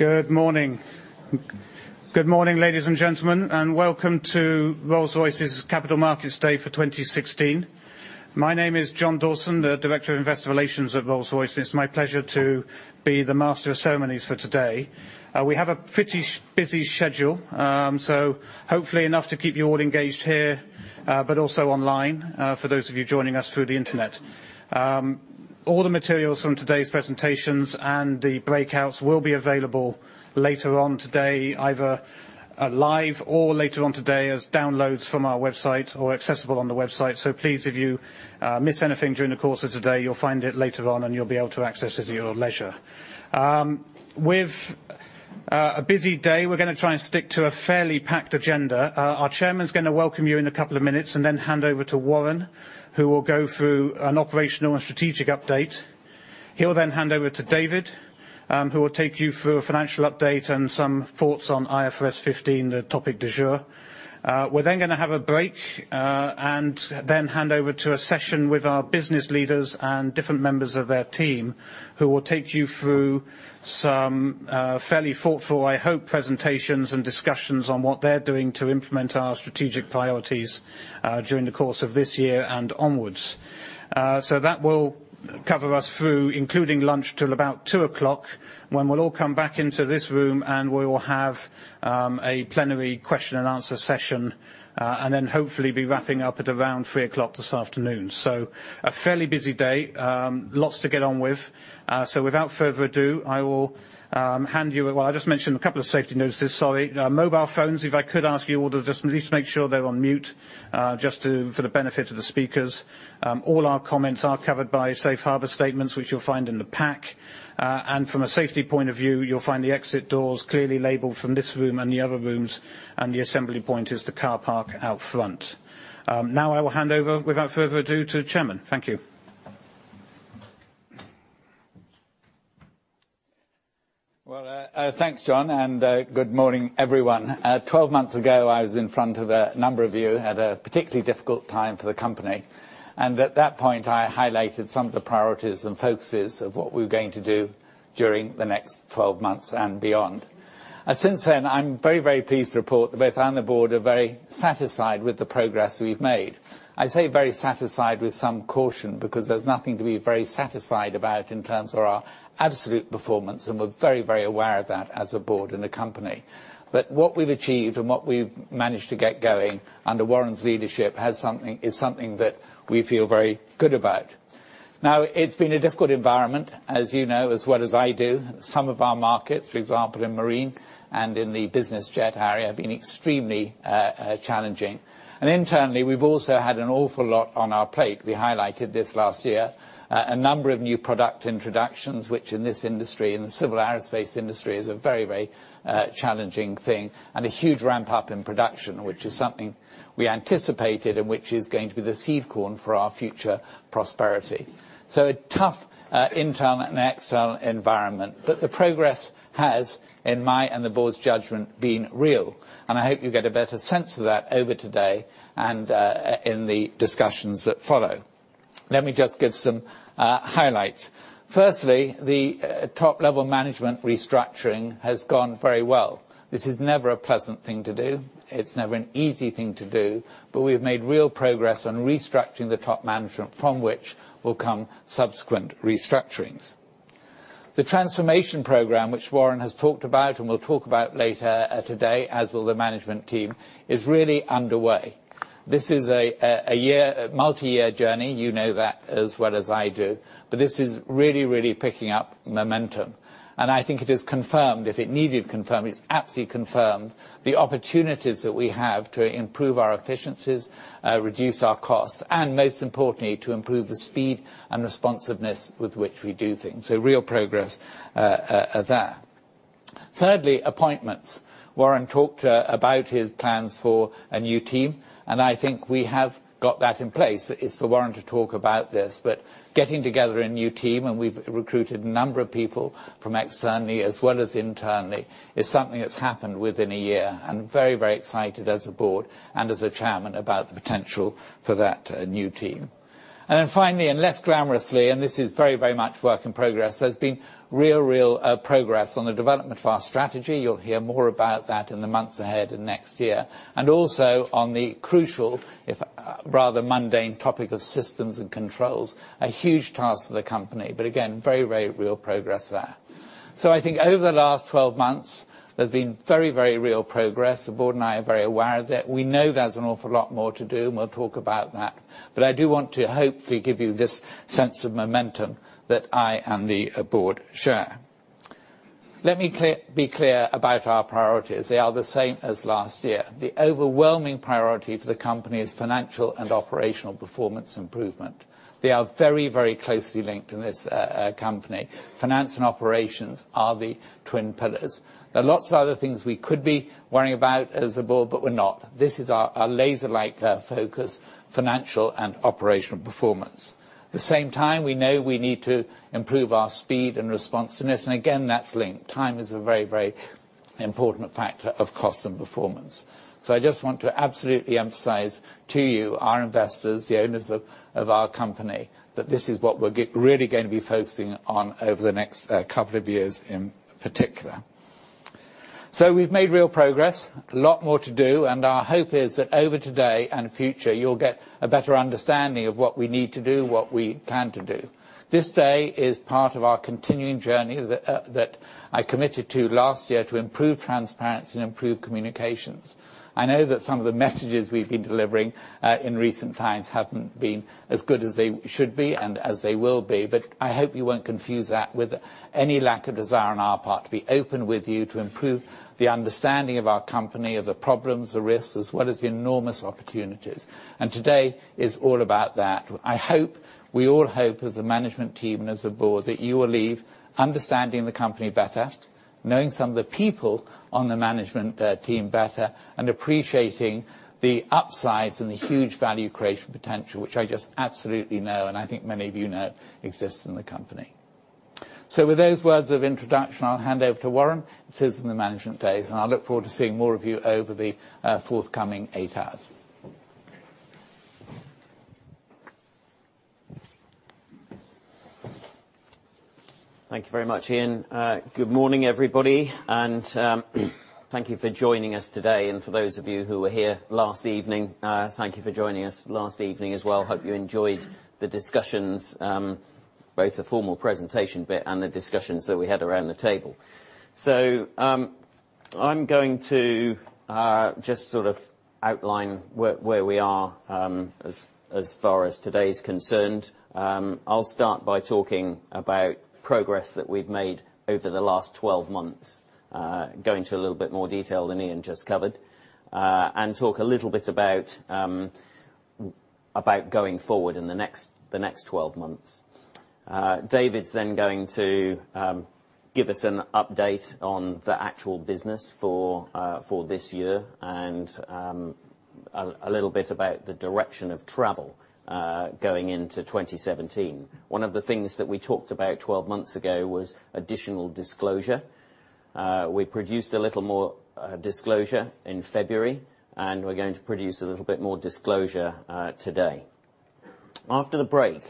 Good morning. Good morning, ladies and gentlemen, and welcome to Rolls-Royce's Capital Markets Day for 2016. My name is John Dawson, the Director of Investor Relations at Rolls-Royce, and it's my pleasure to be the master of ceremonies for today. We have a pretty busy schedule, hopefully enough to keep you all engaged here, but also online for those of you joining us through the internet. All the materials from today's presentations and the breakouts will be available later on today, either live or later on today as downloads from our website or accessible on the website. Please, if you miss anything during the course of today, you'll find it later on and you'll be able to access it at your leisure. With a busy day, we're going to try and stick to a fairly packed agenda. Our chairman's going to welcome you in a couple of minutes and then hand over to Warren, who will go through an operational and strategic update. He'll then hand over to David, who will take you through a financial update and some thoughts on IFRS 15, the topic du jour. We're then going to have a break, hand over to a session with our business leaders and different members of their team, who will take you through some fairly thoughtful, I hope, presentations and discussions on what they're doing to implement our strategic priorities during the course of this year and onwards. That will cover us through, including lunch, till about 2:00, when we'll all come back into this room and we will have a plenary question and answer session, then hopefully be wrapping up at around 3:00 this afternoon. A fairly busy day. Lots to get on with. Without further ado, I will just mention a couple of safety notices, sorry. Mobile phones, if I could ask you all to just at least make sure they're on mute, just for the benefit of the speakers. All our comments are covered by safe harbor statements, which you'll find in the pack. From a safety point of view, you'll find the exit doors clearly labeled from this room and the other rooms, and the assembly point is the car park out front. Now I will hand over, without further ado, to the chairman. Thank you. Thanks John, good morning, everyone. 12 months ago, I was in front of a number of you at a particularly difficult time for the company, and at that point, I highlighted some of the priorities and focuses of what we were going to do during the next 12 months and beyond. Since then, I'm very pleased to report that both I and the board are very satisfied with the progress we've made. I say very satisfied with some caution, because there's nothing to be very satisfied about in terms of our absolute performance, and we're very aware of that as a board and a company. What we've achieved and what we've managed to get going under Warren's leadership is something that we feel very good about. It's been a difficult environment, as you know, as well as I do. Some of our markets, for example, in marine and in the business jet area, have been extremely challenging. Internally, we've also had an awful lot on our plate. We highlighted this last year. A number of new product introductions, which in this industry, in the civil aerospace industry, is a very challenging thing. A huge ramp-up in production, which is something we anticipated and which is going to be the seed corn for our future prosperity. A tough internal and external environment. The progress has, in my and the board's judgment, been real, and I hope you get a better sense of that over today and in the discussions that follow. Let me just give some highlights. Firstly, the top-level management restructuring has gone very well. This is never a pleasant thing to do. It's never an easy thing to do. We've made real progress on restructuring the top management, from which will come subsequent restructurings. The transformation program, which Warren has talked about and will talk about later today, as will the management team, is really underway. This is a multi-year journey. You know that as well as I do. This is really picking up momentum, and I think it is confirmed, if it needed confirming, it's absolutely confirmed, the opportunities that we have to improve our efficiencies, reduce our costs, and most importantly, to improve the speed and responsiveness with which we do things. Real progress there. Thirdly, appointments. Warren talked about his plans for a new team, and I think we have got that in place. It's for Warren to talk about this. Getting together a new team, and we've recruited a number of people from externally as well as internally, is something that's happened within a year. Very excited as a board and as a chairman about the potential for that new team. Then finally, and less glamorously, and this is very much work in progress, there's been real progress on the development of our strategy. You'll hear more about that in the months ahead and next year. Also on the crucial, if rather mundane, topic of systems and controls. A huge task for the company, but again, very real progress there. I think over the last 12 months, there's been very real progress. The board and I are very aware of it. We know there's an awful lot more to do, and we'll talk about that. I do want to hopefully give you this sense of momentum that I and the board share. Let me be clear about our priorities. They are the same as last year. The overwhelming priority for the company is financial and operational performance improvement. They are very closely linked in this company. Finance and operations are the twin pillars. There are lots of other things we could be worrying about as a board, but we're not. This is our laser-like focus, financial and operational performance. At the same time, we know we need to improve our speed and responsiveness, and again, that's linked. Time is a very important factor of cost and performance. I just want to absolutely emphasize to you, our investors, the owners of our company, that this is what we're really going to be focusing on over the next couple of years in particular. We've made real progress. A lot more to do. Our hope is that over today and future, you'll get a better understanding of what we need to do, what we plan to do. This day is part of our continuing journey that I committed to last year to improve transparency and improve communications. I know that some of the messages we've been delivering in recent times haven't been as good as they should be, as they will be. I hope you won't confuse that with any lack of desire on our part to be open with you, to improve the understanding of our company, of the problems, the risks, as well as the enormous opportunities. Today is all about that. I hope, we all hope as a management team and as a board, that you will leave understanding the company better, knowing some of the people on the management team better, appreciating the upsides and the huge value creation potential, which I just absolutely know. I think many of you know exists in the company. With those words of introduction, I'll hand over to Warren. It's his and the management day. I look forward to seeing more of you over the forthcoming 8 hours. Thank you very much, Ian. Good morning, everybody. Thank you for joining us today. For those of you who were here last evening, thank you for joining us last evening as well. Hope you enjoyed the discussions, both the formal presentation bit and the discussions that we had around the table. I'm going to just sort of outline where we are, as far as today is concerned. I'll start by talking about progress that we've made over the last 12 months. Go into a little bit more detail than Ian just covered. Talk a little bit about going forward in the next 12 months. David's going to give us an update on the actual business for this year, a little bit about the direction of travel going into 2017. One of the things that we talked about 12 months ago was additional disclosure. We produced a little more disclosure in February. We're going to produce a little bit more disclosure today. After the break,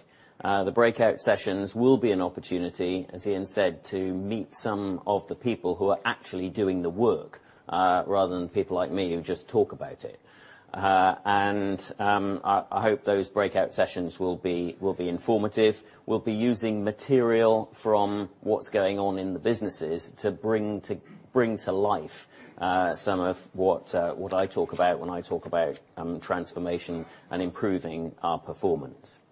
the breakout sessions will be an opportunity, as Ian said, to meet some of the people who are actually doing the work, rather than people like me who just talk about it. I hope those breakout sessions will be informative. We'll be using material from what's going on in the businesses to bring to life some of what I talk about when I talk about transformation and improving our performance.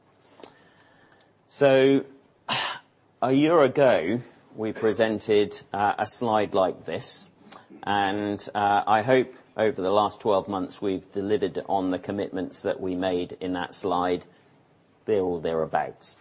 A year ago, we presented a slide like this. I hope over the last 12 months we've delivered on the commitments that we made in that slide, or thereabouts.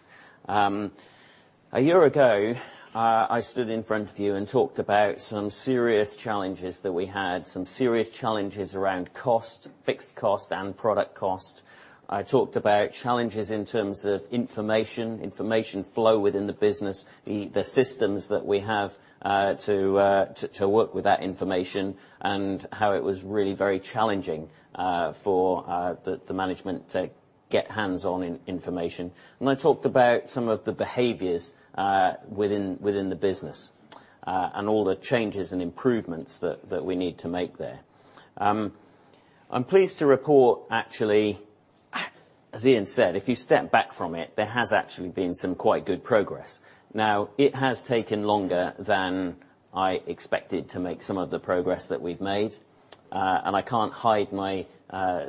A year ago, I stood in front of you and talked about some serious challenges that we had, some serious challenges around cost, fixed cost and product cost. I talked about challenges in terms of information flow within the business, the systems that we have to work with that information, and how it was really very challenging for the management to get hands-on information. I talked about some of the behaviors within the business. All the changes and improvements that we need to make there. I'm pleased to report, actually, as Ian said, if you step back from it, there has actually been some quite good progress. It has taken longer than I expected to make some of the progress that we've made. I can't hide my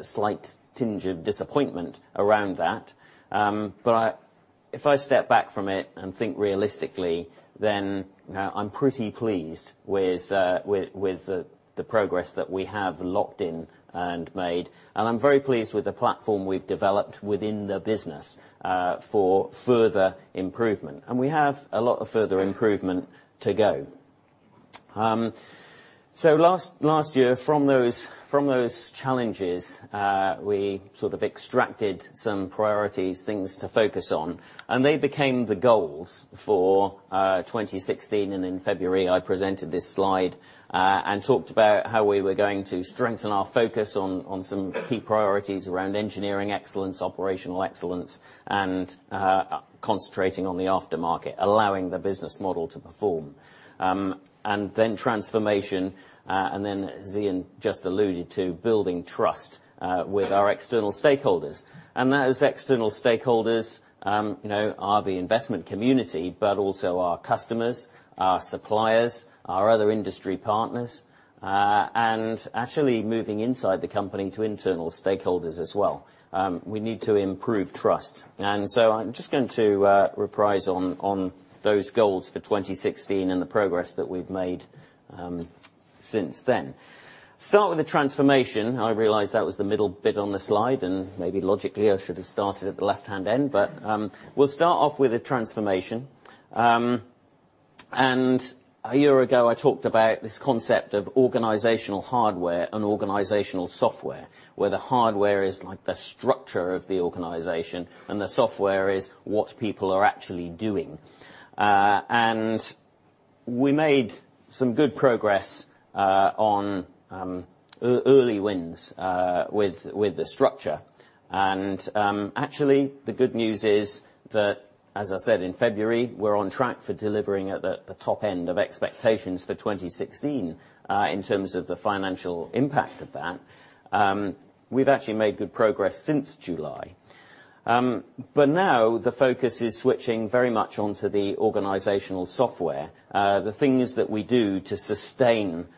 slight tinge of disappointment around that. If I step back from it and think realistically, then I'm pretty pleased with the progress that we have locked in and made, and I'm very pleased with the platform we've developed within the business for further improvement. We have a lot of further improvement to go. Last year, from those challenges, we sort of extracted some priorities, things to focus on, and they became the goals for 2016. In February, I presented this slide, and talked about how we were going to strengthen our focus on some key priorities around engineering excellence, operational excellence, and concentrating on the aftermarket, allowing the business model to perform. Then transformation, then as Ian just alluded to, building trust with our external stakeholders. Those external stakeholders are the investment community, also our customers, our suppliers, our other industry partners, actually moving inside the company to internal stakeholders as well. We need to improve trust. I'm just going to reprise on those goals for 2016 and the progress that we've made since then. Start with the transformation. I realize that was the middle bit on the slide, maybe logically, I should have started at the left-hand end, we'll start off with the transformation. A year ago, I talked about this concept of organizational hardware and organizational software, where the hardware is like the structure of the organization and the software is what people are actually doing. We made some good progress on early wins with the structure. Actually, the good news is that, as I said in February, we're on track for delivering at the top end of expectations for 2016, in terms of the financial impact of that. We've actually made good progress since July. Now the focus is switching very much onto the organizational software, the things that we do to sustain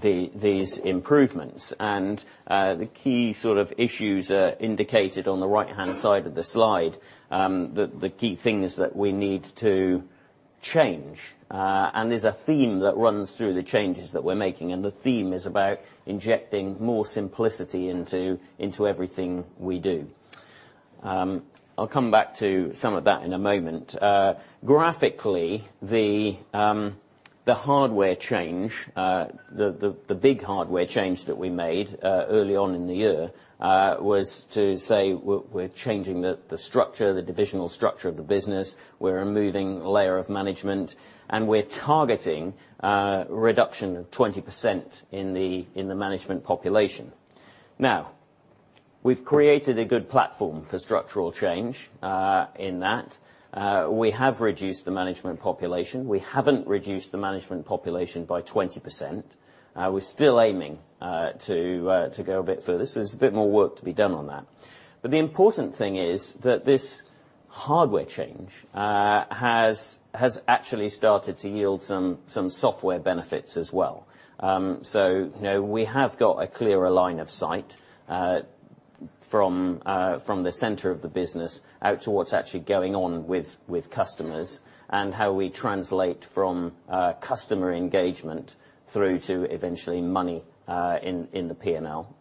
these improvements. The key sort of issues are indicated on the right-hand side of the slide, the key things that we need to change. There's a theme that runs through the changes that we're making, the theme is about injecting more simplicity into everything we do. I'll come back to some of that in a moment. Graphically, the big hardware change that we made early on in the year was to say we're changing the structure, the divisional structure of the business. We're removing a layer of management, we're targeting a reduction of 20% in the management population. We've created a good platform for structural change in that we have reduced the management population. We haven't reduced the management population by 20%. We're still aiming to go a bit further, there's a bit more work to be done on that. The important thing is that this hardware change has actually started to yield some software benefits as well. We have got a clearer line of sight from the center of the business out to what's actually going on with customers and how we translate from customer engagement through to eventually money in the P&L.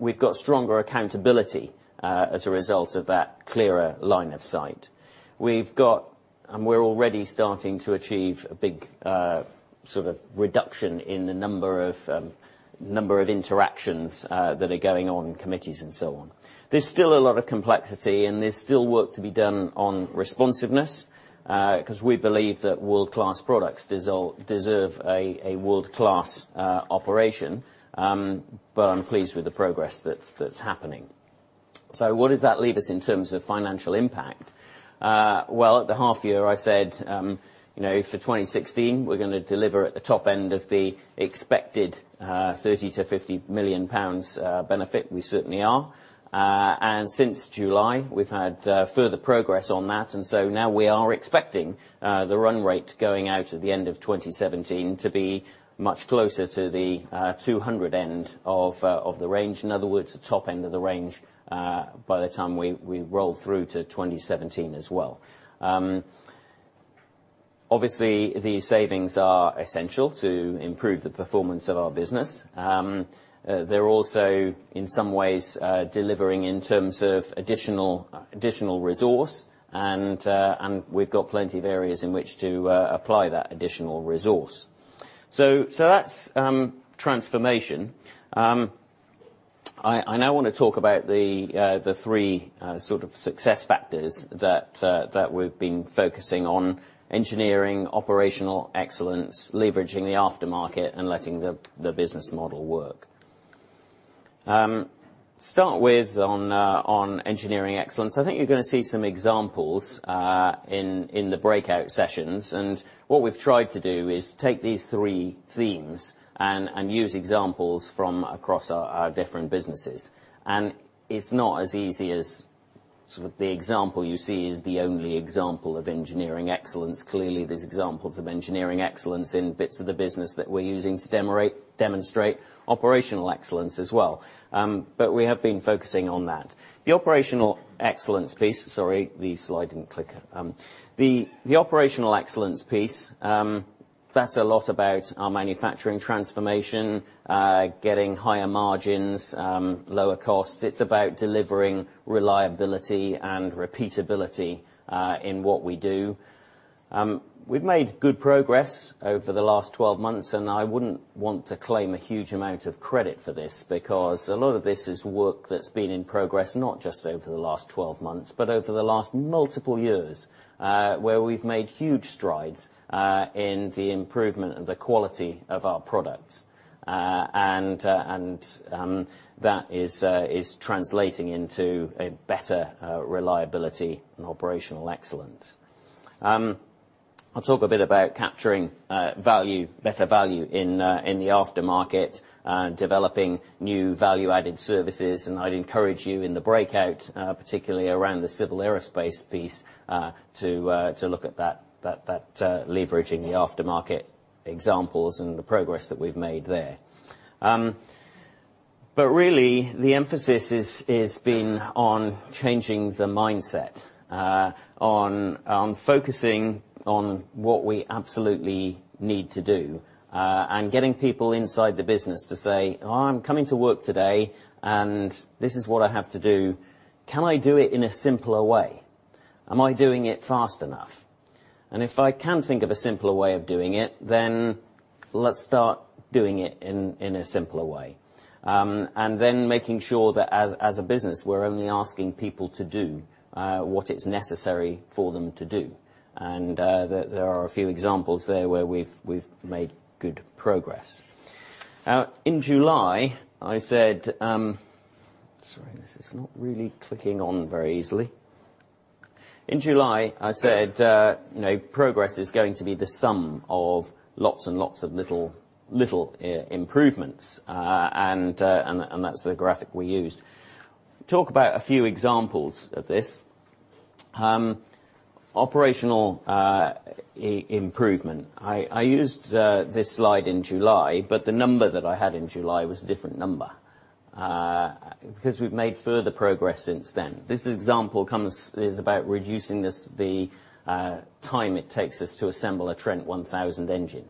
We've got stronger accountability as a result of that clearer line of sight. We're already starting to achieve a big sort of reduction in the number of interactions that are going on committees and so on. There's still a lot of complexity, there's still work to be done on responsiveness because we believe that world-class products deserve a world-class operation. I'm pleased with the progress that's happening. What does that leave us in terms of financial impact? At the half year, I said for 2016, we're going to deliver at the top end of the expected 30 million-50 million pounds benefit. We certainly are. Since July, we've had further progress on that, now we are expecting the run rate going out at the end of 2017 to be much closer to the 200 million end of the range. In other words, the top end of the range by the time we roll through to 2017 as well. Obviously, the savings are essential to improve the performance of our business. They're also, in some ways, delivering in terms of additional resource, we've got plenty of areas in which to apply that additional resource. That's transformation. I now want to talk about the 3 sort of success factors that we've been focusing on, engineering operational excellence, leveraging the aftermarket, letting the business model work. Start with on engineering excellence, I think you're going to see some examples in the breakout sessions. What we've tried to do is take these 3 themes and use examples from across our different businesses. It's not as easy as sort of the example you see is the only example of engineering excellence. Clearly, there's examples of engineering excellence in bits of the business that we're using to demonstrate operational excellence as well. We have been focusing on that. The operational excellence piece, that's a lot about our manufacturing transformation, getting higher margins, lower costs. It's about delivering reliability and repeatability in what we do. We've made good progress over the last 12 months, I wouldn't want to claim a huge amount of credit for this because a lot of this is work that's been in progress, not just over the last 12 months, but over the last multiple years, where we've made huge strides in the improvement of the quality of our products. That is translating into a better reliability and operational excellence. I'll talk a bit about capturing better value in the aftermarket, developing new value-added services. I'd encourage you in the breakout, particularly around the Civil Aerospace piece, to look at that, leveraging the aftermarket examples and the progress that we've made there. Really, the emphasis has been on changing the mindset, on focusing on what we absolutely need to do and getting people inside the business to say, "I'm coming to work today, and this is what I have to do. Can I do it in a simpler way? Am I doing it fast enough? If I can think of a simpler way of doing it, let's start doing it in a simpler way." Making sure that as a business, we're only asking people to do what is necessary for them to do. There are a few examples there where we've made good progress. In July, I said progress is going to be the sum of lots and lots of little improvements. That's the graphic we used. I'll talk about a few examples of this. Operational improvement. I used this slide in July, but the number that I had in July was a different number, because we've made further progress since then. This example is about reducing the time it takes us to assemble a Trent 1000 engine.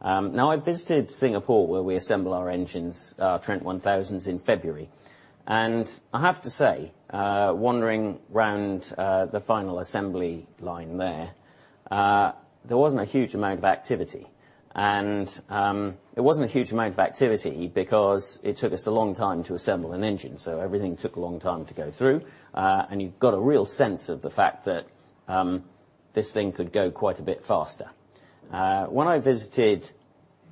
I visited Singapore, where we assemble our engines, our Trent 1000s, in February. I have to say, wandering around the final assembly line there wasn't a huge amount of activity. It wasn't a huge amount of activity because it took us a long time to assemble an engine, so everything took a long time to go through. You got a real sense of the fact that this thing could go quite a bit faster. When I visited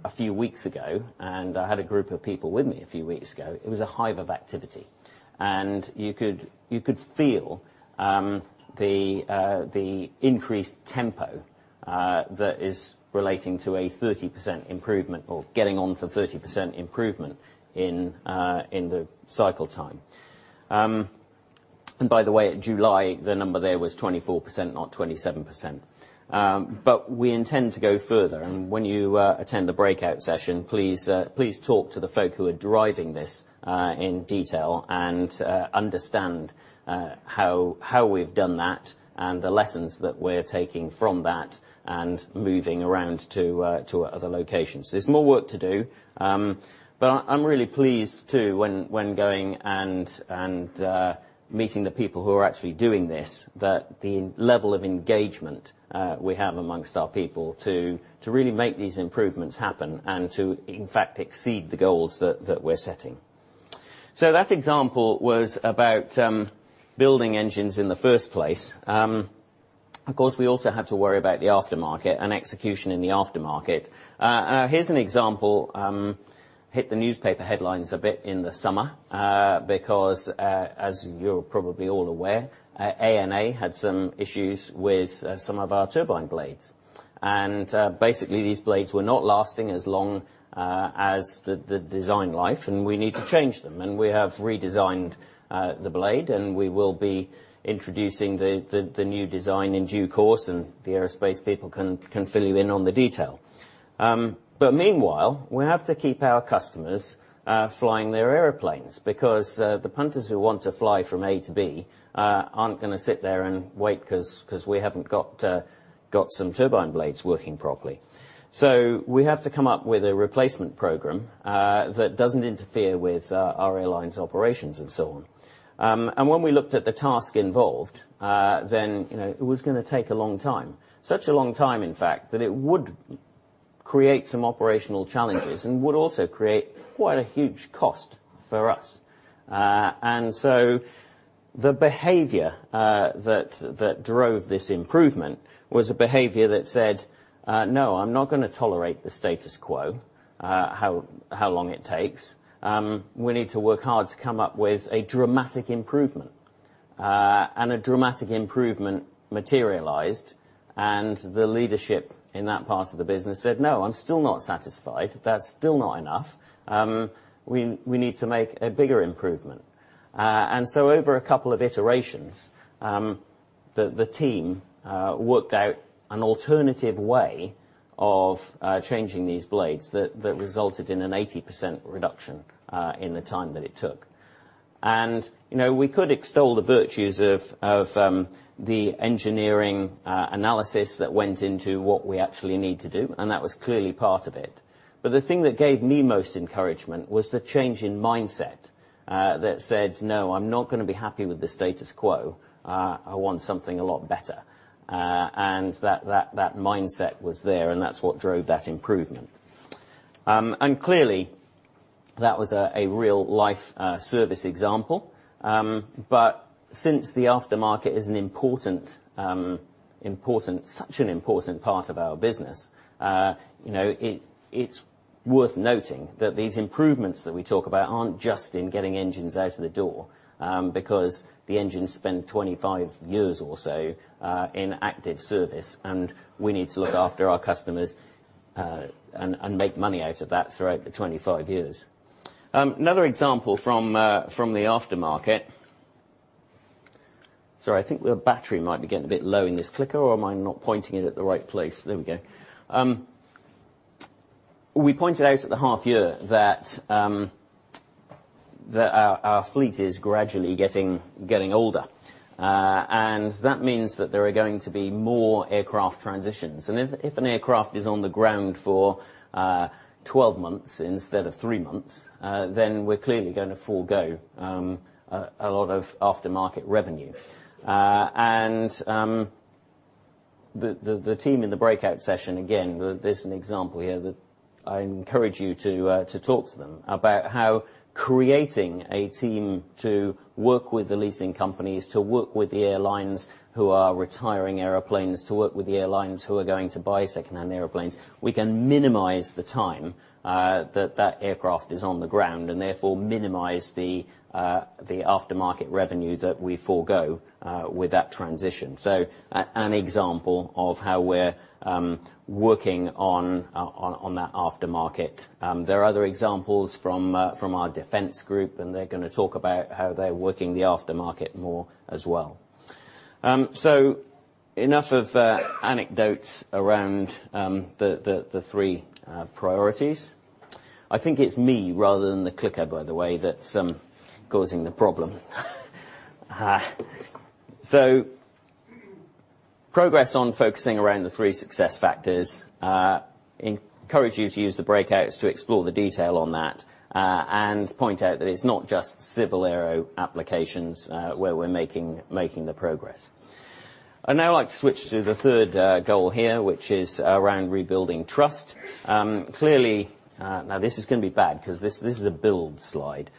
a few weeks ago, I had a group of people with me a few weeks ago, it was a hive of activity. You could feel the increased tempo that is relating to a 30% improvement or getting on for 30% improvement in the cycle time. By the way, at July, the number there was 24%, not 27%. We intend to go further, and when you attend the breakout session, please talk to the folk who are driving this in detail and understand how we've done that and the lessons that we're taking from that and moving around to other locations. There's more work to do. I'm really pleased, too, when going and meeting the people who are actually doing this, that the level of engagement we have amongst our people to really make these improvements happen and to in fact exceed the goals that we're setting. That example was about building engines in the first place. Of course, we also have to worry about the aftermarket and execution in the aftermarket. Here's an example, hit the newspaper headlines a bit in the summer, because, as you're probably all aware, ANA had some issues with some of our turbine blades. Basically, these blades were not lasting as long as the design life, and we need to change them. We have redesigned the blade, and we will be introducing the new design in due course, and the aerospace people can fill you in on the detail. Meanwhile, we have to keep our customers flying their airplanes because the punters who want to fly from A to B aren't going to sit there and wait because we haven't got some turbine blades working properly. We have to come up with a replacement program that doesn't interfere with our airlines' operations and so on. When we looked at the task involved, then it was going to take a long time. Such a long time, in fact, that it would create some operational challenges and would also create quite a huge cost for us. The behavior that drove this improvement was a behavior that said, "No, I'm not going to tolerate the status quo, how long it takes. We need to work hard to come up with a dramatic improvement." A dramatic improvement materialized, and the leadership in that part of the business said, "No, I'm still not satisfied. That's still not enough. We need to make a bigger improvement." Over a couple of iterations, the team worked out an alternative way of changing these blades that resulted in an 80% reduction in the time that it took. We could extol the virtues of the engineering analysis that went into what we actually need to do, and that was clearly part of it. The thing that gave me most encouragement was the change in mindset that said, "No, I'm not going to be happy with the status quo. I want something a lot better." That mindset was there, and that's what drove that improvement. Clearly, that was a real-life service example. Since the aftermarket is such an important part of our business, it's worth noting that these improvements that we talk about aren't just in getting engines out of the door because the engines spend 25 years or so in active service. We need to look after our customers, and make money out of that throughout the 25 years. Another example from the aftermarket. Sorry, I think the battery might be getting a bit low in this clicker, or am I not pointing it at the right place? There we go. We pointed out at the half year that our fleet is gradually getting older. That means that there are going to be more aircraft transitions. If an aircraft is on the ground for 12 months instead of 3 months, then we're clearly going to forgo a lot of aftermarket revenue. The team in the breakout session, again, there's an example here that I encourage you to talk to them about how creating a team to work with the leasing companies, to work with the airlines who are retiring airplanes, to work with the airlines who are going to buy secondhand airplanes. We can minimize the time that that aircraft is on the ground, and therefore minimize the aftermarket revenue that we forego with that transition. That's an example of how we're working on that aftermarket. There are other examples from our Defence group, they're going to talk about how they're working the aftermarket more as well. Enough of anecdotes around the three priorities. I think it's me rather than the clicker, by the way, that's causing the problem. Progress on focusing around the three success factors, encourage you to use the breakouts to explore the detail on that, point out that it's not just Civil Aero applications, where we're making the progress. I'd now like to switch to the third goal here, which is around rebuilding trust. This is going to be bad because this is a build slide.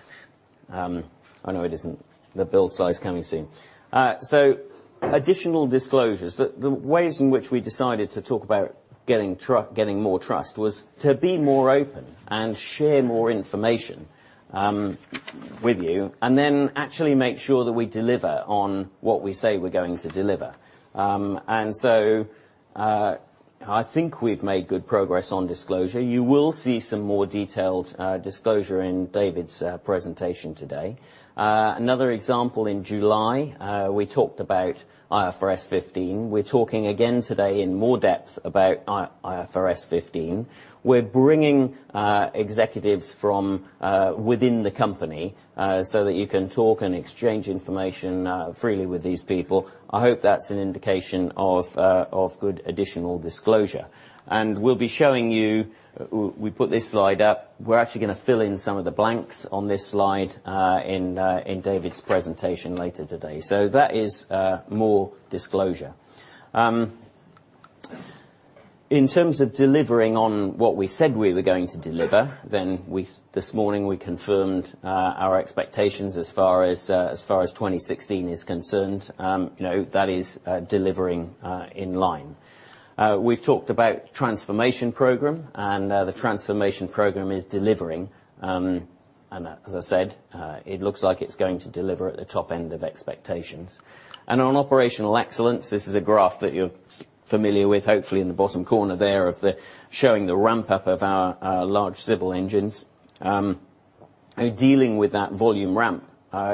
Oh, no it isn't. The build slide is coming soon. Additional disclosures. The ways in which we decided to talk about getting more trust was to be more open and share more information with you, actually make sure that we deliver on what we say we're going to deliver. I think we've made good progress on disclosure. You will see some more detailed disclosure in David's presentation today. Another example, in July, we talked about IFRS 15. We're talking again today in more depth about IFRS 15. We're bringing executives from within the company, that you can talk and exchange information freely with these people. I hope that's an indication of good additional disclosure. We'll be showing you, we put this slide up. We're actually going to fill in some of the blanks on this slide in David's presentation later today. That is more disclosure. In terms of delivering on what we said we were going to deliver, this morning we confirmed our expectations as far as 2016 is concerned. That is delivering in line. We've talked about transformation program, the transformation program is delivering. As I said, it looks like it's going to deliver at the top end of expectations. On operational excellence, this is a graph that you're familiar with, hopefully, in the bottom corner there, showing the ramp-up of our large civil engines. Dealing with that volume ramp,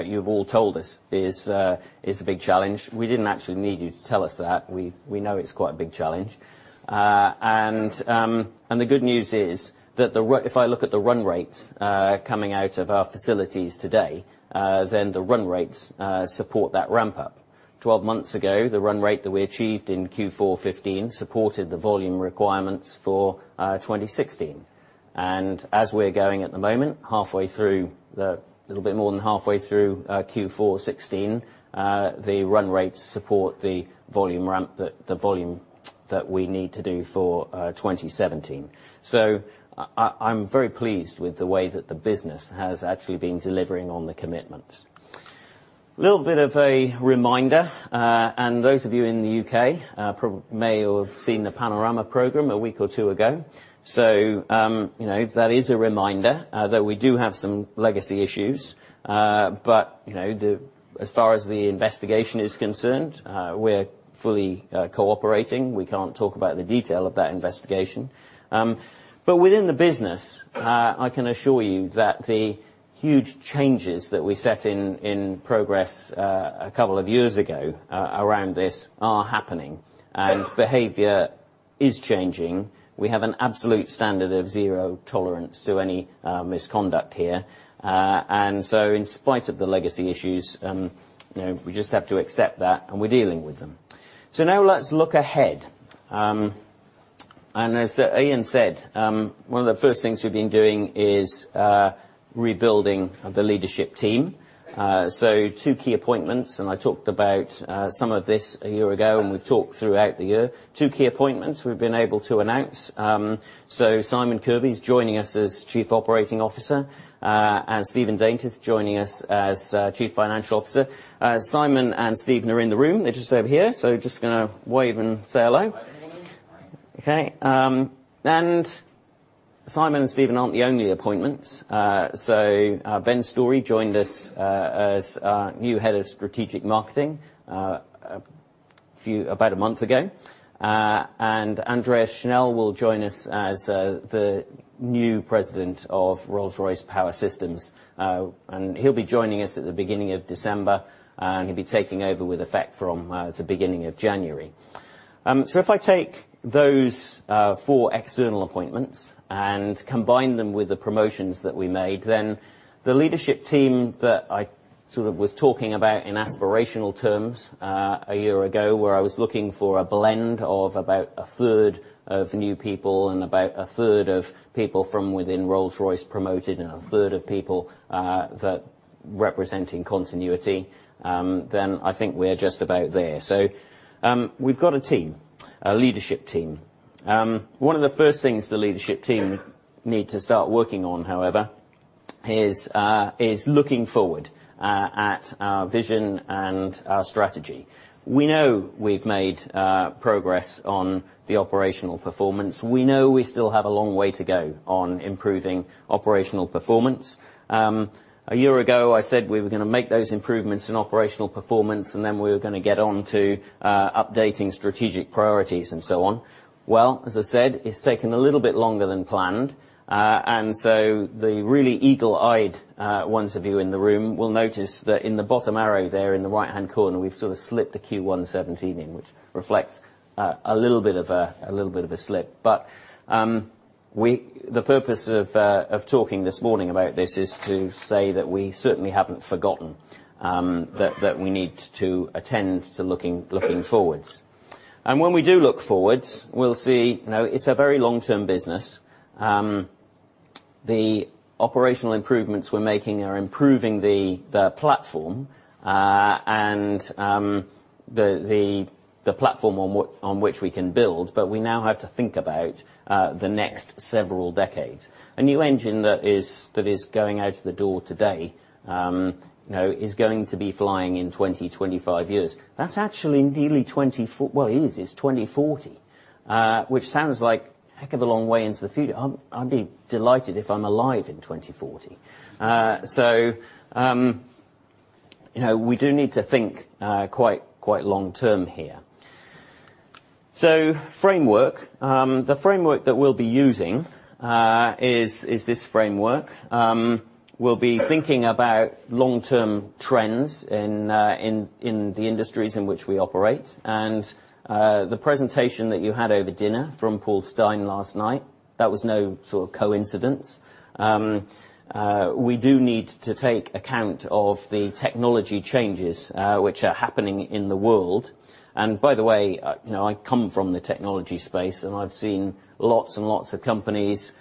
you've all told us, is a big challenge. We didn't actually need you to tell us that. We know it's quite a big challenge. The good news is that if I look at the run rates coming out of our facilities today, the run rates support that ramp-up. 12 months ago, the run rate that we achieved in Q4 2015 supported the volume requirements for 2016. As we're going at the moment, a little bit more than halfway through Q4 2016, the run rates support the volume ramp that we need to do for 2017. I'm very pleased with the way that the business has actually been delivering on the commitments. Little bit of a reminder, those of you in the U.K. may have seen the Panorama programme a week or two ago. That is a reminder that we do have some legacy issues. As far as the investigation is concerned, we're fully cooperating. We can't talk about the detail of that investigation. Within the business, I can assure you that the huge changes that we set in progress a couple of years ago around this are happening and behavior is changing. We have an absolute standard of zero tolerance to any misconduct here. In spite of the legacy issues, we just have to accept that and we're dealing with them. Now let's look ahead. As Ian said, one of the first things we've been doing is rebuilding the leadership team. Two key appointments, and I talked about some of this a year ago, and we've talked throughout the year. Two key appointments we've been able to announce. Simon Kirby's joining us as Chief Operating Officer, and Stephen Daintith joining us as Chief Financial Officer. Simon and Stephen are in the room. They're just over here. Just going to wave and say hello. Hi, everyone. Simon and Stephen aren't the only appointments. Ben Story joined us as new head of strategic marketing about a month ago. Andreas Schell will join us as the new President of Rolls-Royce Power Systems. He'll be joining us at the beginning of December, and he'll be taking over with effect from the beginning of January. If I take those four external appointments and combine them with the promotions that we made, the leadership team that I was talking about in aspirational terms a year ago, where I was looking for a blend of about a third of new people and about a third of people from within Rolls-Royce promoted, and a third of people that representing continuity, I think we're just about there. We've got a team, a leadership team. One of the first things the leadership team need to start working on, however, is looking forward at our vision and our strategy. We know we've made progress on the operational performance. We know we still have a long way to go on improving operational performance. A year ago, I said we were going to make those improvements in operational performance, we were going to get on to updating strategic priorities and so on. As I said, it's taken a little bit longer than planned. The really eagle-eyed ones of you in the room will notice that in the bottom arrow there in the right-hand corner, we've sort of slipped the Q1 '17 in, which reflects a little bit of a slip. The purpose of talking this morning about this is to say that we certainly haven't forgotten that we need to attend to looking forwards. When we do look forwards, we'll see it's a very long-term business. The operational improvements we're making are improving the platform and the platform on which we can build. We now have to think about the next several decades. A new engine that is going out of the door today is going to be flying in 20, 25 years. That's actually. Well, it is. It's 2040, which sounds like a heck of a long way into the future. I'll be delighted if I'm alive in 2040. We do need to think quite long term here. Framework. The framework that we'll be using is this framework. We'll be thinking about long-term trends in the industries in which we operate. The presentation that you had over dinner from Paul Stein last night, that was no sort of coincidence. We do need to take account of the technology changes which are happening in the world. By the way, I come from the technology space, and I've seen lots and lots of companies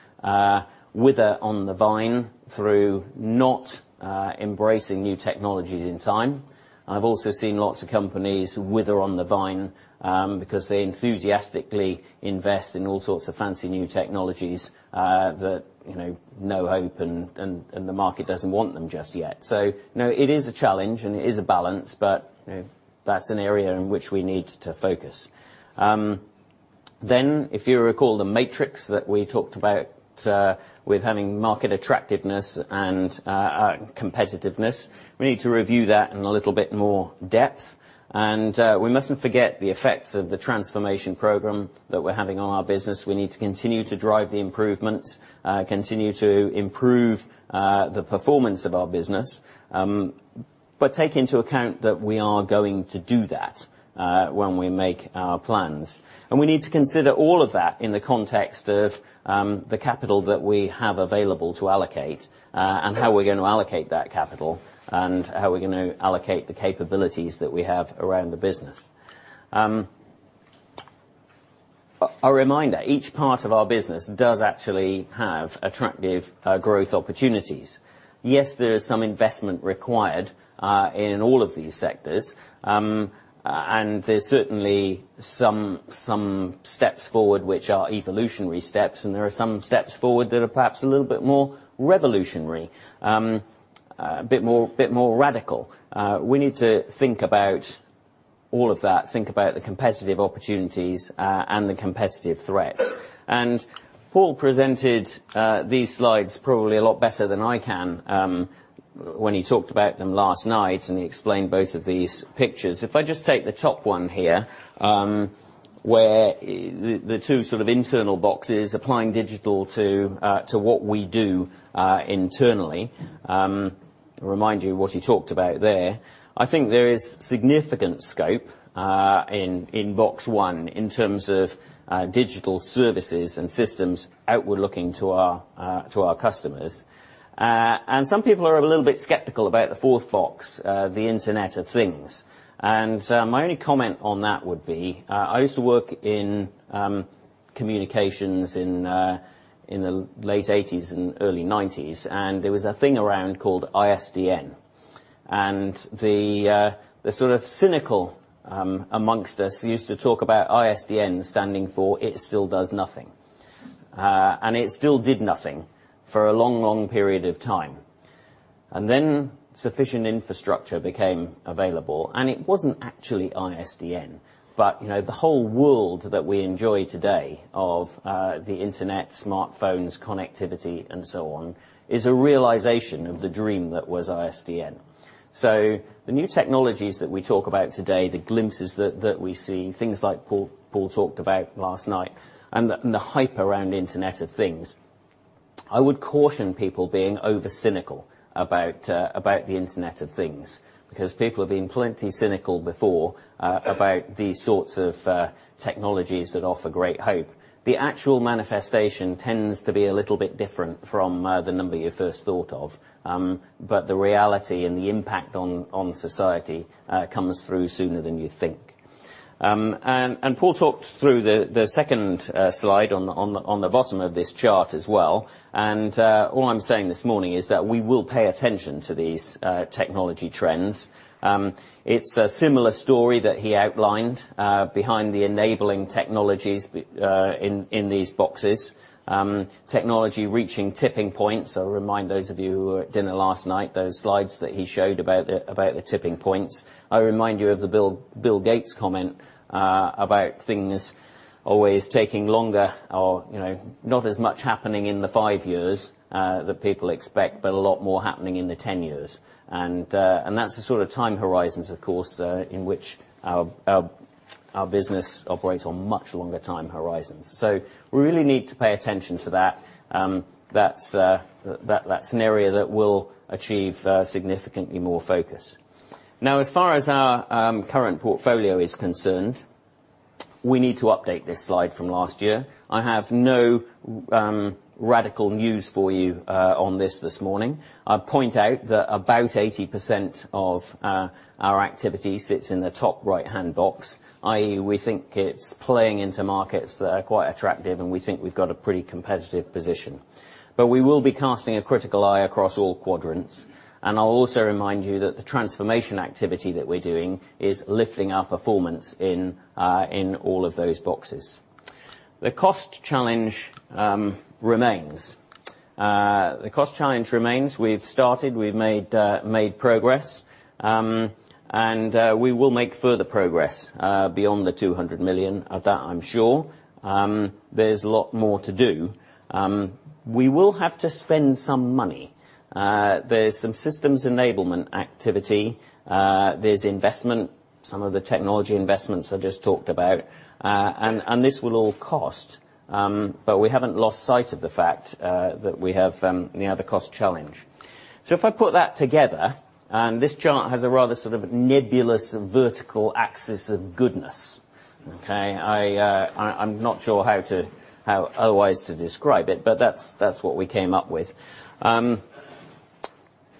wither on the vine through not embracing new technologies in time. I've also seen lots of companies wither on the vine because they enthusiastically invest in all sorts of fancy new technologies that no hope and the market doesn't want them just yet. It is a challenge, and it is a balance, but that's an area in which we need to focus. If you recall the matrix that we talked about with having market attractiveness and competitiveness, we need to review that in a little bit more depth. We mustn't forget the effects of the transformation program that we're having on our business. We need to continue to drive the improvements, continue to improve the performance of our business, but take into account that we are going to do that when we make our plans. We need to consider all of that in the context of the capital that we have available to allocate, and how we're going to allocate that capital and how we're going to allocate the capabilities that we have around the business. A reminder, each part of our business does actually have attractive growth opportunities. Yes, there is some investment required in all of these sectors. There's certainly some steps forward which are evolutionary steps, and there are some steps forward that are perhaps a little bit more revolutionary, a bit more radical. We need to think about all of that, think about the competitive opportunities and the competitive threats. Paul presented these slides probably a lot better than I can when he talked about them last night, and he explained both of these pictures. If I just take the top one here, where the two sort of internal boxes applying digital to what we do internally. Remind you of what he talked about there. I think there is significant scope in box 1 in terms of digital services and systems outward-looking to our customers. Some people are a little bit skeptical about the fourth box, the Internet of Things. My only comment on that would be, I used to work in communications in the late '80s and early '90s, and there was a thing around called ISDN. The sort of cynical amongst us used to talk about ISDN standing for it still does nothing. It still did nothing for a long, long period of time. Then sufficient infrastructure became available, and it wasn't actually ISDN, but the whole world that we enjoy today of the internet, smartphones, connectivity, and so on, is a realization of the dream that was ISDN. The new technologies that we talk about today, the glimpses that we see, things like Paul talked about last night and the hype around Internet of Things, I would caution people being over-cynical about the Internet of Things because people have been plenty cynical before about these sorts of technologies that offer great hope. The actual manifestation tends to be a little bit different from the number you first thought of. The reality and the impact on society comes through sooner than you think. Paul talked through the second slide on the bottom of this chart as well. All I'm saying this morning is that we will pay attention to these technology trends. It's a similar story that he outlined behind the enabling technologies in these boxes. Technology reaching tipping points. I'll remind those of you who were at dinner last night, those slides that he showed about the tipping points. I remind you of the Bill Gates comment about things always taking longer or not as much happening in the five years that people expect, but a lot more happening in the 10 years. That's the sort of time horizons, of course, in which our business operates on much longer time horizons. We really need to pay attention to that. That's an area that will achieve significantly more focus. As far as our current portfolio is concerned, we need to update this slide from last year. I have no radical news for you on this this morning. I'd point out that about 80% of our activity sits in the top right-hand box, i.e., we think it's playing into markets that are quite attractive, and we think we've got a pretty competitive position. We will be casting a critical eye across all quadrants. I'll also remind you that the transformation activity that we're doing is lifting our performance in all of those boxes. The cost challenge remains. We've started, we've made progress, and we will make further progress beyond the 200 million. Of that, I'm sure. There's a lot more to do. We will have to spend some money. There's some systems enablement activity. There's investment, some of the technology investments I just talked about, this will all cost. We haven't lost sight of the fact that we have the cost challenge. If I put that together, this chart has a rather sort of nebulous vertical axis of goodness, okay? I'm not sure how otherwise to describe it, but that's what we came up with.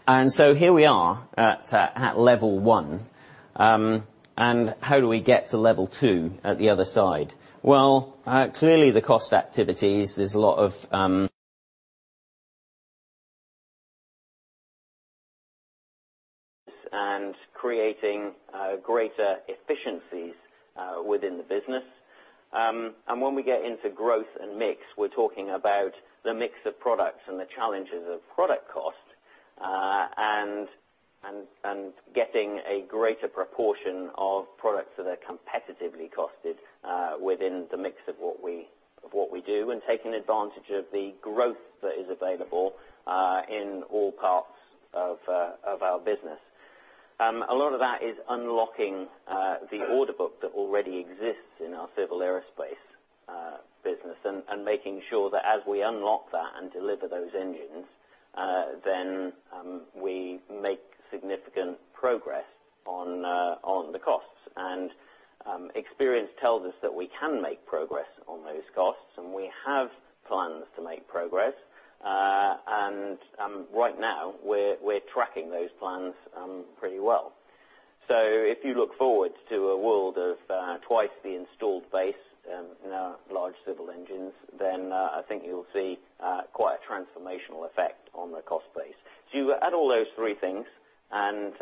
Here we are at level 1. How do we get to level 2 at the other side? Well, clearly the cost activities, there's a lot of creating greater efficiencies within the business. When we get into growth and mix, we're talking about the mix of products and the challenges of product cost, and getting a greater proportion of products that are competitively costed within the mix of what we do and taking advantage of the growth that is available in all parts of our business. A lot of that is unlocking the order book that already exists in our Civil Aerospace business and making sure that as we unlock that and deliver those engines, then we make significant progress on the costs. Experience tells us that we can make progress on those costs, and we have plans to make progress. Right now we're tracking those plans pretty well. If you look forward to a world of twice the installed base in our large civil engines, then I think you'll see quite a transformational effect on the cost base. You add all those three things and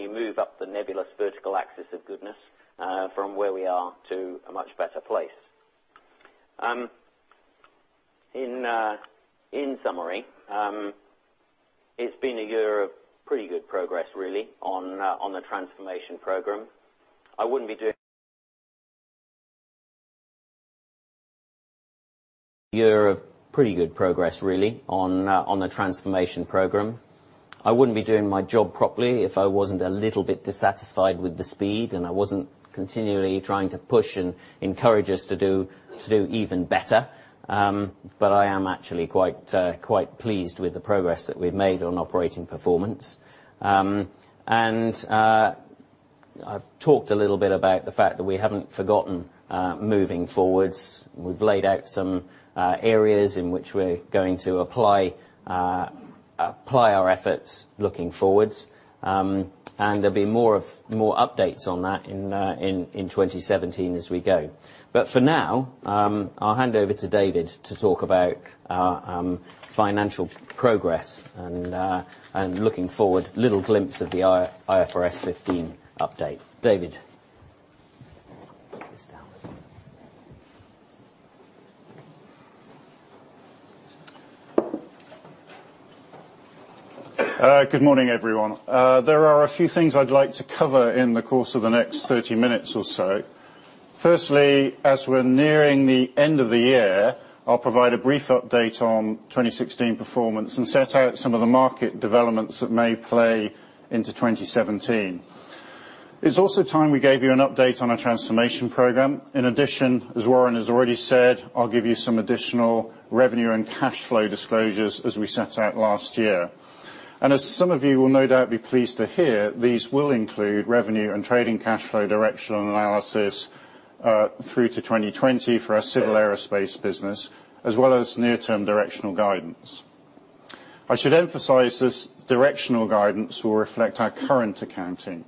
you move up the nebulous vertical axis of goodness from where we are to a much better place. In summary, it's been a year of pretty good progress really on the transformation program. I wouldn't be doing my job properly if I wasn't a little bit dissatisfied with the speed and I wasn't continually trying to push and encourage us to do even better. I am actually quite pleased with the progress that we've made on operating performance. I've talked a little bit about the fact that we haven't forgotten moving forwards. We've laid out some areas in which we're going to apply our efforts looking forwards. There'll be more updates on that in 2017 as we go. For now, I'll hand over to David to talk about our financial progress and looking forward, little glimpse of the IFRS 15 update. David. Put this down. Good morning, everyone. There are a few things I'd like to cover in the course of the next 30 minutes or so. Firstly, as we're nearing the end of the year, I'll provide a brief update on 2016 performance and set out some of the market developments that may play into 2017. It's also time we gave you an update on our transformation program. In addition, as Warren has already said, I'll give you some additional revenue and cash flow disclosures as we set out last year. As some of you will no doubt be pleased to hear, these will include revenue and trading cash flow directional analysis through to 2020 for our Civil Aerospace business, as well as near-term directional guidance. I should emphasize this directional guidance will reflect our current accounting.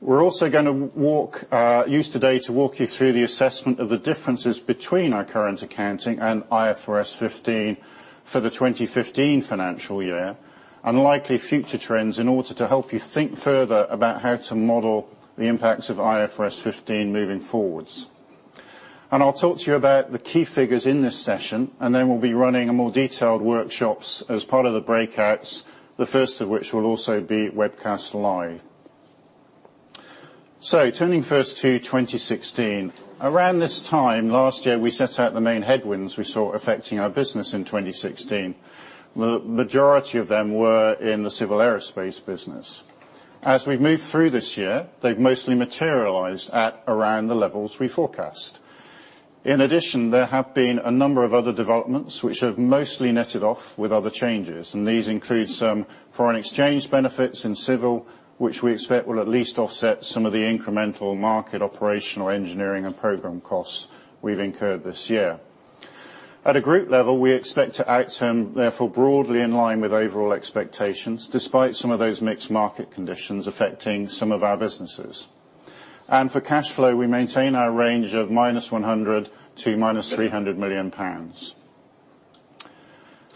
We're also going to use today to walk you through the assessment of the differences between our current accounting and IFRS 15 for the 2015 financial year, and likely future trends in order to help you think further about how to model the impacts of IFRS 15 moving forwards. I'll talk to you about the key figures in this session, and then we'll be running more detailed workshops as part of the breakouts, the first of which will also be webcast live. Turning first to 2016. Around this time last year, we set out the main headwinds we saw affecting our business in 2016. The majority of them were in the Civil Aerospace business. As we've moved through this year, they've mostly materialized at around the levels we forecast. In addition, there have been a number of other developments which have mostly netted off with other changes, and these include some foreign exchange benefits in Civil, which we expect will at least offset some of the incremental market operational engineering and program costs we've incurred this year. At a group level, we expect to act, therefore, broadly in line with overall expectations, despite some of those mixed market conditions affecting some of our businesses. For cash flow, we maintain our range of minus 100 million to minus 300 million pounds.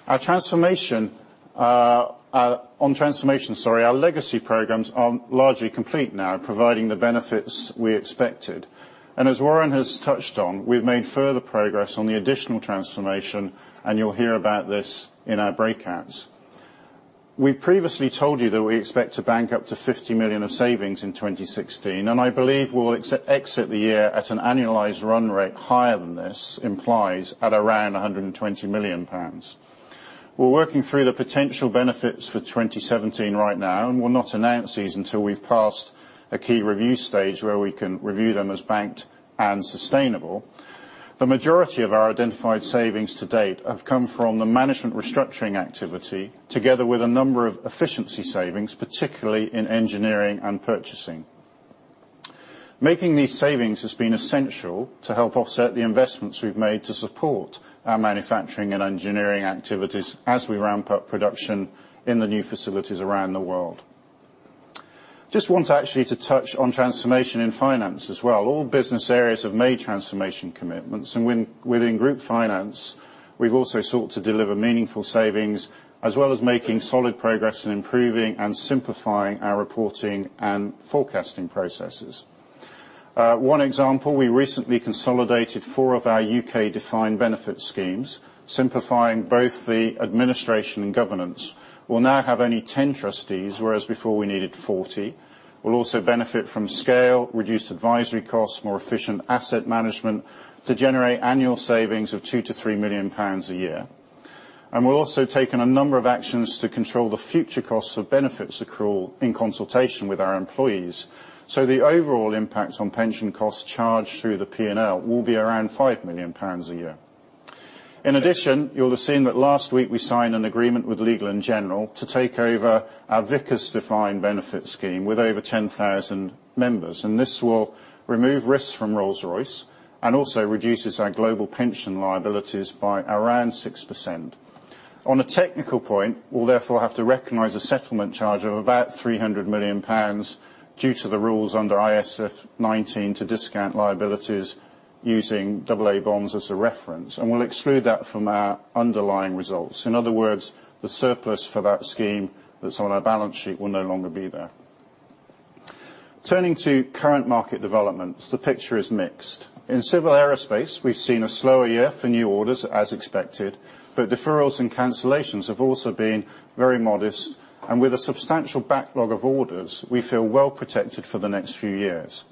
On transformation, our legacy programs are largely complete now, providing the benefits we expected. As Warren has touched on, we've made further progress on the additional transformation, and you'll hear about this in our breakouts. We previously told you that we expect to bank up to 50 million of savings in 2016, and I believe we will exit the year at an annualized run rate higher than this implies, at around 120 million pounds. We're working through the potential benefits for 2017 right now, and we'll not announce these until we've passed a key review stage where we can review them as banked and sustainable. The majority of our identified savings to date have come from the management restructuring activity, together with a number of efficiency savings, particularly in engineering and purchasing. Making these savings has been essential to help offset the investments we've made to support our manufacturing and engineering activities as we ramp up production in the new facilities around the world. Just want to actually touch on transformation in finance as well. All business areas have made transformation commitments. Within group finance, we've also sought to deliver meaningful savings, as well as making solid progress in improving and simplifying our reporting and forecasting processes. One example, we recently consolidated four of our U.K. defined benefit schemes, simplifying both the administration and governance. We'll now have only 10 trustees, whereas before we needed 40. We'll also benefit from scale, reduced advisory costs, more efficient asset management to generate annual savings of 2 million to 3 million pounds a year. We've also taken a number of actions to control the future costs of benefits accrual in consultation with our employees. The overall impact on pension costs charged through the P&L will be around GBP 5 million a year. In addition, you'll have seen that last week we signed an agreement with Legal & General to take over our Vickers defined benefit scheme with over 10,000 members, and this will remove risks from Rolls-Royce and also reduces our global pension liabilities by around 6%. On a technical point, we'll therefore have to recognize a settlement charge of about 300 million pounds due to the rules under IAS 19 to discount liabilities using AA bonds as a reference, and we'll exclude that from our underlying results. In other words, the surplus for that scheme that's on our balance sheet will no longer be there. Turning to current market developments, the picture is mixed. In civil aerospace, we've seen a slower year for new orders, as expected, but deferrals and cancellations have also been very modest, and with a substantial backlog of orders, we feel well protected for the next few years.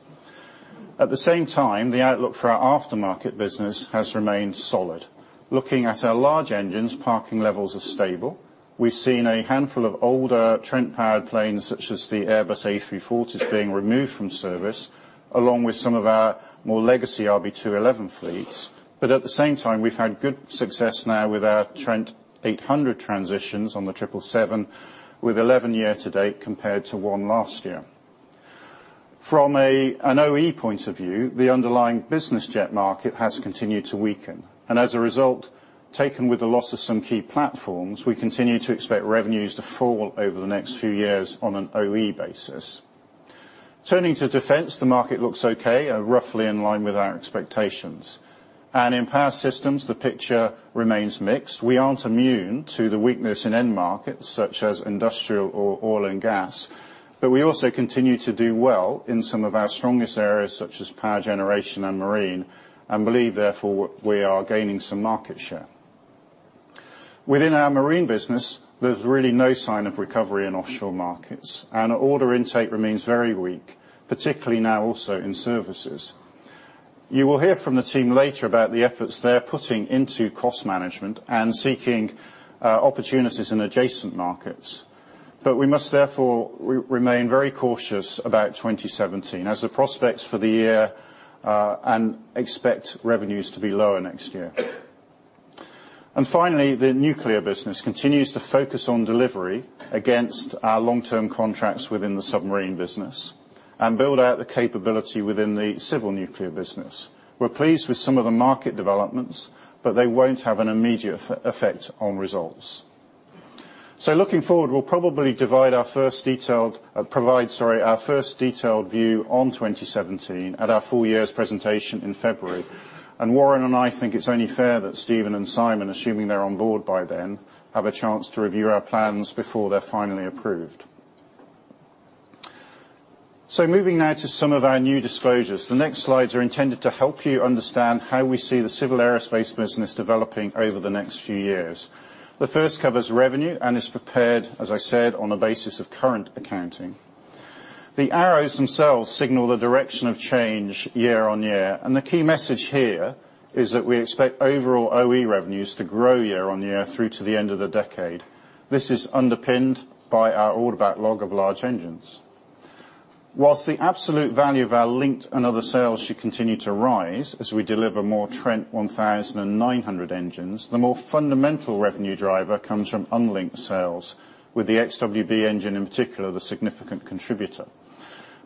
At the same time, the outlook for our aftermarket business has remained solid. Looking at our large engines, parking levels are stable. We've seen a handful of older Trent-powered planes, such as the Airbus A340s being removed from service, along with some of our more legacy RB211 fleets. At the same time, we've had good success now with our Trent 800 transitions on the 777, with 11 year-to-date compared to one last year. From an OE point of view, the underlying business jet market has continued to weaken. As a result, taken with the loss of some key platforms, we continue to expect revenues to fall over the next few years on an OE basis. Turning to Defence, the market looks okay, roughly in line with our expectations. In Power Systems, the picture remains mixed. We aren't immune to the weakness in end markets such as industrial or oil and gas, but we also continue to do well in some of our strongest areas, such as power generation and Marine, and believe therefore, we are gaining some market share. Within our Marine business, there's really no sign of recovery in offshore markets, and order intake remains very weak, particularly now also in services. You will hear from the team later about the efforts they're putting into cost management and seeking opportunities in adjacent markets. We must therefore remain very cautious about 2017 as the prospects for the year, and expect revenues to be lower next year. Finally, the nuclear business continues to focus on delivery against our long-term contracts within the submarine business and build out the capability within the civil nuclear business. We're pleased with some of the market developments, but they won't have an immediate effect on results. Looking forward, we'll probably provide our first detailed view on 2017 at our full year's presentation in February. Warren and I think it's only fair that Stephen and Simon, assuming they're on board by then, have a chance to review our plans before they're finally approved. Moving now to some of our new disclosures. The next slides are intended to help you understand how we see the civil aerospace business developing over the next few years. The first covers revenue and is prepared, as I said, on a basis of current accounting. The arrows themselves signal the direction of change year-over-year, the key message here is that we expect overall OE revenues to grow year-over-year through to the end of the decade. This is underpinned by our order backlog of large engines. Whilst the absolute value of our linked and other sales should continue to rise as we deliver more Trent 1000 and 900 engines, the more fundamental revenue driver comes from unlinked sales with the XWB engine, in particular, the significant contributor.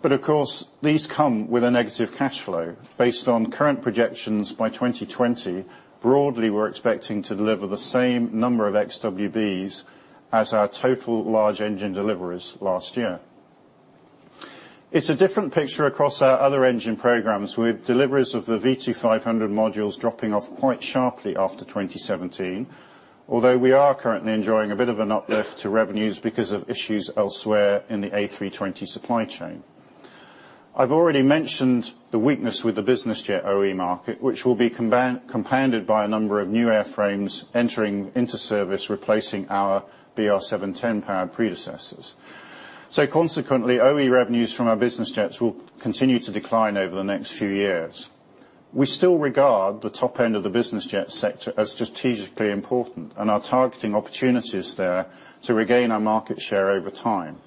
Of course, these come with a negative cash flow. Based on current projections by 2020, broadly, we're expecting to deliver the same number of XWBs as our total large engine deliveries last year. It's a different picture across our other engine programs, with deliveries of the V2500 modules dropping off quite sharply after 2017. Although we are currently enjoying a bit of an uplift to revenues because of issues elsewhere in the A320 supply chain. I've already mentioned the weakness with the business jet OE market, which will be compounded by a number of new airframes entering into service, replacing our BR710 powered predecessors. Consequently, OE revenues from our business jets will continue to decline over the next few years. We still regard the top end of the business jet sector as strategically important and are targeting opportunities there to regain our market share over time.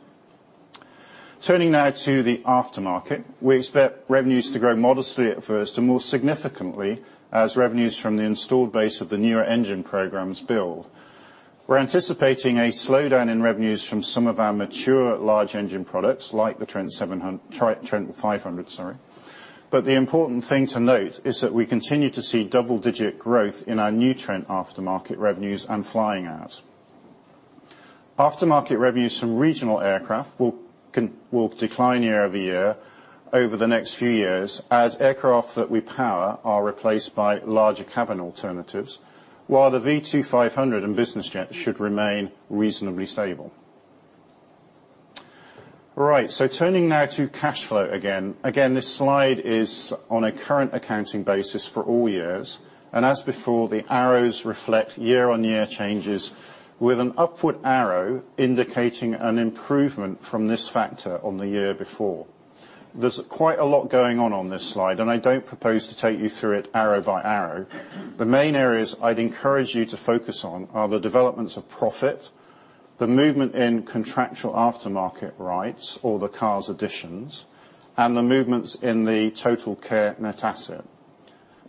Turning now to the aftermarket. We expect revenues to grow modestly at first and more significantly as revenues from the installed base of the newer engine programs build. We're anticipating a slowdown in revenues from some of our mature large engine products, like the Trent 500. The important thing to note is that we continue to see double-digit growth in our new Trent aftermarket revenues and flying hours. Aftermarket revenues from regional aircraft will decline year-over-year, over the next few years, as aircraft that we power are replaced by larger cabin alternatives, while the V2500 and business jets should remain reasonably stable. Turning now to cash flow again. Again, this slide is on a current accounting basis for all years. As before, the arrows reflect year-over-year changes with an upward arrow indicating an improvement from this factor on the year before. There's quite a lot going on on this slide, and I don't propose to take you through it arrow by arrow. The main areas I'd encourage you to focus on are the developments of profit, the movement in contractual aftermarket rights or the CARS additions, and the movements in the TotalCare net asset.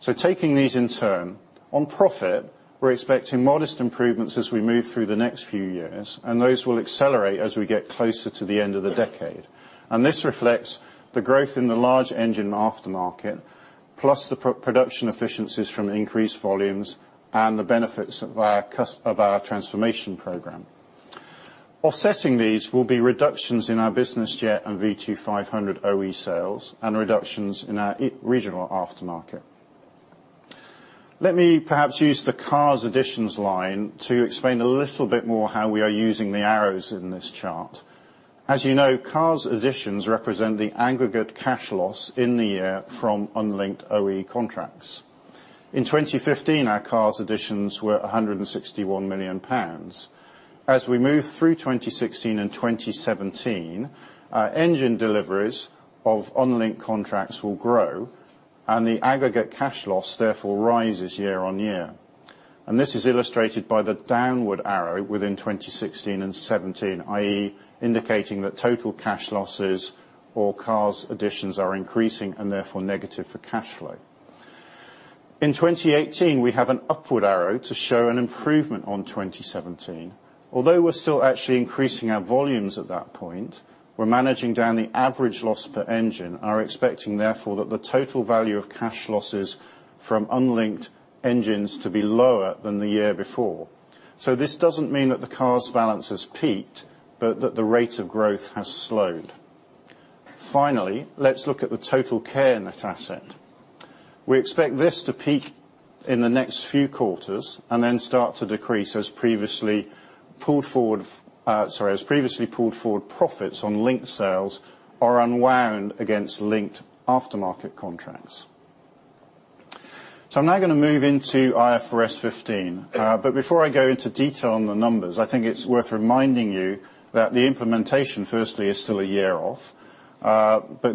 Taking these in turn. On profit, we're expecting modest improvements as we move through the next few years, and those will accelerate as we get closer to the end of the decade. This reflects the growth in the large engine aftermarket, plus the production efficiencies from increased volumes and the benefits of our transformation program. Offsetting these will be reductions in our business jet and V2500 OE sales and reductions in our regional aftermarket. Let me perhaps use the CARS additions line to explain a little bit more how we are using the arrows in this chart. As you know, CARS additions represent the aggregate cash loss in the year from unlinked OE contracts. In 2015, our CARS additions were 161 million pounds. As we move through 2016 and 2017, our engine deliveries of unlinked contracts will grow, and the aggregate cash loss, therefore, rises year-on-year. This is illustrated by the downward arrow within 2016 and 2017, i.e., indicating that total cash losses or CARS additions are increasing and therefore negative for cash flow. In 2018, we have an upward arrow to show an improvement on 2017. Although we're still actually increasing our volumes at that point, we're managing down the average loss per engine and are expecting, therefore, that the total value of cash losses from unlinked engines to be lower than the year before. This doesn't mean that the CARS balance has peaked, but that the rate of growth has slowed. Finally, let's look at the TotalCare net asset. We expect this to peak in the next few quarters and then start to decrease as previously pulled forward profits on linked sales are unwound against linked aftermarket contracts. I'm now going to move into IFRS 15. Before I go into detail on the numbers, I think it's worth reminding you that the implementation, firstly, is still a year off.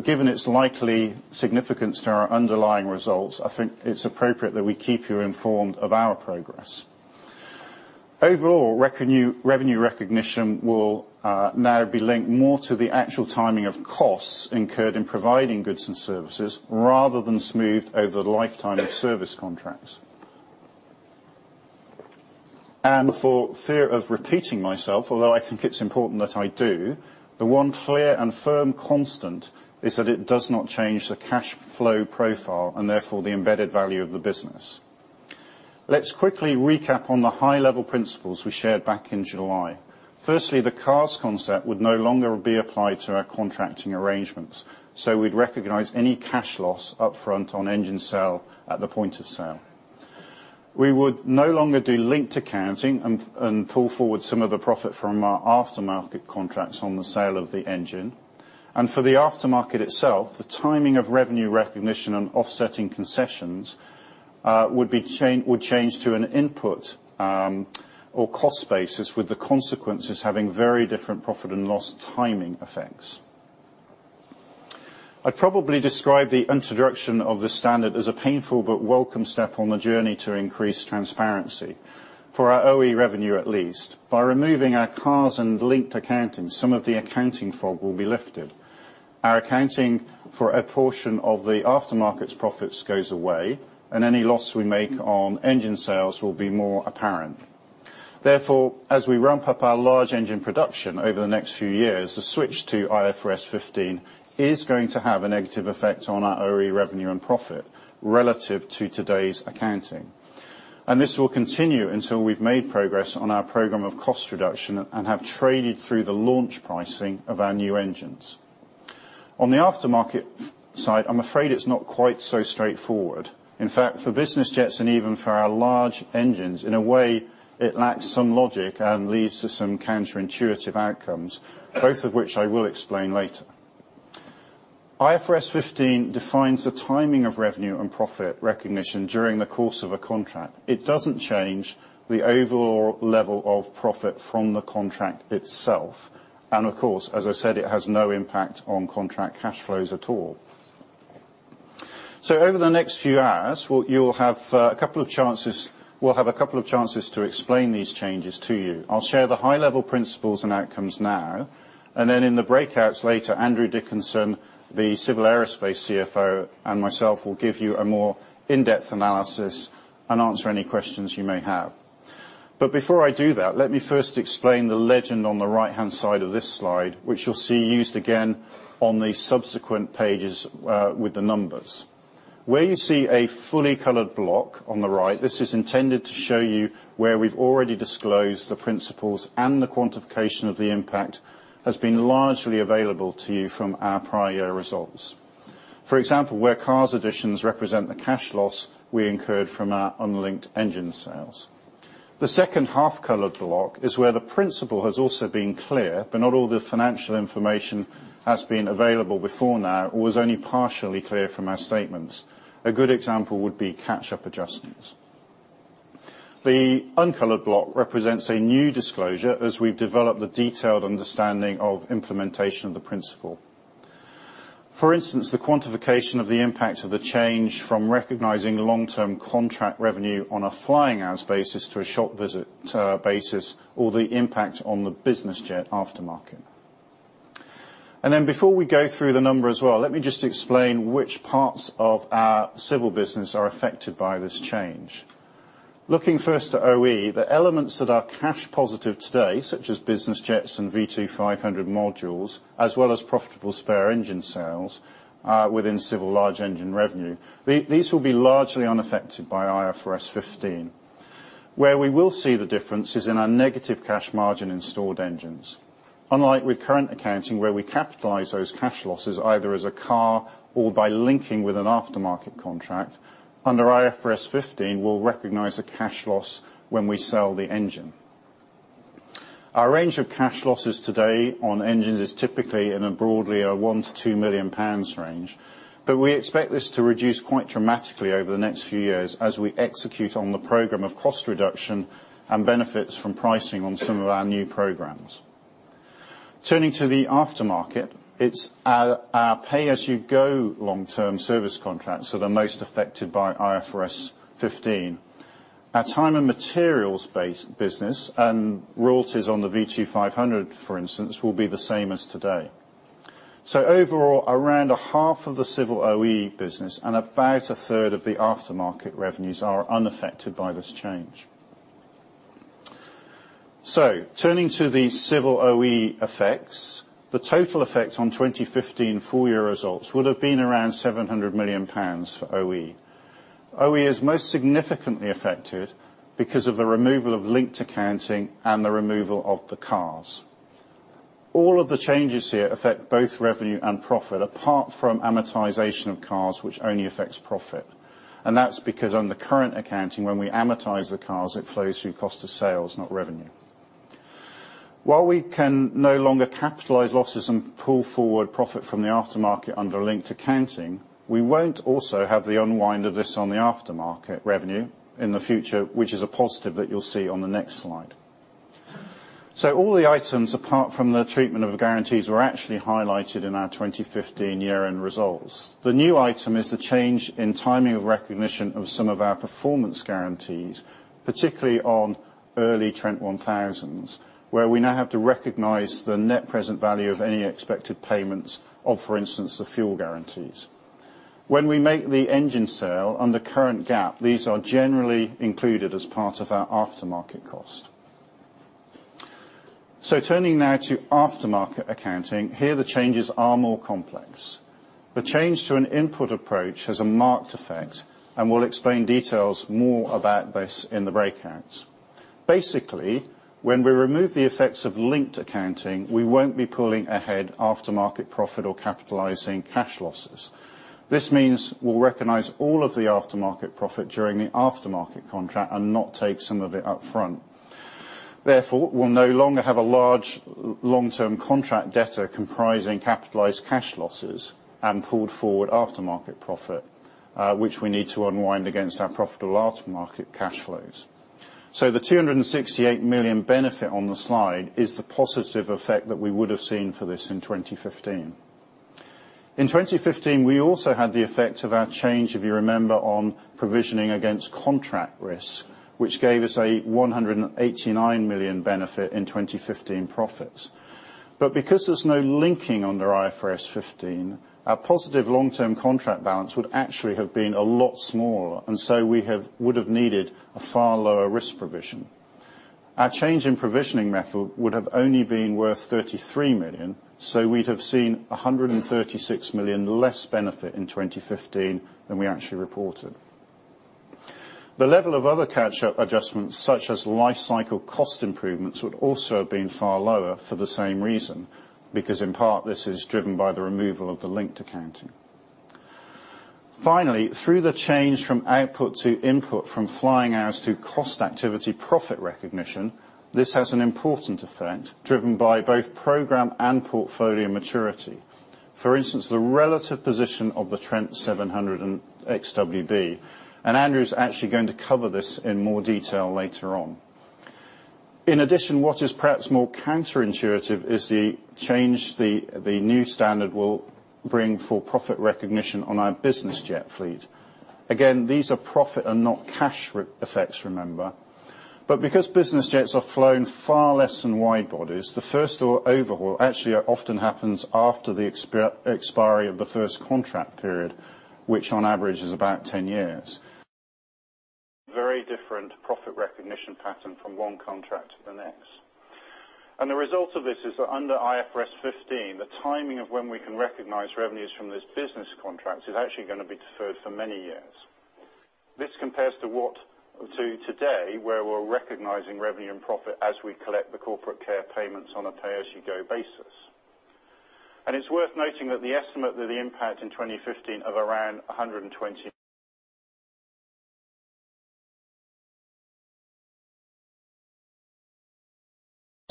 Given its likely significance to our underlying results, I think it's appropriate that we keep you informed of our progress. Overall, revenue recognition will now be linked more to the actual timing of costs incurred in providing goods and services rather than smoothed over the lifetime of service contracts. For fear of repeating myself, although I think it's important that I do, the one clear and firm constant is that it does not change the cash flow profile, and therefore, the embedded value of the business. Let's quickly recap on the high-level principles we shared back in July. Firstly, the CARS concept would no longer be applied to our contracting arrangements. We'd recognize any cash loss upfront on engine sale at the point of sale. We would no longer do linked accounting and pull forward some of the profit from our aftermarket contracts on the sale of the engine. For the aftermarket itself, the timing of revenue recognition and offsetting concessions would change to an input or cost basis with the consequences having very different profit and loss timing effects. I'd probably describe the introduction of this standard as a painful but welcome step on the journey to increase transparency, for our OE revenue at least. By removing our CARS and linked accounting, some of the accounting fog will be lifted. Our accounting for a portion of the aftermarket's profits goes away, and any loss we make on engine sales will be more apparent. Therefore, as we ramp up our large engine production over the next few years, the switch to IFRS 15 is going to have a negative effect on our OE revenue and profit relative to today's accounting. This will continue until we've made progress on our program of cost reduction and have traded through the launch pricing of our new engines. On the aftermarket side, I'm afraid it's not quite so straightforward. In fact, for business jets and even for our large engines, in a way, it lacks some logic and leads to some counterintuitive outcomes, both of which I will explain later. IFRS 15 defines the timing of revenue and profit recognition during the course of a contract. It doesn't change the overall level of profit from the contract itself. Of course, as I said, it has no impact on contract cash flows at all. Over the next few hours, we'll have a couple of chances to explain these changes to you. I'll share the high-level principles and outcomes now, and then in the breakouts later, Andrew Dickinson, the Civil Aerospace CFO, and myself will give you a more in-depth analysis and answer any questions you may have. Before I do that, let me first explain the legend on the right-hand side of this slide, which you'll see used again on the subsequent pages with the numbers. Where you see a fully colored block on the right, this is intended to show you where we've already disclosed the principles and the quantification of the impact has been largely available to you from our prior year results. For example, where CARS additions represent the cash loss we incurred from our unlinked engine sales. The second half-colored block is where the principle has also been clear, but not all the financial information has been available before now or was only partially clear from our statements. A good example would be catch-up adjustments. The uncolored block represents a new disclosure as we've developed a detailed understanding of implementation of the principle. For instance, the quantification of the impact of the change from recognizing long-term contract revenue on a flying hours basis to a shop visit basis, or the impact on the business jet aftermarket. Before we go through the numbers as well, let me just explain which parts of our civil business are affected by this change. Looking first to OE, the elements that are cash positive today, such as business jets and V2500 modules, as well as profitable spare engine sales within civil large engine revenue, these will be largely unaffected by IFRS 15. Where we will see the difference is in our negative cash margin in stored engines. Unlike with current accounting, where we capitalize those cash losses either as a CAR or by linking with an aftermarket contract, under IFRS 15, we'll recognize a cash loss when we sell the engine. Our range of cash losses today on engines is typically in a broadly 1 million-2 million pounds range. We expect this to reduce quite dramatically over the next few years as we execute on the program of cost reduction and benefits from pricing on some of our new programs. Turning to the aftermarket, it's our pay-as-you-go long-term service contracts that are most affected by IFRS 15. Our time and materials based business and royalties on the V2500, for instance, will be the same as today. Overall, around a half of the civil OE business and about a third of the aftermarket revenues are unaffected by this change. Turning to the civil OE effects, the total effect on 2015 full year results would have been around 700 million pounds for OE. OE is most significantly affected because of the removal of linked accounting and the removal of the CARS. All of the changes here affect both revenue and profit, apart from amortization of CARS, which only affects profit. That's because under current accounting, when we amortize the CARS, it flows through cost of sales, not revenue. While we can no longer capitalize losses and pull forward profit from the aftermarket under linked accounting, we won't also have the unwind of this on the aftermarket revenue in the future, which is a positive that you'll see on the next slide. All the items, apart from the treatment of the guarantees, were actually highlighted in our 2015 year-end results. The new item is the change in timing of recognition of some of our performance guarantees, particularly on early Trent 1000s, where we now have to recognize the net present value of any expected payments of, for instance, the fuel guarantees. When we make the engine sale under current GAAP, these are generally included as part of our aftermarket cost. Turning now to aftermarket accounting, here the changes are more complex. The change to an input approach has a marked effect, and we'll explain details more about this in the breakouts. Basically, when we remove the effects of linked accounting, we won't be pulling ahead aftermarket profit or capitalizing cash losses. This means we'll recognize all of the aftermarket profit during the aftermarket contract and not take some of it up front. Therefore, we'll no longer have a large long-term contract debtor comprising capitalized cash losses and pulled forward aftermarket profit, which we need to unwind against our profitable aftermarket cash flows. The 268 million benefit on the slide is the positive effect that we would have seen for this in 2015. In 2015, we also had the effect of our change, if you remember, on provisioning against contract risk, which gave us a 189 million benefit in 2015 profits. Because there's no linking under IFRS 15, our positive long-term contract balance would actually have been a lot smaller, and we would have needed a far lower risk provision. Our change in provisioning method would have only been worth 33 million, We'd have seen 136 million less benefit in 2015 than we actually reported. The level of other catch-up adjustments, such as life cycle cost improvements, would also have been far lower for the same reason, because in part, this is driven by the removal of the linked accounting. Through the change from output to input, from flying hours to cost activity profit recognition, this has an important effect, driven by both program and portfolio maturity. For instance, the relative position of the Trent 700 and Trent XWB. Andrew's actually going to cover this in more detail later on. In addition, what is perhaps more counterintuitive is the change the new standard will bring for profit recognition on our business jet fleet. Again, these are profit and not cash effects, remember. Because business jets are flown far less than wide bodies, the first overhaul actually often happens after the expiry of the first contract period, which on average is about 10 years. Very different profit recognition pattern from one contract to the next. The result of this is that under IFRS 15, the timing of when we can recognize revenues from this business contract is actually going to be deferred for many years. This compares to today, where we're recognizing revenue and profit as we collect the CorporateCare payments on a pay-as-you-go basis. It's worth noting that the estimate of the impact in 2015 of around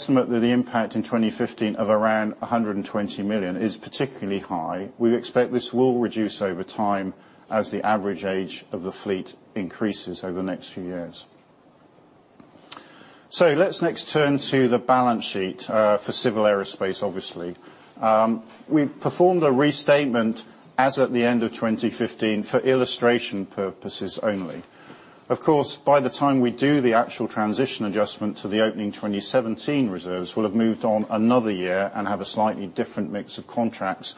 120 million is particularly high. We expect this will reduce over time as the average age of the fleet increases over the next few years. Let's next turn to the balance sheet for Civil Aerospace, obviously. We've performed a restatement as at the end of 2015 for illustration purposes only. By the time we do the actual transition adjustment to the opening 2017 reserves, we'll have moved on another year and have a slightly different mix of contracts.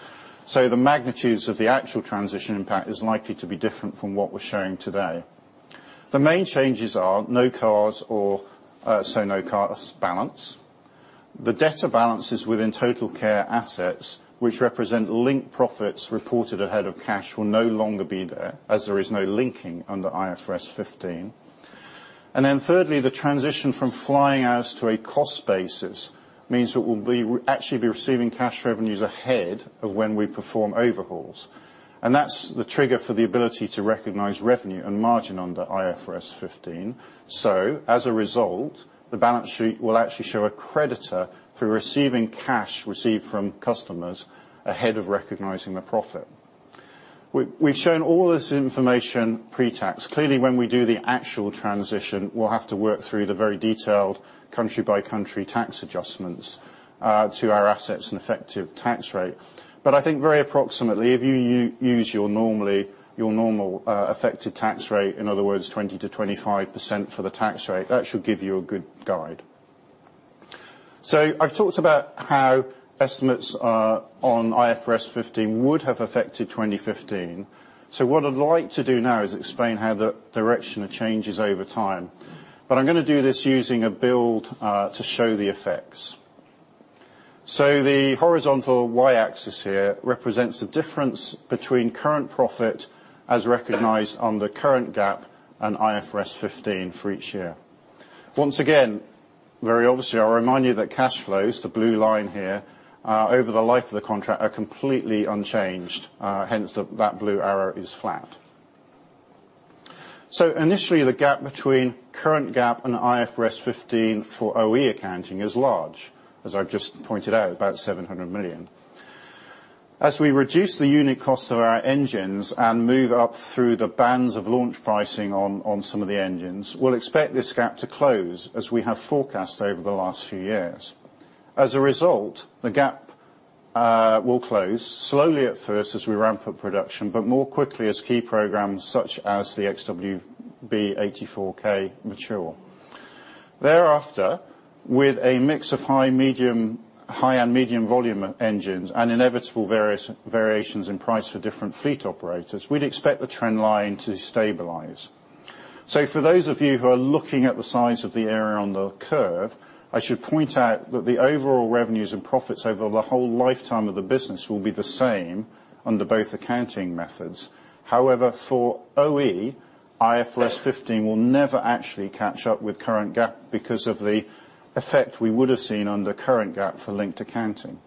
The magnitudes of the actual transition impact is likely to be different from what we're showing today. The main changes are no CARS balance. The debtor balances within TotalCare assets, which represent linked profits reported ahead of cash will no longer be there, as there is no linking under IFRS 15. Thirdly, the transition from flying hours to a cost basis means that we'll actually be receiving cash revenues ahead of when we perform overhauls. That's the trigger for the ability to recognize revenue and margin under IFRS 15. As a result, the balance sheet will actually show a creditor through receiving cash received from customers ahead of recognizing the profit. We've shown all this information pre-tax. When we do the actual transition, we'll have to work through the very detailed country-by-country tax adjustments to our assets and effective tax rate. I think very approximately, if you use your normal effective tax rate, in other words, 20%-25% for the tax rate, that should give you a good guide. I've talked about how estimates on IFRS 15 would have affected 2015. What I'd like to do now is explain how the direction of changes over time. I'm going to do this using a build to show the effects. The horizontal Y-axis here represents the difference between current profit as recognized on the current GAAP and IFRS 15 for each year. Once again, very obviously, I remind you that cash flows, the blue line here, over the life of the contract are completely unchanged. Hence, that blue arrow is flat. Initially, the gap between current GAAP and IFRS 15 for OE accounting is large, as I've just pointed out, about 700 million. As we reduce the unit cost of our engines and move up through the bands of launch pricing on some of the engines, we'll expect this gap to close as we have forecast over the last few years. As a result, the gap will close slowly at first as we ramp up production, but more quickly as key programs such as the XWB-84K mature. Thereafter, with a mix of high and medium volume engines and inevitable variations in price for different fleet operators, we'd expect the trend line to stabilize. For those of you who are looking at the size of the area on the curve, I should point out that the overall revenues and profits over the whole lifetime of the business will be the same under both accounting methods. However, for OE, IFRS 15 will never actually catch up with current GAAP because of the effect we would have seen under current GAAP for linked accounting.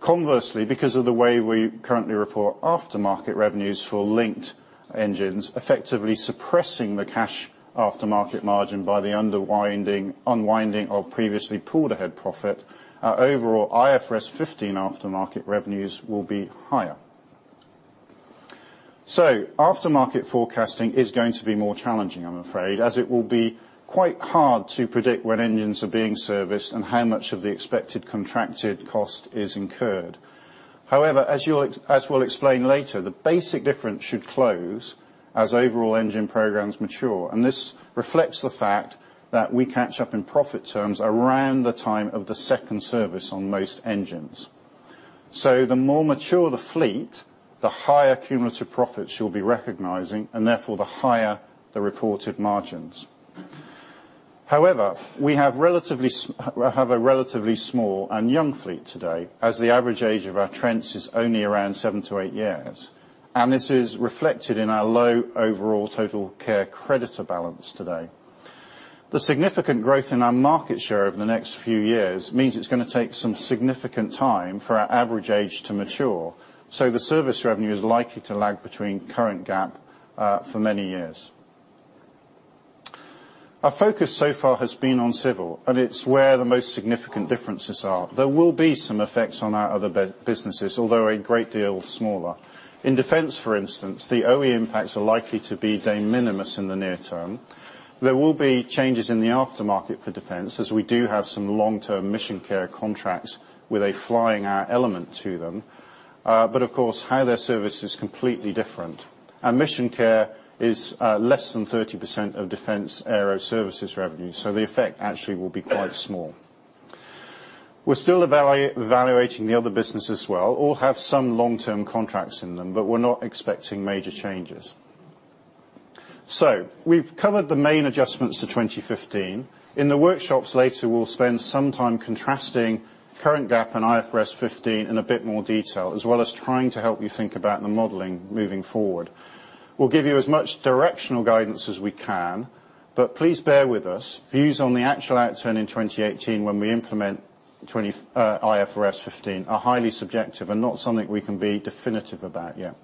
Conversely, because of the way we currently report aftermarket revenues for linked engines, effectively suppressing the cash aftermarket margin by the unwinding of previously pooled ahead profit, our overall IFRS 15 aftermarket revenues will be higher. Aftermarket forecasting is going to be more challenging, I'm afraid, as it will be quite hard to predict when engines are being serviced and how much of the expected contracted cost is incurred. However, as we'll explain later, the basic difference should close as overall engine programs mature. This reflects the fact that we catch up in profit terms around the time of the second service on most engines. The more mature the fleet, the higher cumulative profits you'll be recognizing, and therefore, the higher the reported margins. However, we have a relatively small and young fleet today, as the average age of our Trents is only around seven to eight years, and it is reflected in our low overall TotalCare creditor balance today. The significant growth in our market share over the next few years means it's going to take some significant time for our average age to mature. The service revenue is likely to lag between current GAAP for many years. Our focus so far has been on civil, and it's where the most significant differences are. There will be some effects on our other businesses, although a great deal smaller. In Defence, for instance, the OE impacts are likely to be de minimis in the near term. There will be changes in the aftermarket for Defence, as we do have some long-term MissionCare contracts with a flying hour element to them. Of course, how they're serviced is completely different. MissionCare is less than 30% of Defence aero services revenue. The effect actually will be quite small. We're still evaluating the other businesses as well. All have some long-term contracts in them, but we're not expecting major changes. We've covered the main adjustments to 2015. In the workshops later, we'll spend some time contrasting current GAAP and IFRS 15 in a bit more detail, as well as trying to help you think about the modeling moving forward. We'll give you as much directional guidance as we can, but please bear with us. Views on the actual outturn in 2018 when we implement IFRS 15 are highly subjective and not something we can be definitive about yet.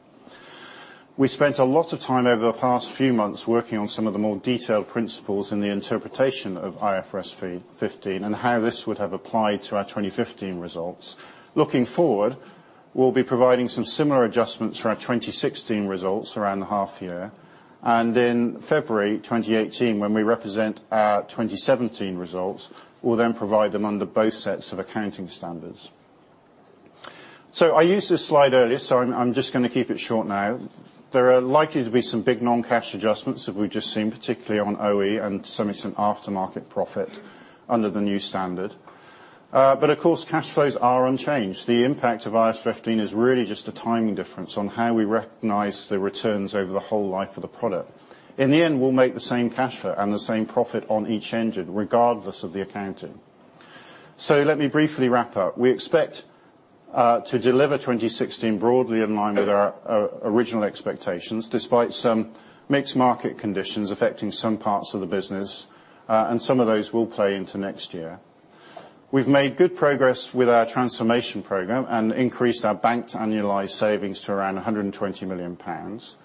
We spent a lot of time over the past few months working on some of the more detailed principles in the interpretation of IFRS 15 and how this would have applied to our 2015 results. Looking forward, we'll be providing some similar adjustments for our 2016 results around the half year. In February 2018, when we represent our 2017 results, we'll then provide them under both sets of accounting standards. I used this slide earlier, so I'm just going to keep it short now. There are likely to be some big non-cash adjustments that we've just seen, particularly on OE and some aftermarket profit under the new standard. Of course, cash flows are unchanged. The impact of IFRS 15 is really just a timing difference on how we recognize the returns over the whole life of the product. In the end, we'll make the same cash flow and the same profit on each engine, regardless of the accounting. Let me briefly wrap up. We expect to deliver 2016 broadly in line with our original expectations, despite some mixed market conditions affecting some parts of the business, and some of those will play into next year. We've made good progress with our transformation program and increased our banked annualized savings to around 120 million pounds.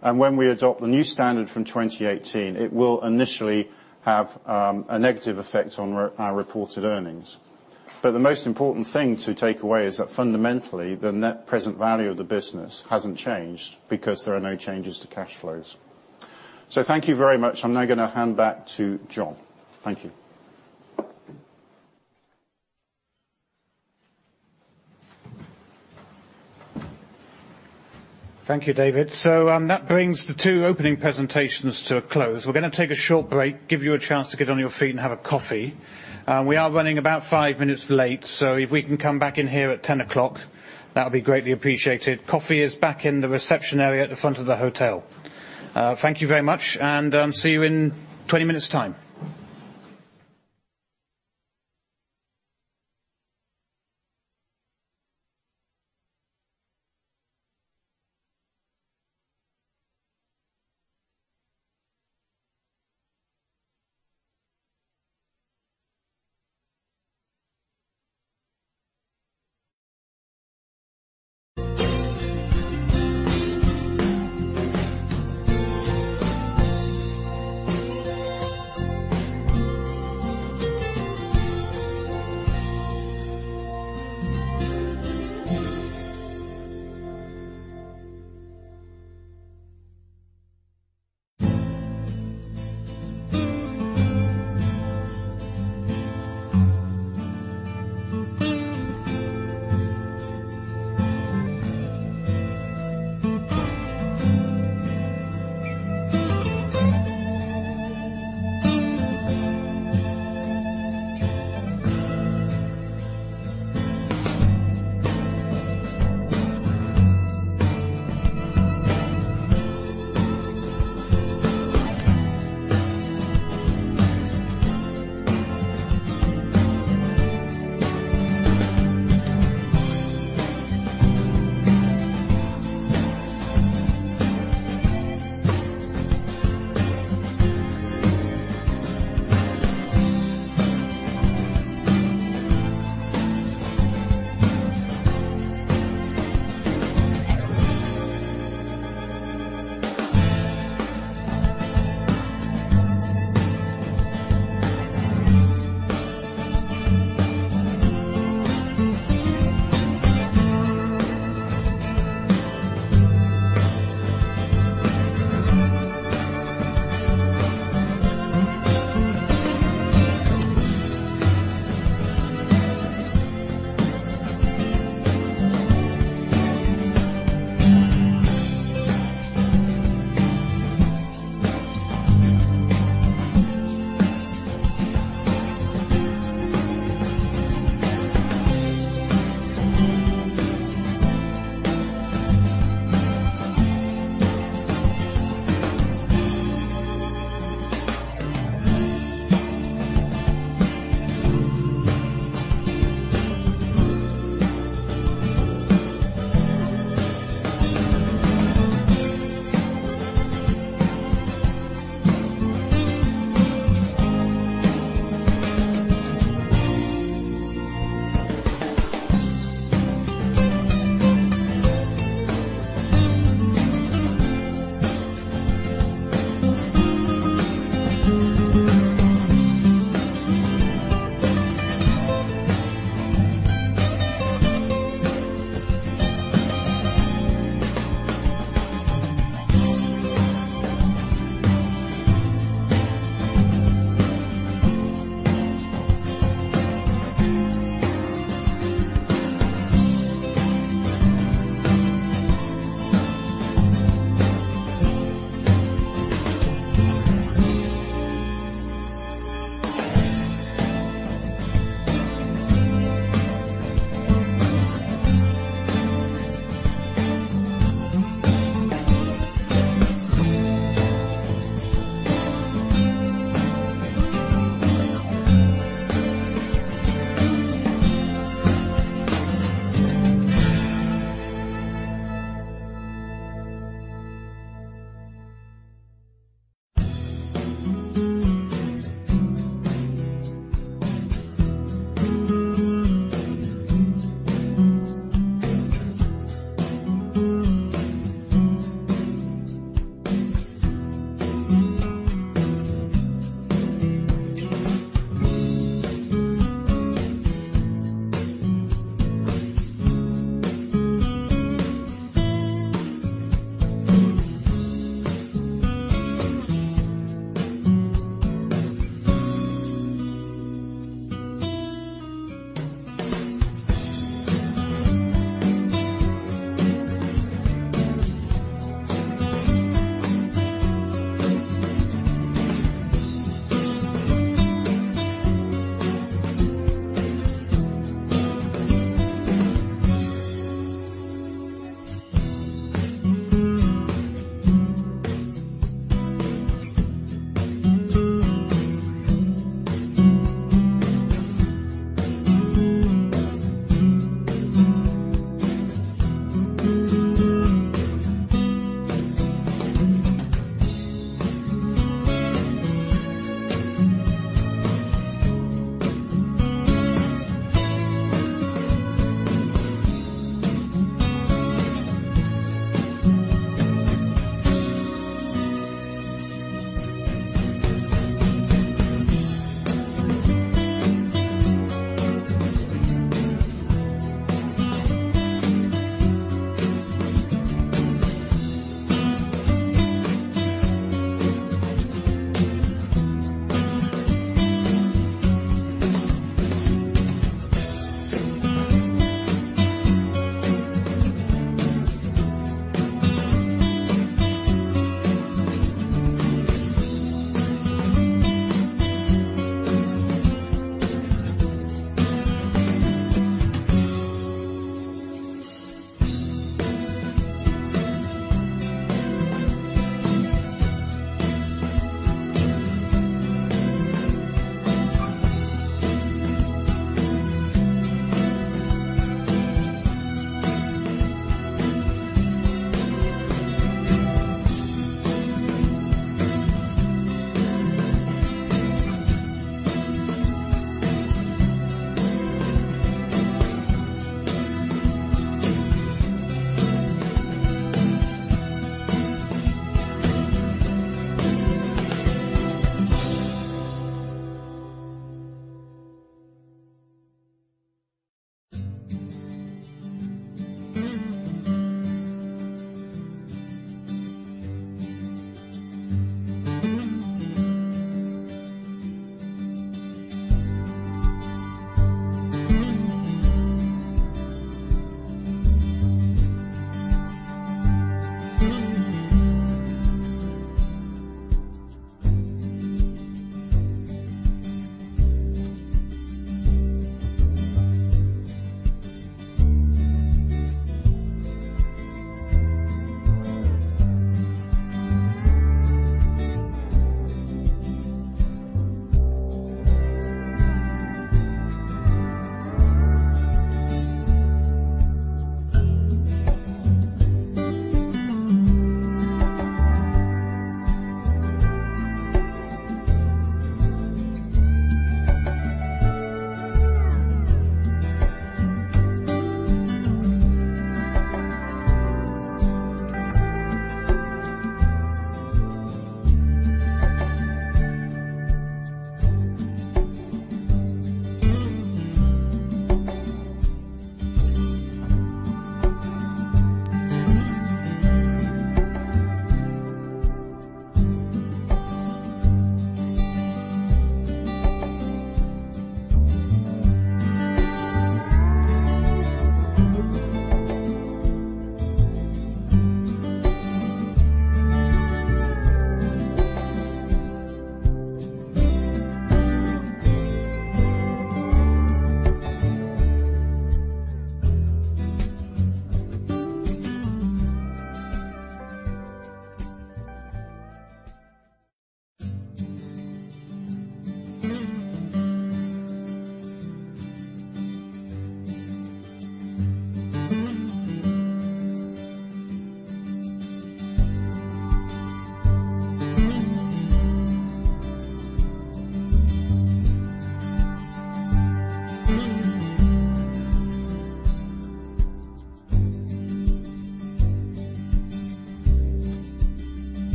When we adopt the new standard from 2018, it will initially have a negative effect on our reported earnings. The most important thing to take away is that fundamentally, the net present value of the business hasn't changed because there are no changes to cash flows. Thank you very much. I'm now going to hand back to John. Thank you. Thank you, David. That brings the two opening presentations to a close. We're going to take a short break, give you a chance to get on your feet and have a coffee. We are running about five minutes late, so if we can come back in here at 10 o'clock, that would be greatly appreciated. Coffee is back in the reception area at the front of the hotel. Thank you very much, and see you in 20 minutes time.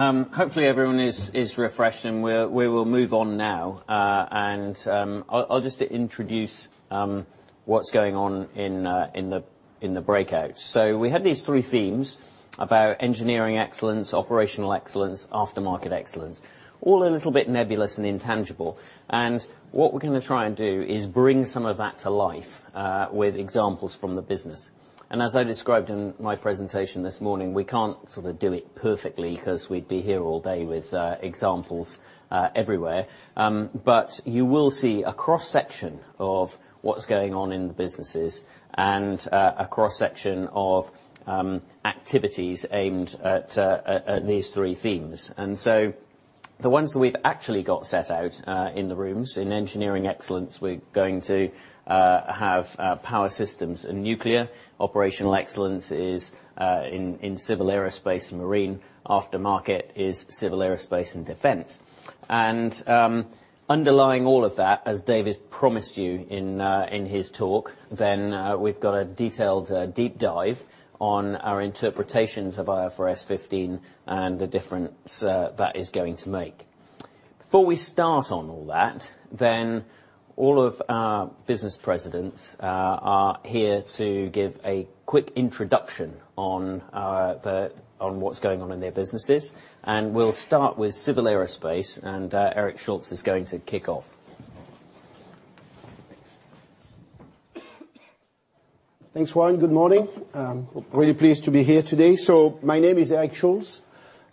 Hopefully everyone is refreshed. We will move on now. I'll just introduce what's going on in the breakout. We had these three themes about engineering excellence, operational excellence, aftermarket excellence, all a little bit nebulous and intangible. What we're going to try and do is bring some of that to life with examples from the business. As I described in my presentation this morning, we can't sort of do it perfectly because we'd be here all day with examples Everywhere. You will see a cross-section of what's going on in the businesses and a cross-section of activities aimed at these three themes. The ones that we've actually got set out in the rooms, in engineering excellence, we're going to have Power Systems and Nuclear. Operational excellence is in Civil Aerospace and Marine. Aftermarket is Civil Aerospace and Defence. Underlying all of that, as David promised you in his talk, we've got a detailed deep dive on our interpretations of IFRS 15 and the difference that is going to make. Before we start on all that, all of our business presidents are here to give a quick introduction on what's going on in their businesses. We'll start with Civil Aerospace, and Eric Schulz is going to kick off. Thanks, Warren. Good morning. Really pleased to be here today. My name is Eric Schulz,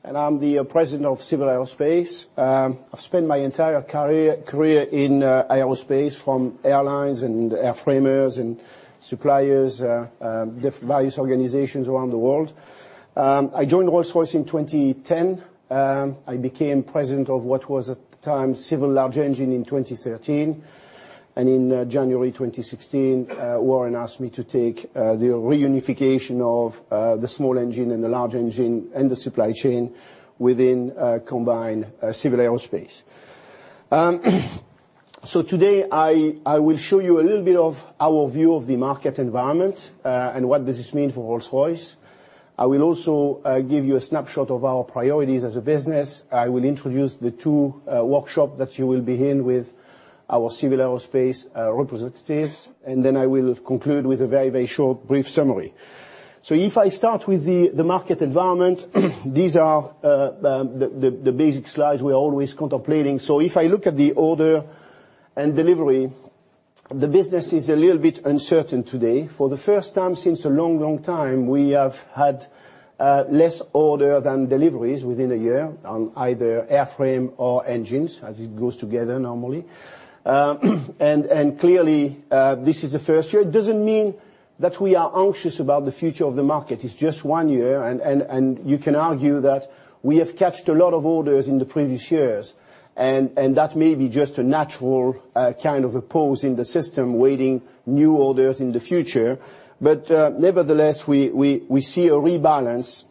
and I'm the President of Civil Aerospace. I've spent my entire career in aerospace, from airlines and airframers and suppliers, various organizations around the world. I joined Rolls-Royce in 2010. I became president of what was, at the time, civil large engine in 2013. In January 2016, Warren asked me to take the reunification of the small engine and the large engine and the supply chain within combined Civil Aerospace. Today, I will show you a little bit of our view of the market environment and what does this mean for Rolls-Royce. I will also give you a snapshot of our priorities as a business. I will introduce the two workshop that you will be in with our Civil Aerospace representatives, I will conclude with a very short, brief summary. If I start with the market environment, these are the basic slides we are always contemplating. If I look at the order and delivery, the business is a little bit uncertain today. For the first time since a long time, we have had less order than deliveries within a year on either airframe or engines, as it goes together normally. Clearly, this is the first year. It doesn't mean that we are anxious about the future of the market. It's just one year, and you can argue that we have catched a lot of orders in the previous years, and that may be just a natural kind of a pause in the system, waiting new orders in the future. Nevertheless, we see a rebalance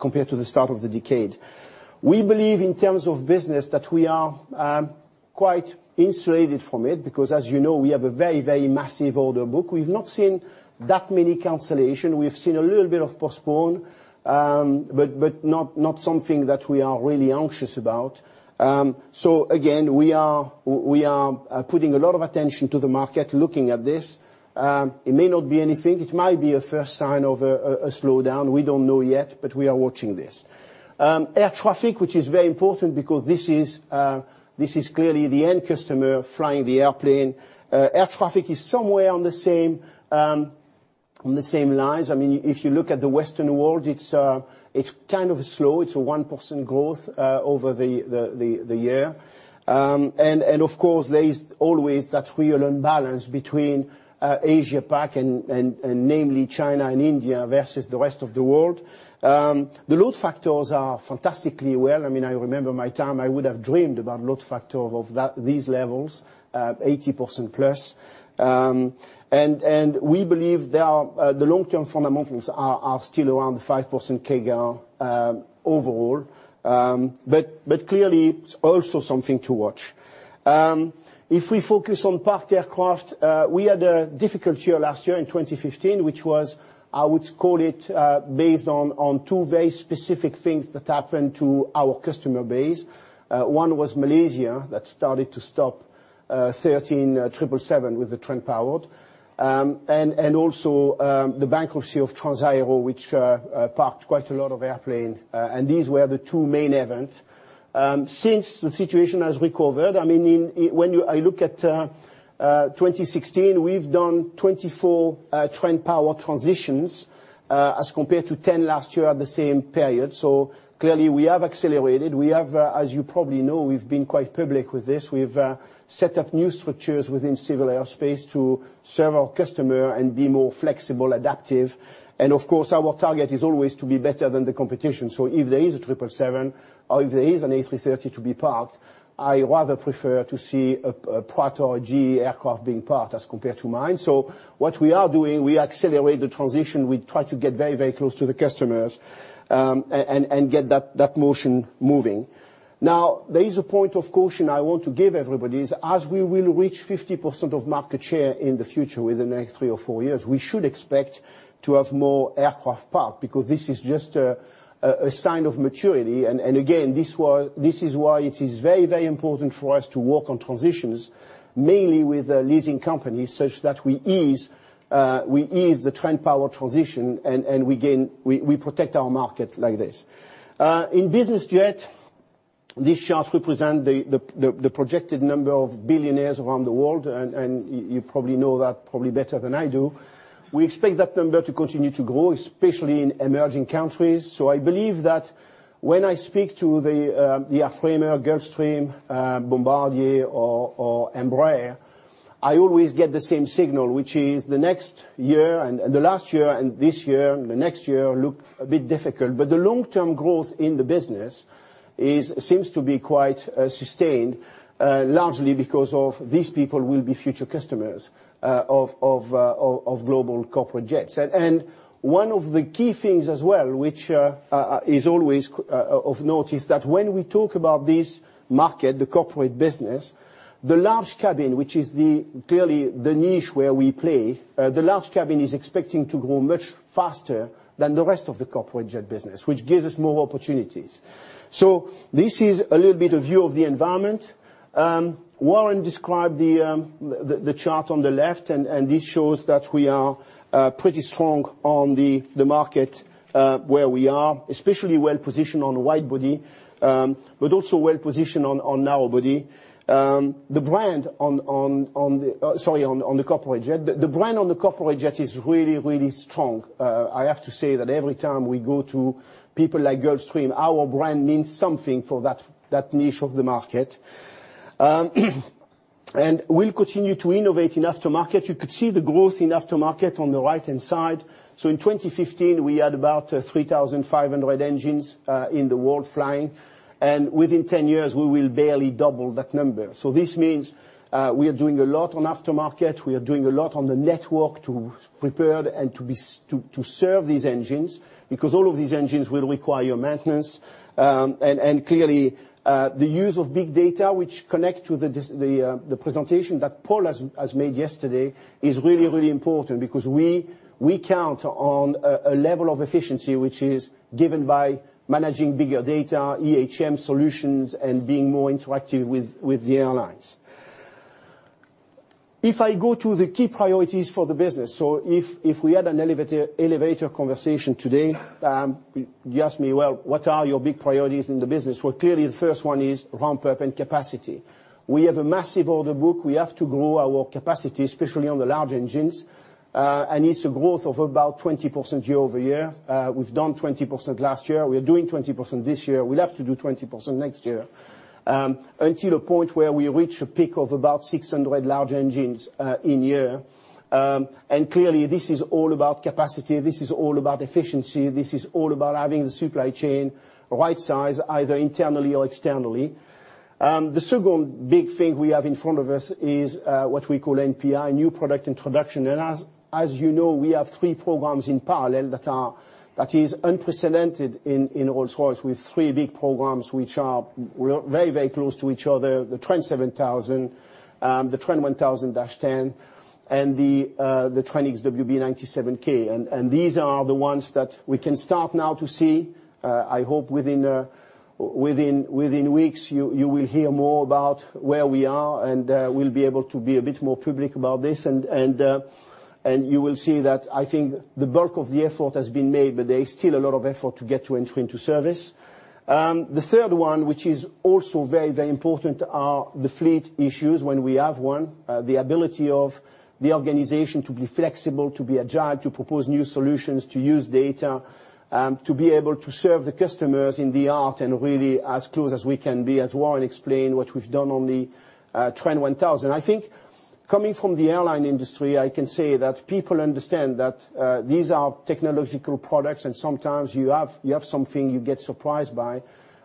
compared to the start of the decade. We believe, in terms of business, that we are quite insulated from it because, as you know, we have a very massive order book. We've not seen that many cancellation. We've seen a little bit of postpone, but not something that we are really anxious about. Again, we are putting a lot of attention to the market, looking at this. It may not be anything. It might be a first sign of a slowdown. We don't know yet, but we are watching this. Air traffic, which is very important because this is clearly the end customer flying the airplane. Air traffic is somewhere on the same lines. If you look at the Western world, it's kind of slow. It's a 1% growth over the year. Of course, there is always that real imbalance between Asia-Pac and namely China and India versus the rest of the world. The load factors are fantastically well. I remember my time, I would have dreamed about load factor of these levels, 80% plus. We believe the long-term fundamentals are still around 5% CAGR overall. Clearly, it's also something to watch. If we focus on parked aircraft, we had a difficult year last year in 2015, which was, I would call it based on two very specific things that happened to our customer base. One was Malaysia, that started to stop 13 777s with the Trent-powered. Also the bankruptcy of Transaero, which parked quite a lot of airplanes. These were the two main event. Since, the situation has recovered. When I look at 2016, we've done 24 Trent-powered transitions as compared to 10 last year at the same period. Clearly, we have accelerated. We have, as you probably know, we've been quite public with this. We've set up new structures within civil aerospace to serve our customer and be more flexible, adaptive. Of course, our target is always to be better than the competition. If there is a 777 or if there is an A330 to be parked, I rather prefer to see a Pratt or a GE aircraft being parked as compared to mine. What we are doing, we accelerate the transition. We try to get very close to the customers and get that motion moving. Now, there is a point of caution I want to give everybody is, as we will reach 50% of market share in the future within the next three or four years, we should expect to have more aircraft parked because this is just a sign of maturity. Again, this is why it is very important for us to work on transitions, mainly with leasing companies, such that we ease the Trent-powered transition and we protect our market like this. In business jet, these charts represent the projected number of billionaires around the world, you probably know that probably better than I do. We expect that number to continue to grow, especially in emerging countries. I believe that when I speak to the airframers, Gulfstream, Bombardier or Embraer I always get the same signal, which is the last year and this year and the next year look a bit difficult. The long-term growth in the business seems to be quite sustained, largely because of these people will be future customers of global corporate jets. One of the key things as well, which is always of note, is that when we talk about this market, the corporate business, the large cabin, which is clearly the niche where we play, the large cabin is expecting to grow much faster than the rest of the corporate jet business, which gives us more opportunities. This is a little bit of view of the environment. Warren described the chart on the left, this shows that we are pretty strong on the market where we are, especially well-positioned on widebody, but also well-positioned on narrowbody. The brand on the corporate jet is really, really strong. I have to say that every time we go to people like Gulfstream, our brand means something for that niche of the market. We'll continue to innovate in aftermarket. You could see the growth in aftermarket on the right-hand side. In 2015, we had about 3,500 engines in the world flying, within 10 years, we will barely double that number. This means we are doing a lot on aftermarket. We are doing a lot on the network to prepare and to serve these engines, because all of these engines will require maintenance. Clearly, the use of big data, which connect to the presentation that Paul has made yesterday, is really, really important because we count on a level of efficiency which is given by managing big data, EHM solutions, and being more interactive with the airlines. If I go to the key priorities for the business, if we had an elevator conversation today, you ask me, "What are your big priorities in the business?" Clearly, the first one is ramp-up and capacity. We have a massive order book. We have to grow our capacity, especially on the large engines, it's a growth of about 20% year-over-year. We've done 20% last year. We are doing 20% this year. We'll have to do 20% next year until a point where we reach a peak of about 600 large engines in year. Clearly, this is all about capacity. This is all about efficiency. This is all about having the supply chain right-sized, either internally or externally. The second big thing we have in front of us is what we call NPI, new product introduction. As you know, we have three programs in parallel that is unprecedented in Rolls-Royce with three big programs, which are very, very close to each other, the Trent 7000, the Trent 1000-TEN, and the Trent XWB-97. These are the ones that we can start now to see. I hope within weeks you will hear more about where we are, we'll be able to be a bit more public about this. You will see that I think the bulk of the effort has been made, there is still a lot of effort to get to entry into service. The third one, which is also very, very important, are the fleet issues when we have one, the ability of the organization to be flexible, to be agile, to propose new solutions, to use data, to be able to serve the customers in the art and really as close as we can be, as Warren explained what we've done on the Trent 1000. I think coming from the airline industry, I can say that people understand that these are technological products, sometimes you have something you get surprised by.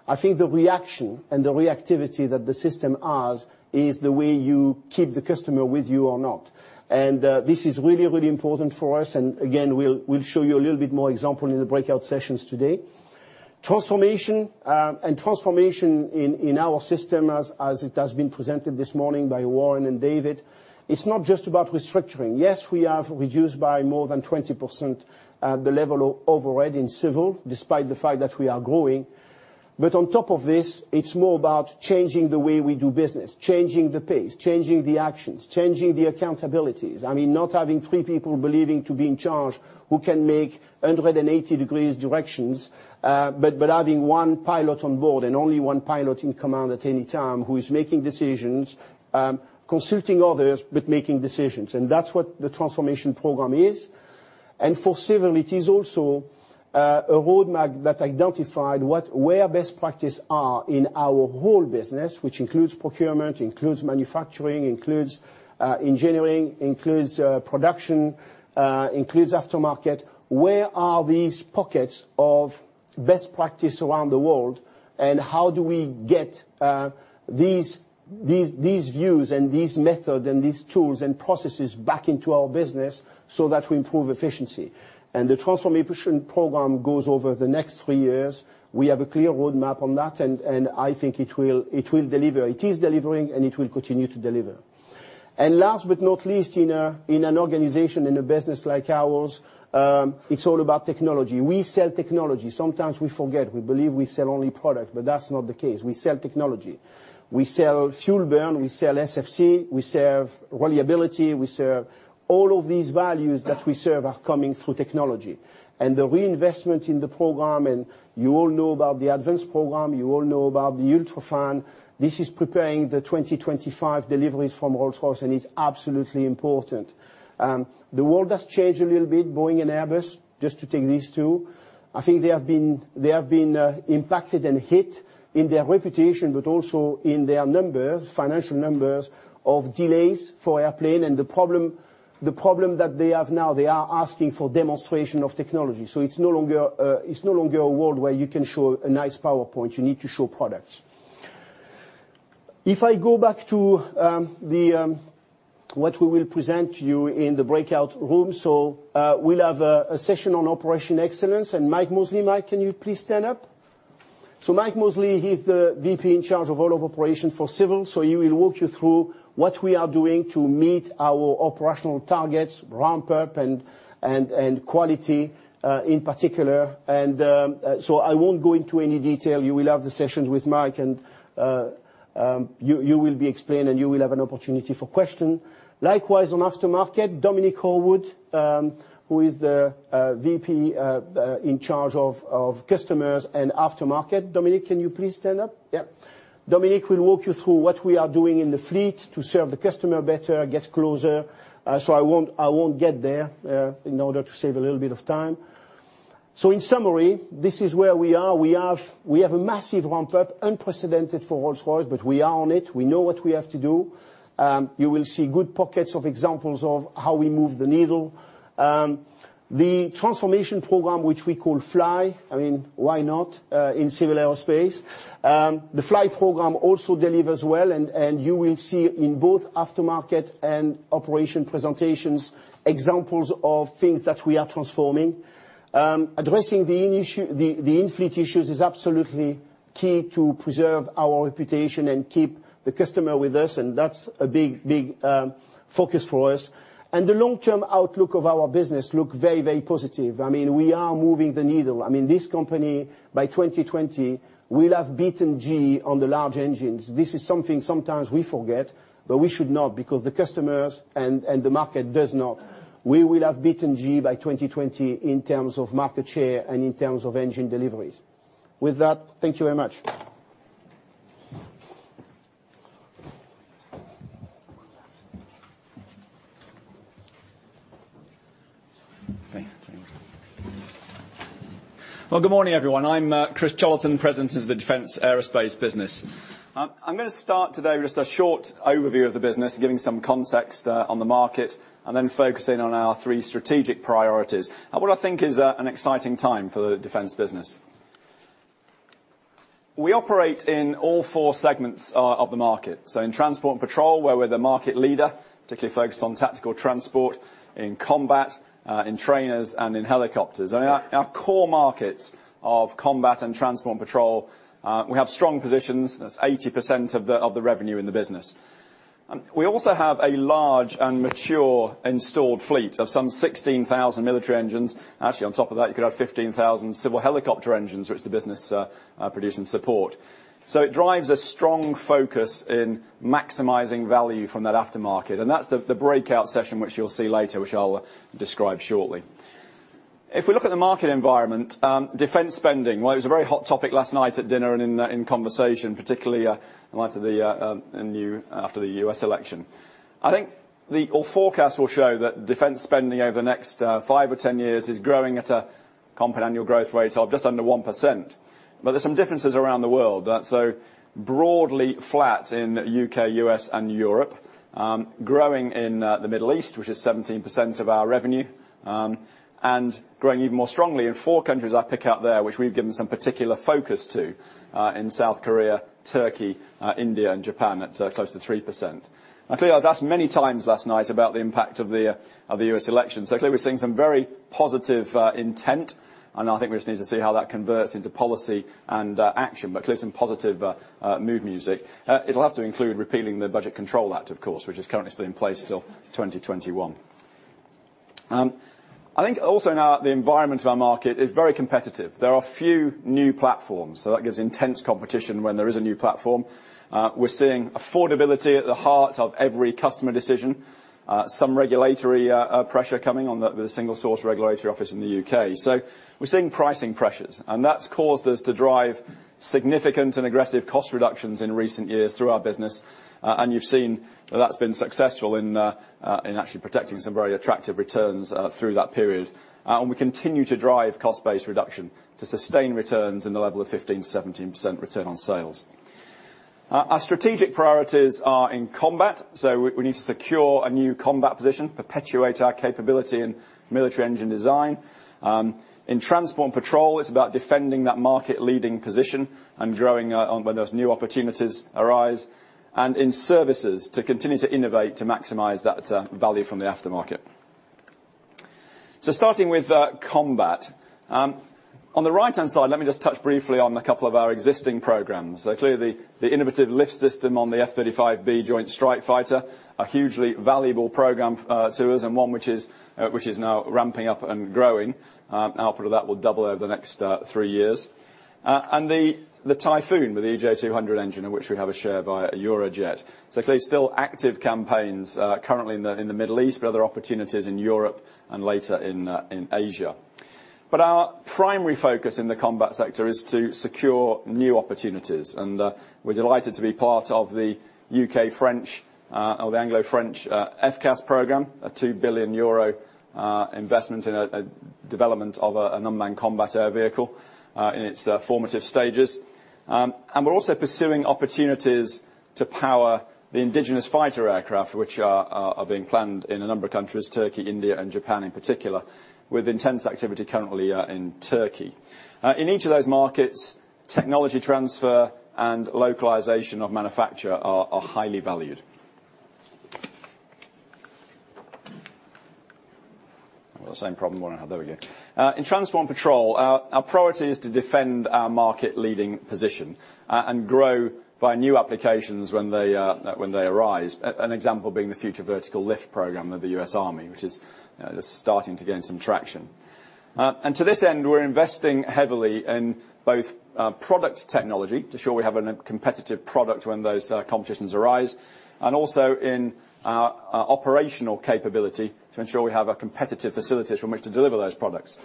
I think the reaction and the reactivity that the system has is the way you keep the customer with you or not. This is really, really important for us. Again, we'll show you a little bit more example in the breakout sessions today. Transformation. Transformation in our system, as it has been presented this morning by Warren and David, it's not just about restructuring. Yes, we have reduced by more than 20% the level of overhead in civil, despite the fact that we are growing. On top of this, it's more about changing the way we do business, changing the pace, changing the actions, changing the accountabilities. I mean, not having three people believing to be in charge who can make 180-degree directions, but having one pilot on board and only one pilot in command at any time who is making decisions, consulting others, but making decisions. That's what the transformation program is. For civil, it is also a roadmap that identified where best practices are in our whole business, which includes procurement, includes manufacturing, includes engineering, includes production, includes aftermarket. Where are these pockets of best practices around the world, and how do we get these views and these methods and these tools and processes back into our business so that we improve efficiency? The transformation program goes over the next three years. We have a clear roadmap on that, and I think it will deliver. It is delivering, and it will continue to deliver. Last but not least, in an organization, in a business like ours, it's all about technology. We sell technology. Sometimes we forget. We believe we sell only product, but that's not the case. We sell technology. We sell fuel burn. We sell SFC. We sell reliability. We sell all of these values that we serve are coming through technology. The reinvestment in the program, you all know about the Advance program, you all know about the UltraFan, this is preparing the 2025 deliveries from Rolls-Royce, and it's absolutely important. The world has changed a little bit. Boeing and Airbus, just to take these two, I think they have been impacted and hit in their reputation, but also in their numbers, financial numbers, of delays for airplane. The problem that they have now, they are asking for demonstration of technology. It's no longer a world where you can show a nice PowerPoint. You need to show products. If I go back to what we will present to you in the breakout rooms. We'll have a session on operational excellence and Mike Mosley. Mike, can you please stand up? Mike Mosley, he's the VP in charge of all of operations for civil. He will walk you through what we are doing to meet our operational targets, ramp up, and quality, in particular. I won't go into any detail. You will have the sessions with Mike, and you will be explained, and you will have an opportunity for questions. Likewise, on aftermarket, Dominic Horwood, who is the VP, in charge of customers and aftermarket. Dominic, can you please stand up? Yep. Dominic will walk you through what we are doing in the fleet to serve the customer better, get closer. I won't get there, in order to save a little bit of time. In summary, this is where we are. We have a massive ramp up, unprecedented for Rolls-Royce, but we are on it. We know what we have to do. You will see good pockets of examples of how we move the needle. The transformation program, which we call Fly, I mean, why not, in civil aerospace? The Fly program also delivers well, and you will see in both aftermarket and operations presentations, examples of things that we are transforming. Addressing the in-fleet issues is absolutely key to preserve our reputation and keep the customer with us, and that's a big focus for us. The long-term outlook of our business looks very positive. I mean, we are moving the needle. I mean, this company, by 2020, will have beaten GE on the large engines. This is something sometimes we forget, we should not because the customers and the market does not. We will have beaten GE by 2020 in terms of market share and in terms of engine deliveries. With that, thank you very much. Well, good morning, everyone. I'm Chris Cholerton, President of the Defense Aerospace business. I'm going to start today with just a short overview of the business, giving some context on the market and then focusing on our three strategic priorities and what I think is an exciting time for the defense business. We operate in all four segments of the market, in transport and patrol, where we're the market leader, particularly focused on tactical transport, in combat, in trainers, and in helicopters. Our core markets of combat and transport and patrol, we have strong positions. That's 80% of the revenue in the business. We also have a large and mature installed fleet of some 16,000 military engines. Actually, on top of that, you could have 15,000 civil helicopter engines, which the business produce and support. It drives a strong focus in maximizing value from that aftermarket, and that's the breakout session, which you'll see later, which I'll describe shortly. If we look at the market environment, defense spending. Well, it was a very hot topic last night at dinner and in conversation, particularly in light after the U.S. election. I think all forecasts will show that defense spending over the next five or 10 years is growing at a compound annual growth rate of just under 1%. There's some differences around the world. Broadly flat in U.K., U.S., and Europe, growing in the Middle East, which is 17% of our revenue, and growing even more strongly in four countries I pick out there, which we've given some particular focus to, in South Korea, Turkey, India, and Japan at close to 3%. Clearly, I was asked many times last night about the impact of the U.S. election. Clearly, we're seeing some very positive intent, and I think we just need to see how that converts into policy and action. Clearly, some positive mood music. It'll have to include repealing the Budget Control Act, of course, which is currently still in place till 2021. I think also now the environment of our market is very competitive. There are few new platforms, so that gives intense competition when there is a new platform. We're seeing affordability at the heart of every customer decision. Some regulatory pressure coming on the Single Source Regulations Office in the U.K. We're seeing pricing pressures, and that's caused us to drive significant and aggressive cost reductions in recent years through our business. You've seen that's been successful in actually protecting some very attractive returns through that period. We continue to drive cost-based reduction to sustain returns in the level of 15%-17% return on sales. Our strategic priorities are in combat. We need to secure a new combat position, perpetuate our capability in military engine design. In transport and patrol, it's about defending that market-leading position and growing where those new opportunities arise and in services to continue to innovate to maximize that value from the aftermarket. Starting with combat. On the right-hand side, let me just touch briefly on a couple of our existing programs. The innovative LiftSystem on the F-35B Joint Strike Fighter, a hugely valuable program to us and one which is now ramping up and growing. Output of that will double over the next 3 years. The Typhoon with the EJ200 engine, in which we have a share via EUROJET. Still active campaigns currently in the Middle East, but other opportunities in Europe and later in Asia. Our primary focus in the combat sector is to secure new opportunities, and we're delighted to be part of the Anglo-French FCAS program, a 2 billion euro investment in a development of an unmanned combat air vehicle in its formative stages. We're also pursuing opportunities to power the indigenous fighter aircraft, which are being planned in a number of countries, Turkey, India, and Japan in particular, with intense activity currently in Turkey. In each of those markets, technology transfer and localization of manufacture are highly valued. The same problem we're going to have. There we go. In transport and patrol, our priority is to defend our market-leading position and grow via new applications when they arise. An example being the future vertical lift program of the U.S. Army, which is starting to gain some traction. To this end, we're investing heavily in both product technology to show we have a competitive product when those competitions arise, and also in our operational capability to ensure we have a competitive facility from which to deliver those products.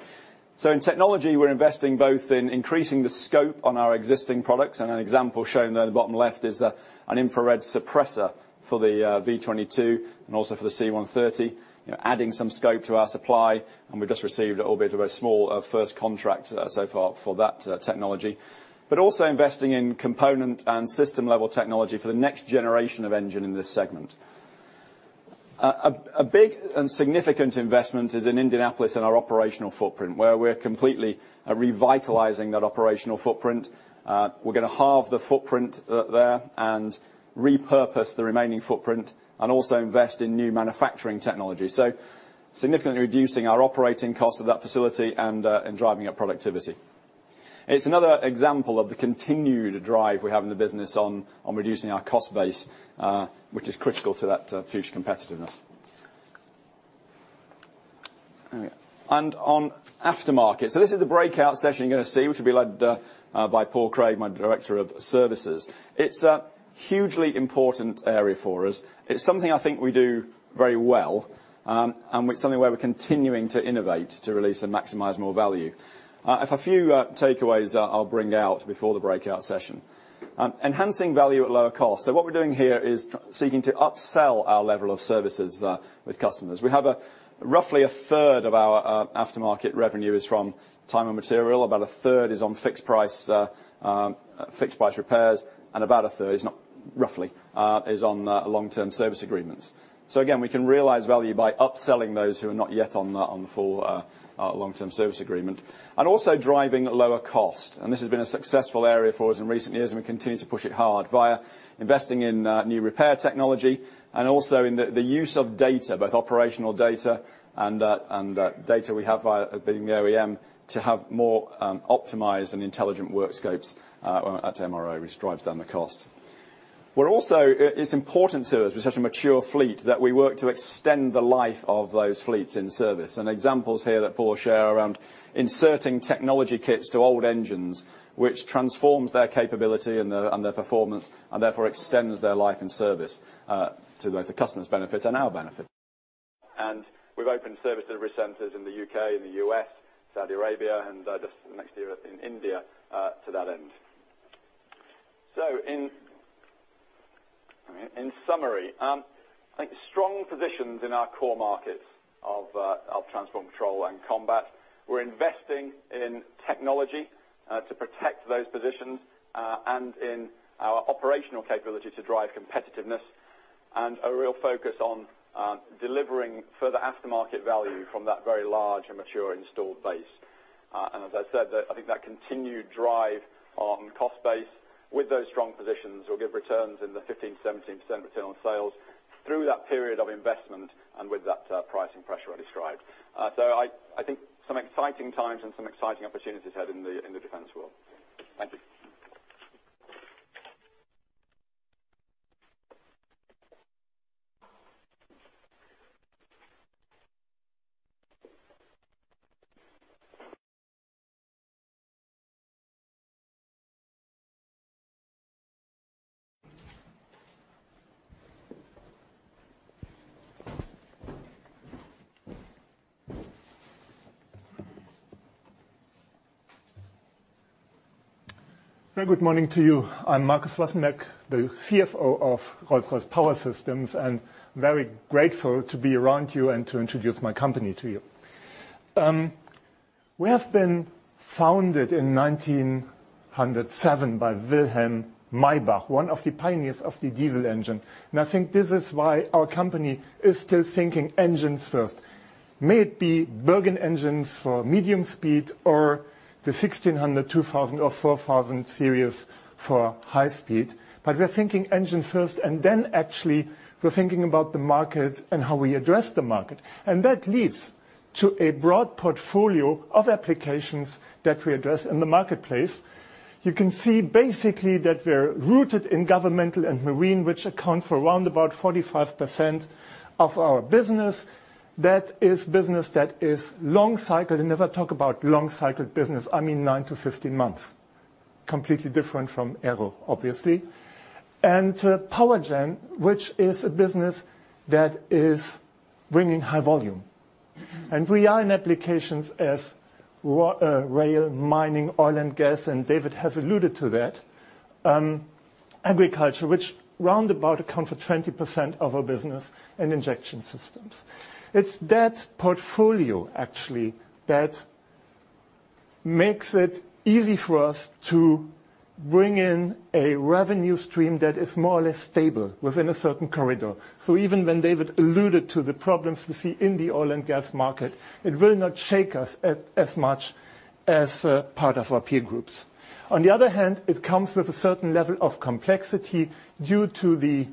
In technology, we're investing both in increasing the scope on our existing products, and an example shown there on the bottom left is an infrared suppressor for the V-22 and also for the C-130, adding some scope to our supply, and we just received a little bit of a small first contract so far for that technology. Also investing in component and system-level technology for the next generation of engine in this segment. A big and significant investment is in Indianapolis, in our operational footprint, where we're completely revitalizing that operational footprint. We're going to halve the footprint there and repurpose the remaining footprint and also invest in new manufacturing technology. Significantly reducing our operating cost of that facility and driving up productivity. It's another example of the continued drive we have in the business on reducing our cost base, which is critical to that future competitiveness. On aftermarket. This is the breakout session you're going to see, which will be led by Paul Craig, my Director of Services. It's a hugely important area for us. It's something I think we do very well, and something where we're continuing to innovate to release and maximize more value. I have a few takeaways I'll bring out before the breakout session. Enhancing value at lower cost. What we're doing here is seeking to upsell our level of services with customers. We have roughly a third of our aftermarket revenue is from time and material, about a third is on fixed price repairs, and about a third is, roughly, on long-term service agreements. Again, we can realize value by upselling those who are not yet on the full long-term service agreement. Also driving lower cost. This has been a successful area for us in recent years, and we continue to push it hard via investing in new repair technology and also in the use of data, both operational data and data we have via being the OEM to have more optimized and intelligent work scopes at MRO, which drives down the cost. It's important to us with such a mature fleet that we work to extend the life of those fleets in service. Examples here that Paul will share around inserting technology kits to old engines, which transforms their capability and their performance, and therefore extends their life and service to both the customer's benefit and our benefit. We've opened service delivery centers in the U.K. and the U.S., Saudi Arabia, and next year in India, to that end. In summary, I think strong positions in our core markets of transport, patrol, and combat. We're investing in technology to protect those positions and in our operational capability to drive competitiveness and a real focus on delivering further aftermarket value from that very large and mature installed base. As I said, I think that continued drive on cost base with those strong positions will give returns in the 15%-17% return on sales through that period of investment and with that pricing pressure I described. I think some exciting times and some exciting opportunities ahead in the defense world. Thank you. Very good morning to you. I'm Marcus Wassenberg, the CFO of Rolls-Royce Power Systems, and very grateful to be around you and to introduce my company to you. We have been founded in 1907 by Wilhelm Maybach, one of the pioneers of the diesel engine. I think this is why our company is still thinking engines first. May it be Bergen engines for medium speed or the 1600, 2000 or 4000 series for high speed, we're thinking engine first, and then actually we're thinking about the market and how we address the market. That leads to a broad portfolio of applications that we address in the marketplace. You can see basically that we're rooted in governmental and marine, which account for around about 45% of our business. That is business that is long cycle. When I talk about long cycled business, I mean 9-15 months. Completely different from Aero, obviously. Power gen, which is a business that is bringing high volume. We are in applications as rail, mining, oil and gas, and David has alluded to that. Agriculture, which roundabout account for 20% of our business, and injection systems. It's that portfolio, actually, that makes it easy for us to bring in a revenue stream that is more or less stable within a certain corridor. Even when David alluded to the problems we see in the oil and gas market, it will not shake us as much as part of our peer groups. On the other hand, it comes with a certain level of complexity due to the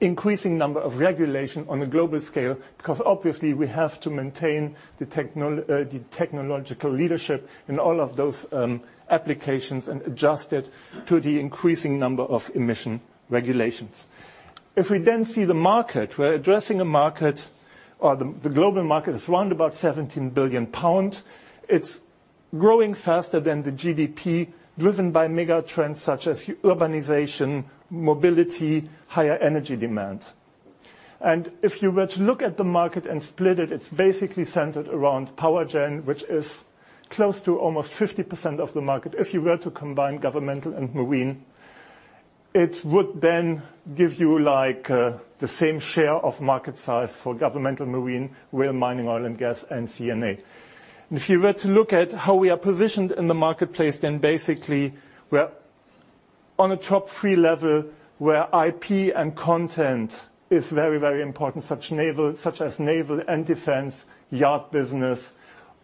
increasing number of regulation on a global scale, because obviously we have to maintain the technological leadership in all of those applications and adjust it to the increasing number of emission regulations. We're addressing a market, or the global market is around about 17 billion pounds. It's growing faster than the GDP driven by mega trends such as urbanization, mobility, higher energy demand. If you were to look at the market and split it's basically centered around power gen, which is close to almost 50% of the market. If you were to combine governmental and marine, it would then give you the same share of market size for governmental marine, rail, mining, oil and gas, and C&A. If you were to look at how we are positioned in the marketplace, then basically we're on a top 3 level where IP and content is very, very important, such as naval and defense, yard business,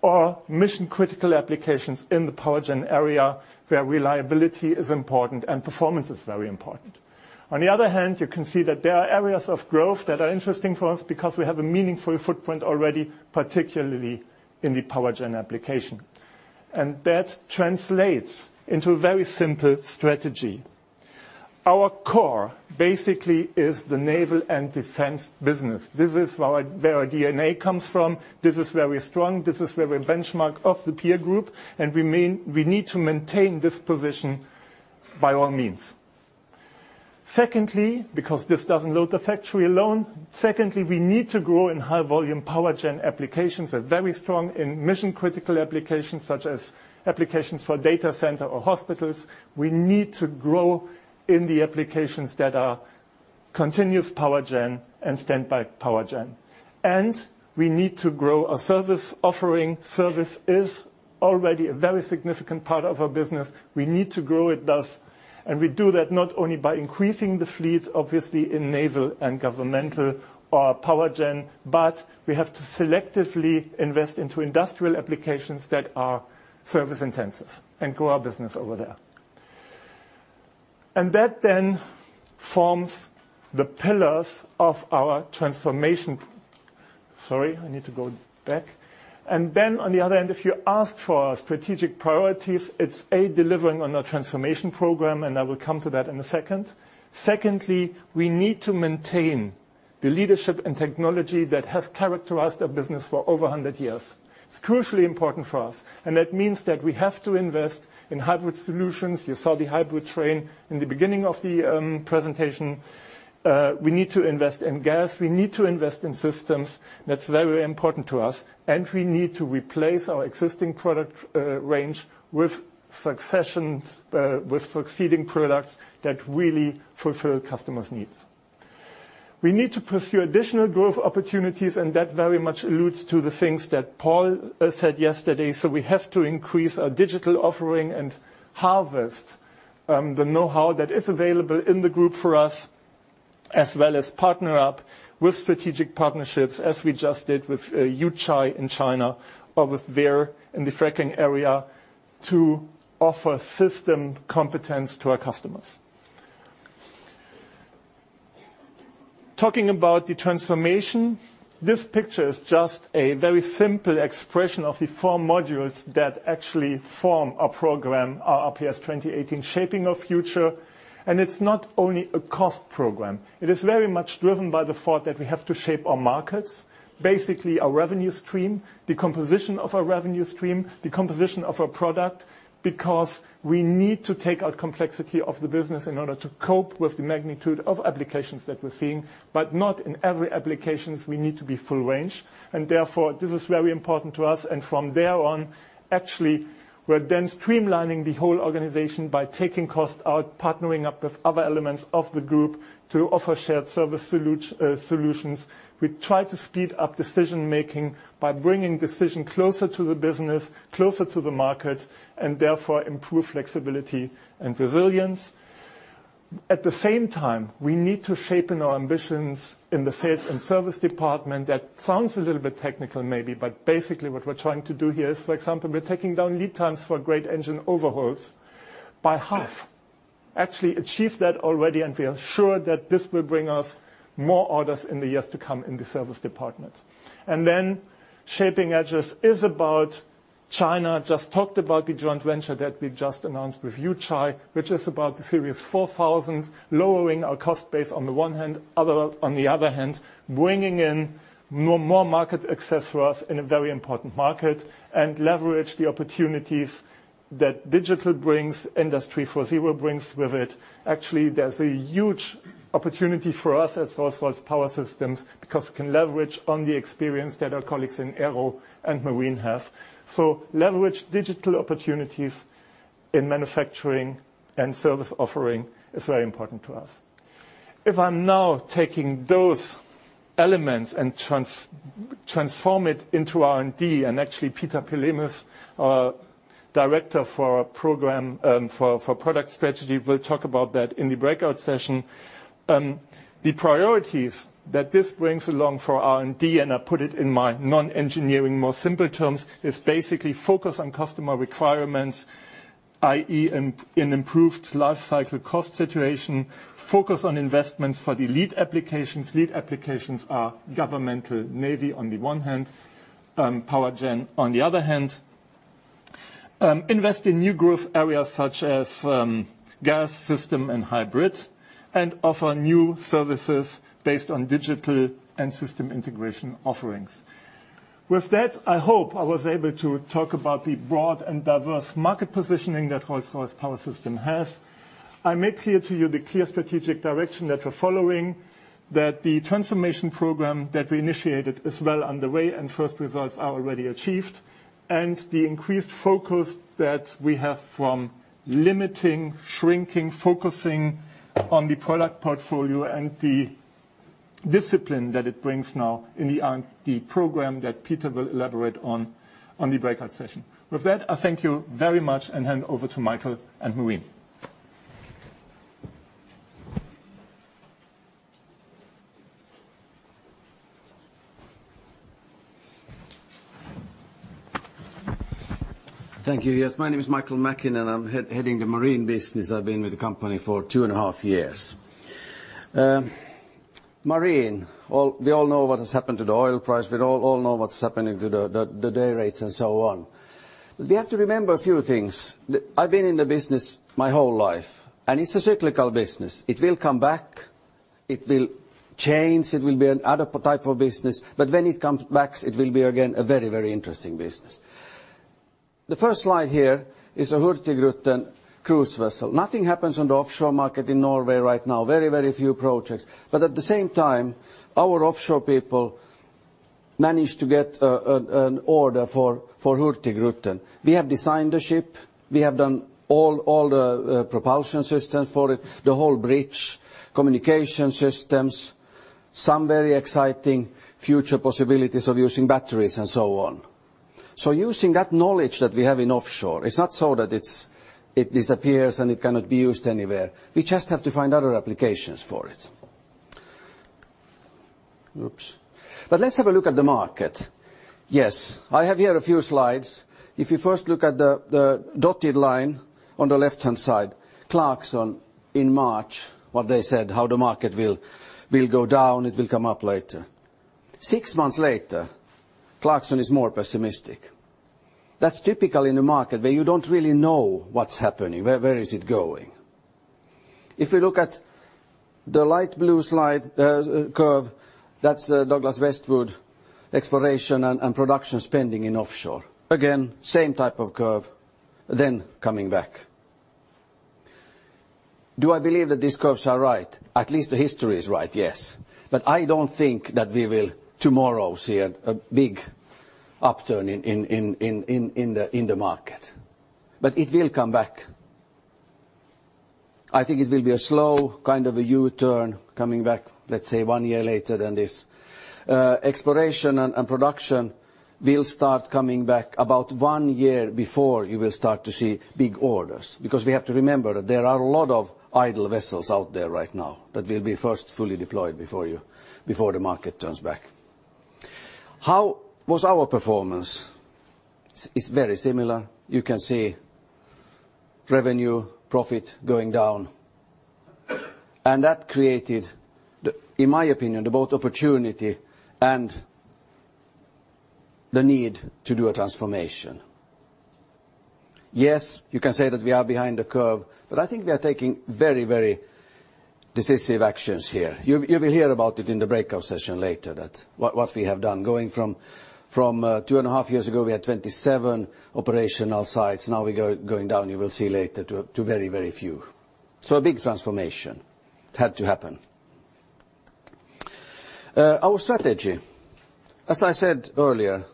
or mission-critical applications in the power gen area, where reliability is important and performance is very important. On the other hand, you can see that there are areas of growth that are interesting for us because we have a meaningful footprint already, particularly in the power gen application. That translates into a very simple strategy. Our core basically is the naval and defense business. This is where our DNA comes from. This is where we're strong, this is where we benchmark of the peer group, and we need to maintain this position by all means. Secondly, because this doesn't load the factory alone. Secondly, we need to grow in high volume power gen applications. We're very strong in mission critical applications such as applications for data center or hospitals. We need to grow in the applications that are continuous power gen and standby power gen. We need to grow our service offering. Service is already a very significant part of our business. We need to grow it thus, we do that not only by increasing the fleet, obviously in naval and governmental or power gen, but we have to selectively invest into industrial applications that are service intensive and grow our business over there. That then forms the pillars of our transformation. Sorry, I need to go back. Then on the other end, if you ask for strategic priorities, it's, A, delivering on our transformation program, and I will come to that in a second. Secondly, we need to maintain the leadership and technology that has characterized our business for over 100 years. It's crucially important for us. That means that we have to invest in hybrid solutions. You saw the hybrid train in the beginning of the presentation. We need to invest in gas. We need to invest in systems. That's very important to us. We need to replace our existing product range with succeeding products that really fulfill customers' needs. We need to pursue additional growth opportunities, and that very much alludes to the things that Paul said yesterday. We have to increase our digital offering and harvest the knowhow that is available in the group for us, as well as partner up with strategic partnerships as we just did with Yuchai in China or with Weir in the fracking area to offer system competence to our customers. Talking about the transformation, this picture is just a very simple expression of the four modules that actually form our program, our PS 2018 Shaping Our Future. It's not only a cost program. It is very much driven by the thought that we have to shape our markets, basically our revenue stream, the composition of our revenue stream, the composition of our product, because we need to take out complexity of the business in order to cope with the magnitude of applications that we're seeing, but not in every applications we need to be full range. Therefore, this is very important to us. From there on, actually, we're then streamlining the whole organization by taking cost out, partnering up with other elements of the group to offer shared service solutions. We try to speed up decision-making by bringing decision closer to the business, closer to the market, and therefore improve flexibility and resilience. At the same time, we need to sharpen our ambitions in the sales and service department. That sounds a little bit technical maybe, but basically what we're trying to do here is, for example, we're taking down lead times for great engine overhauls by half. Actually achieved that already, and we are sure that this will bring us more orders in the years to come in the service department. Shaping Edges is about China. Just talked about the joint venture that we just announced with Yuchai, which is about the Series 4000, lowering our cost base on the one hand, on the other hand, bringing in more market access for us in a very important market and leverage the opportunities that digital brings, Industry 4.0 brings with it. Actually, there's a huge opportunity for us at Rolls-Royce Power Systems because we can leverage on the experience that our colleagues in Aero and Marine have. Leverage digital opportunities in manufacturing and service offering is very important to us. If I'm now taking those elements and transform it into R&D. Actually, Peter Pelmus, Director for Product Strategy, will talk about that in the breakout session. The priorities that this brings along for R&D, and I put it in my non-engineering, more simple terms, is basically focus on customer requirements, i.e., an improved life cycle cost situation, focus on investments for the lead applications. Lead applications are governmental, Navy on the one hand, power gen on the other hand. Invest in new growth areas such as gas system and hybrid, and offer new services based on digital and system integration offerings. With that, I hope I was able to talk about the broad and diverse market positioning that Rolls-Royce Power Systems has. I made clear to you the clear strategic direction that we are following, that the transformation program that we initiated is well underway and first results are already achieved, and the increased focus that we have from limiting, shrinking, focusing on the product portfolio, and the discipline that it brings now in the R&D program that Peter will elaborate on the breakout session. With that, I thank you very much and hand over to Mikael and Marine. Thank you. Yes, my name is Mikael Makinen, and I am heading the marine business. I have been with the company for two and a half years. Marine. We all know what has happened to the oil price. We all know what is happening to the day rates and so on. We have to remember a few things. I have been in the business my whole life, and it is a cyclical business. It will come back. It will change. It will be an other type of business, but when it comes back, it will be, again, a very interesting business. The first slide here is a Hurtigruten cruise vessel. Nothing happens on the offshore market in Norway right now. Very few projects. At the same time, our offshore people managed to get an order for Hurtigruten. We have designed the ship, we have done all the propulsion systems for it, the whole bridge, communication systems, some very exciting future possibilities of using batteries, and so on. Using that knowledge that we have in offshore, it is not so that it disappears and it cannot be used anywhere. We just have to find other applications for it. Oops. Let us have a look at the market. Yes, I have here a few slides. If you first look at the dotted line on the left-hand side, Clarksons in March, what they said, how the market will go down, it will come up later. Six months later, Clarksons is more pessimistic. That is typical in a market where you do not really know what is happening, where is it going. If we look at the light blue curve, that is the Douglas-Westwood exploration and production spending in offshore. Again, same type of curve, coming back. Do I believe that these curves are right? At least the history is right, yes. I do not think that we will tomorrow see a big upturn in the market. It will come back. I think it will be a slow kind of a U-turn coming back, let us say, one year later than this. Exploration and production will start coming back about one year before you will start to see big orders. We have to remember that there are a lot of idle vessels out there right now that will be first fully deployed before the market turns back. How was our performance? It is very similar. You can see revenue, profit going down. That created, in my opinion, both opportunity and the need to do a transformation. You can say that we are behind the curve. I think we are taking very decisive actions here. You will hear about it in the breakout session later, what we have done. Going from 2.5 years ago, we had 27 operational sites. Now we're going down, you will see later, to very few. A big transformation had to happen. Our strategy. As I said earlier,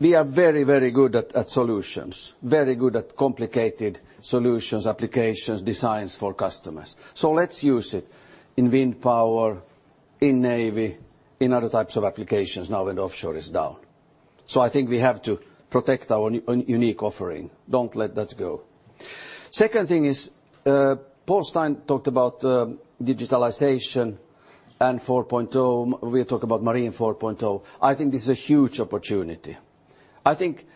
we are very good at solutions, very good at complicated solutions, applications, designs for customers. Let's use it in wind power, in Navy, in other types of applications now when offshore is down. I think we have to protect our unique offering. Don't let that go. Second thing is, Paul Stein talked about digitalization and 4.0. We are talking about Marine 4.0. I think this is a huge opportunity. I think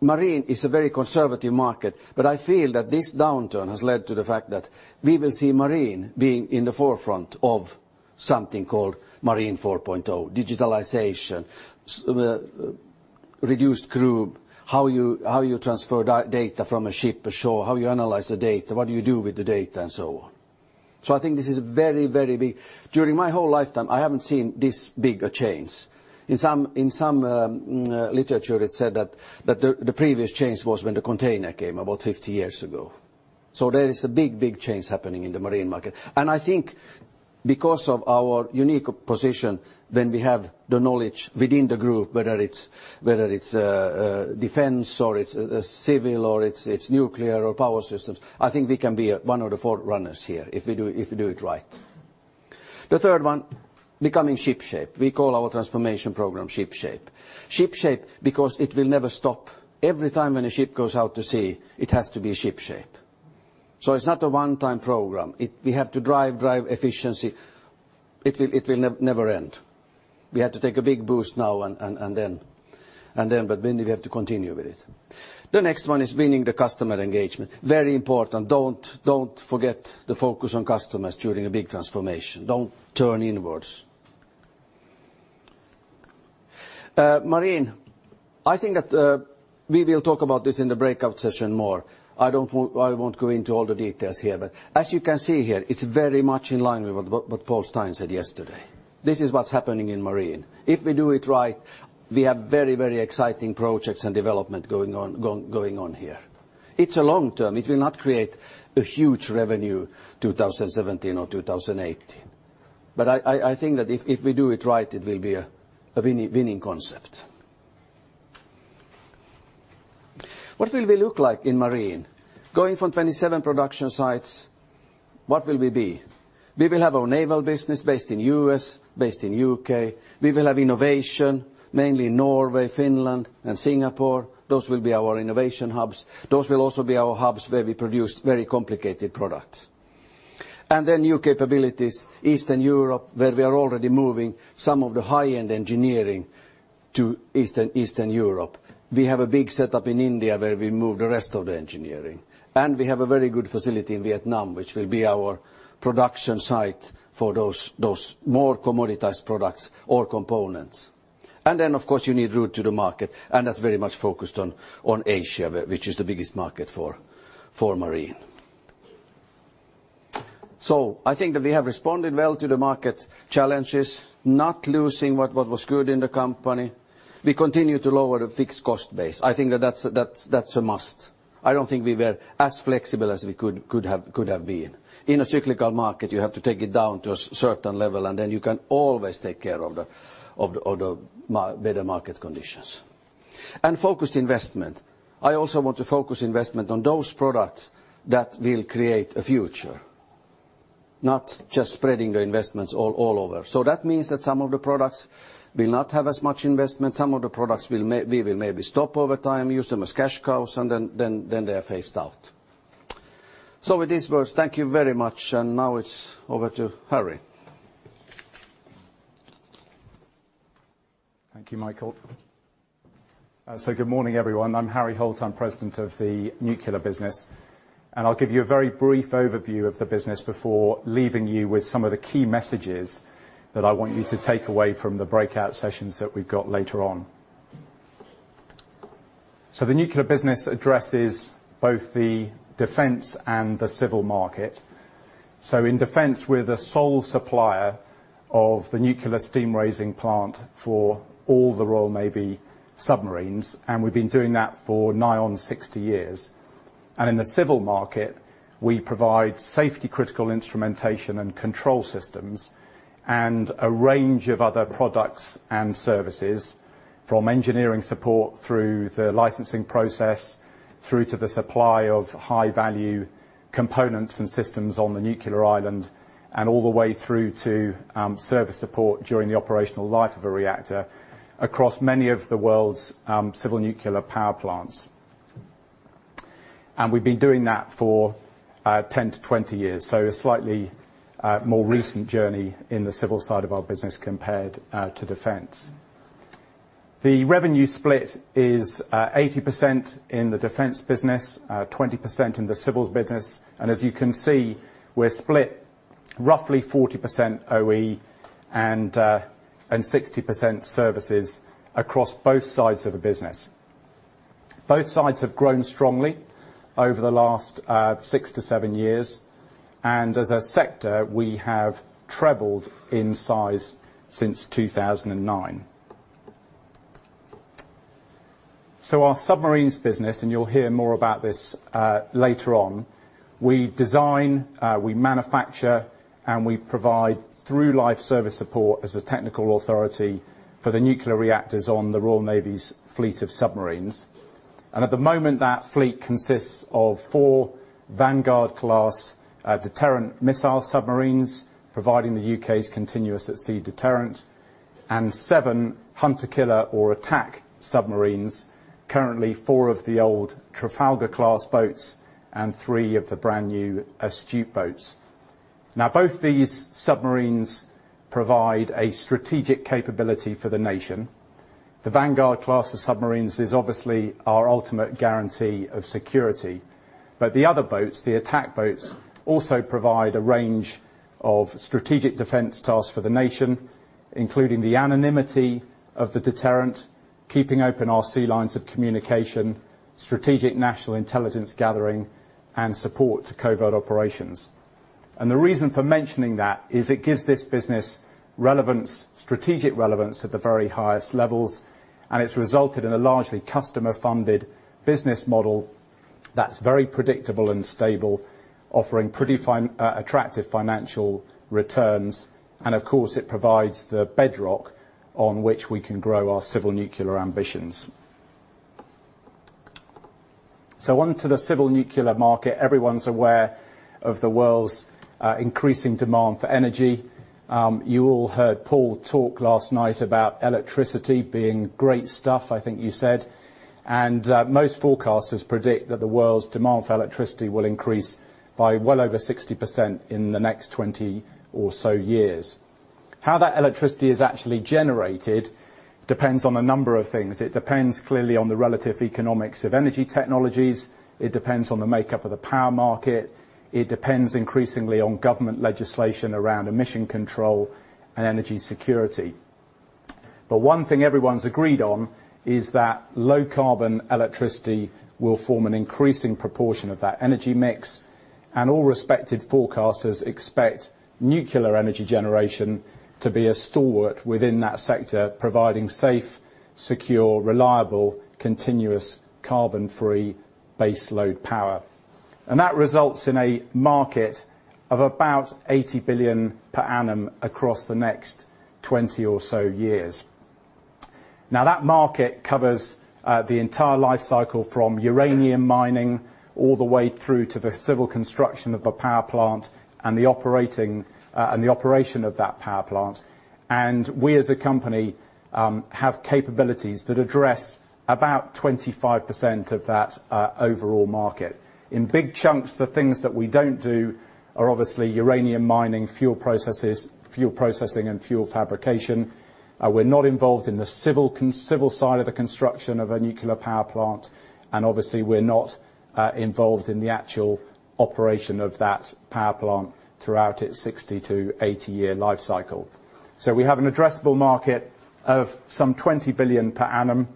marine is a very conservative market. I feel that this downturn has led to the fact that we will see marine being in the forefront of something called Marine 4.0, digitalization, reduced crew, how you transfer data from a ship ashore, how you analyze the data, what do you do with the data, and so on. I think this is very big. During my whole lifetime, I haven't seen this big a change. In some literature, it's said that the previous change was when the container came about 50 years ago. There is a big change happening in the marine market. I think because of our unique position, when we have the knowledge within the group, whether it's defense or it's civil or it's nuclear or power systems, I think we can be one of the forerunners here if we do it right. The third one, becoming Ship Shape. We call our transformation program Ship Shape. Ship Shape because it will never stop. Every time when a ship goes out to sea, it has to be ship shape. It's not a one-time program. We have to drive efficiency. It will never end. We have to take a big boost now and then. We have to continue with it. The next one is winning the customer engagement. Very important. Don't forget to focus on customers during a big transformation. Don't turn inwards. Marine, I think that we will talk about this in the breakout session more. I won't go into all the details here. As you can see here, it's very much in line with what Paul Stein said yesterday. This is what's happening in Marine. If we do it right, we have very exciting projects and development going on here. It's a long term. It will not create a huge revenue 2017 or 2018. I think that if we do it right, it will be a winning concept. What will we look like in Marine? Going from 27 production sites, what will we be? We will have our naval business based in U.S., based in U.K. We will have innovation, mainly Norway, Finland, and Singapore. Those will be our innovation hubs. Those will also be our hubs where we produce very complicated products. New capabilities, Eastern Europe, where we are already moving some of the high-end engineering to Eastern Europe. We have a big setup in India where we move the rest of the engineering, and we have a very good facility in Vietnam, which will be our production site for those more commoditized products or components. Then, of course, you need route to the market, and that's very much focused on Asia, which is the biggest market for Marine. I think that we have responded well to the market challenges, not losing what was good in the company. We continue to lower the fixed cost base. I think that that's a must. I don't think we were as flexible as we could have been. In a cyclical market, you have to take it down to a certain level, and then you can always take care of the better market conditions. Focused investment. I also want to focus investment on those products that will create a future, not just spreading the investments all over. That means that some of the products will not have as much investment. Some of the products we will maybe stop over time, use them as cash cows, and then they are phased out. With these words, thank you very much. Now it's over to Harry. Thank you, Mikael. Good morning, everyone. I'm Harry Holt. I'm President of the Nuclear business, and I'll give you a very brief overview of the business before leaving you with some of the key messages that I want you to take away from the breakout sessions that we've got later on. The Nuclear business addresses both the defense and the civil market. In defense, we're the sole supplier of the nuclear steam raising plant for all the Royal Navy submarines, and we've been doing that for nigh on 60 years. In the civil market, we provide safety critical instrumentation and control systems and a range of other products and services, from engineering support through the licensing process, through to the supply of high-value components and systems on the nuclear island, and all the way through to service support during the operational life of a reactor across many of the world's civil nuclear power plants. We've been doing that for 10 to 20 years. A slightly more recent journey in the civil side of our business compared to defense. The revenue split is 80% in the defense business, 20% in the civil business. As you can see, we're split roughly 40% OE and 60% services across both sides of the business. Both sides have grown strongly over the last six to seven years, and as a sector, we have trebled in size since 2009. Our submarines business, you'll hear more about this later on, we design, we manufacture, and we provide through-life service support as a technical authority for the nuclear reactors on the Royal Navy's fleet of submarines. At the moment, that fleet consists of 4 Vanguard-class deterrent missile submarines, providing the U.K.'s continuous at-sea deterrence, and seven hunter-killer or attack submarines, currently 4 of the old Trafalgar-class boats and three of the brand-new Astute boats. Both these submarines provide a strategic capability for the nation. The Vanguard class of submarines is obviously our ultimate guarantee of security. The other boats, the attack boats, also provide a range of strategic defense tasks for the nation, including the anonymity of the deterrent, keeping open our sea lines of communication, strategic national intelligence gathering, and support to covert operations. The reason for mentioning that is it gives this business strategic relevance at the very highest levels, it's resulted in a largely customer-funded business model that's very predictable and stable, offering pretty attractive financial returns. Of course, it provides the bedrock on which we can grow our civil nuclear ambitions. On to the civil nuclear market. Everyone's aware of the world's increasing demand for energy. You all heard Paul talk last night about electricity being great stuff, I think you said. Most forecasters predict that the world's demand for electricity will increase by well over 60% in the next 20 or so years. How that electricity is actually generated depends on a number of things. It depends clearly on the relative economics of energy technologies. It depends on the makeup of the power market. It depends increasingly on government legislation around emission control and energy security. One thing everyone's agreed on is that low carbon electricity will form an increasing proportion of that energy mix, and all respected forecasters expect nuclear energy generation to be a stalwart within that sector, providing safe, secure, reliable, continuous carbon-free baseload power. That results in a market of about 80 billion per annum across the next 20 or so years. That market covers the entire life cycle, from uranium mining all the way through to the civil construction of a power plant and the operation of that power plant. We, as a company, have capabilities that address about 25% of that overall market. In big chunks, the things that we don't do are obviously uranium mining, fuel processes, fuel processing, and fuel fabrication. We're not involved in the civil side of the construction of a nuclear power plant, and obviously, we're not involved in the actual operation of that power plant throughout its 60 to 80-year life cycle. We have an addressable market of some 20 billion per annum.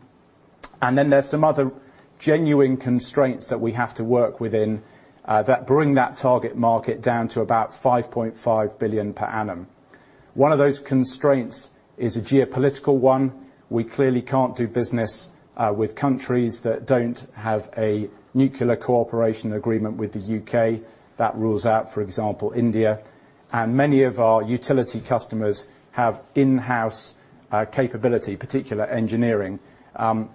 Then there's some other genuine constraints that we have to work within that bring that target market down to about 5.5 billion per annum. One of those constraints is a geopolitical one. We clearly can't do business with countries that don't have a nuclear cooperation agreement with the U.K. That rules out, for example, India. Many of our utility customers have in-house capability, particular engineering,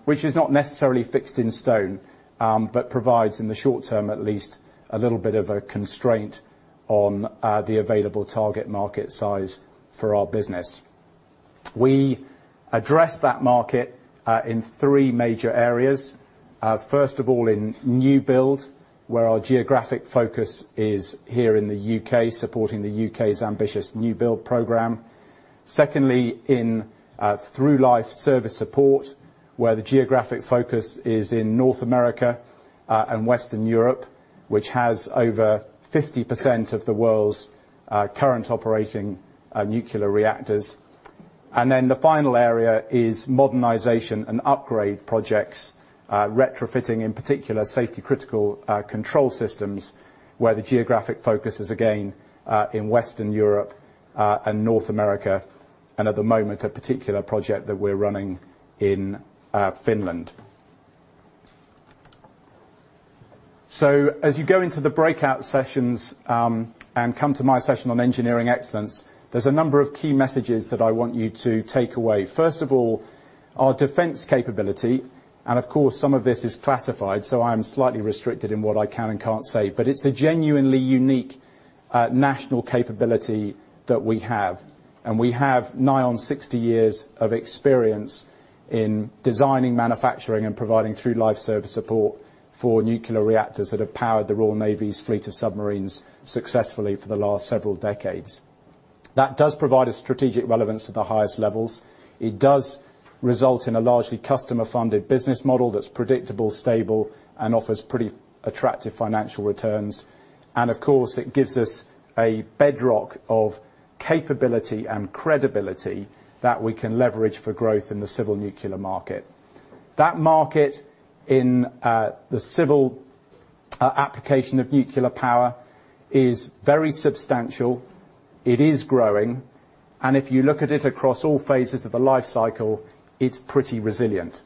which is not necessarily fixed in stone, but provides, in the short term at least, a little bit of a constraint on the available target market size for our business. We address that market in three major areas. First of all, in new build, where our geographic focus is here in the U.K., supporting the U.K.'s ambitious new build program. Secondly, in through life service support, where the geographic focus is in North America and Western Europe, which has over 50% of the world's current operating nuclear reactors. The final area is modernization and upgrade projects, retrofitting, in particular, safety critical control systems, where the geographic focus is, again, in Western Europe and North America, and at the moment, a particular project that we're running in Finland. As you go into the breakout sessions and come to my session on engineering excellence, there's a number of key messages that I want you to take away. First of all, our defense capability, of course, some of this is classified, I am slightly restricted in what I can and can't say, but it's a genuinely unique national capability that we have. We have nigh on 60 years of experience in designing, manufacturing, and providing through life service support for nuclear reactors that have powered the Royal Navy's fleet of submarines successfully for the last several decades. That does provide a strategic relevance at the highest levels. It does result in a largely customer-funded business model that's predictable, stable, and offers pretty attractive financial returns. Of course, it gives us a bedrock of capability and credibility that we can leverage for growth in the civil nuclear market. That market in the civil application of nuclear power is very substantial. It is growing, if you look at it across all phases of the life cycle, it's pretty resilient.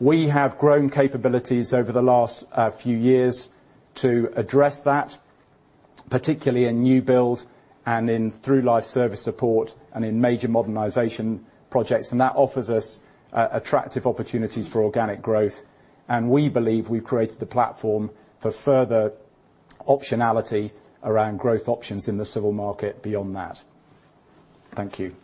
We have grown capabilities over the last few years to address that, particularly in new build and in through life service support and in major modernization projects, that offers us attractive opportunities for organic growth, we believe we've created the platform for further optionality around growth options in the civil market beyond that. Thank you.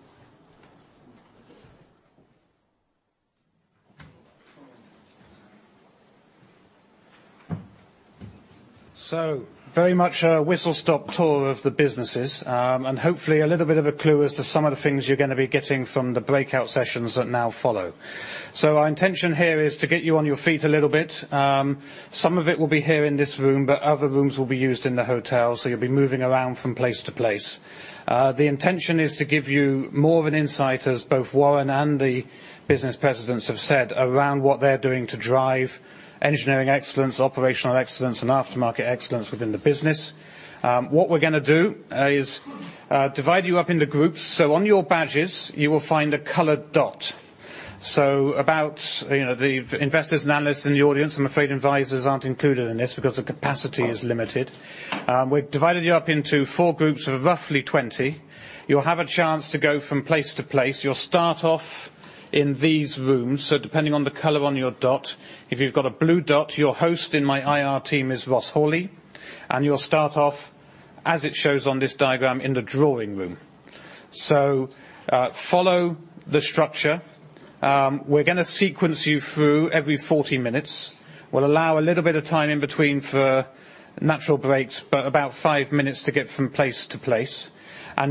Very much a whistle-stop tour of the businesses, hopefully a little bit of a clue as to some of the things you're going to be getting from the breakout sessions that now follow. Our intention here is to get you on your feet a little bit. Some of it will be here in this room, other rooms will be used in the hotel, you'll be moving around from place to place. The intention is to give you more of an insight, as both Warren and the business presidents have said, around what they're doing to drive engineering excellence, operational excellence, and aftermarket excellence within the business. What we're going to do is divide you up into groups. On your badges, you will find a colored dot. About the investors and analysts in the audience, I'm afraid advisors aren't included in this because the capacity is limited. We've divided you up into four groups of roughly 20. You'll have a chance to go from place to place. You'll start off in these rooms, depending on the color on your dot. If you've got a blue dot, your host in my IR team is Ross Hawley, and you'll start off as it shows on this diagram in the drawing room. Follow the structure. We're going to sequence you through every 40 minutes. We'll allow a little bit of time in between for natural breaks, but about five minutes to get from place to place.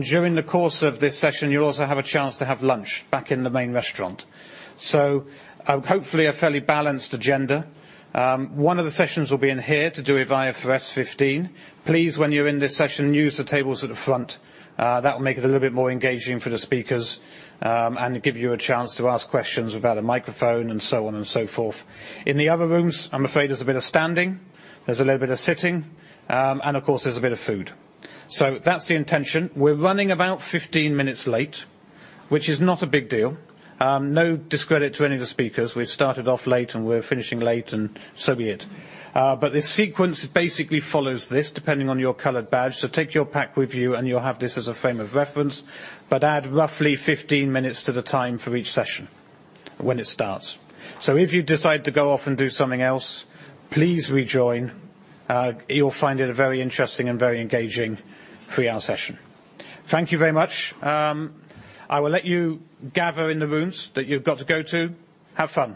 During the course of this session, you'll also have a chance to have lunch back in the main restaurant. Hopefully a fairly balanced agenda. One of the sessions will be in here to do IFRS 15. Please, when you're in this session, use the tables at the front. That will make it a little bit more engaging for the speakers, and give you a chance to ask questions without a microphone, and so on and so forth. In the other rooms, I'm afraid there's a bit of standing, there's a little bit of sitting, and of course, there's a bit of food. That's the intention. We're running about 15 minutes late, which is not a big deal. No discredit to any of the speakers. We've started off late and we're finishing late, and so be it. The sequence basically follows this, depending on your colored badge. Take your pack with you and you'll have this as a frame of reference, but add roughly 15 minutes to the time for each session when it starts. If you decide to go off and do something else, please rejoin. You'll find it a very interesting and very engaging three-hour session. Thank you very much. I will let you gather in the rooms that you've got to go to. Have fun.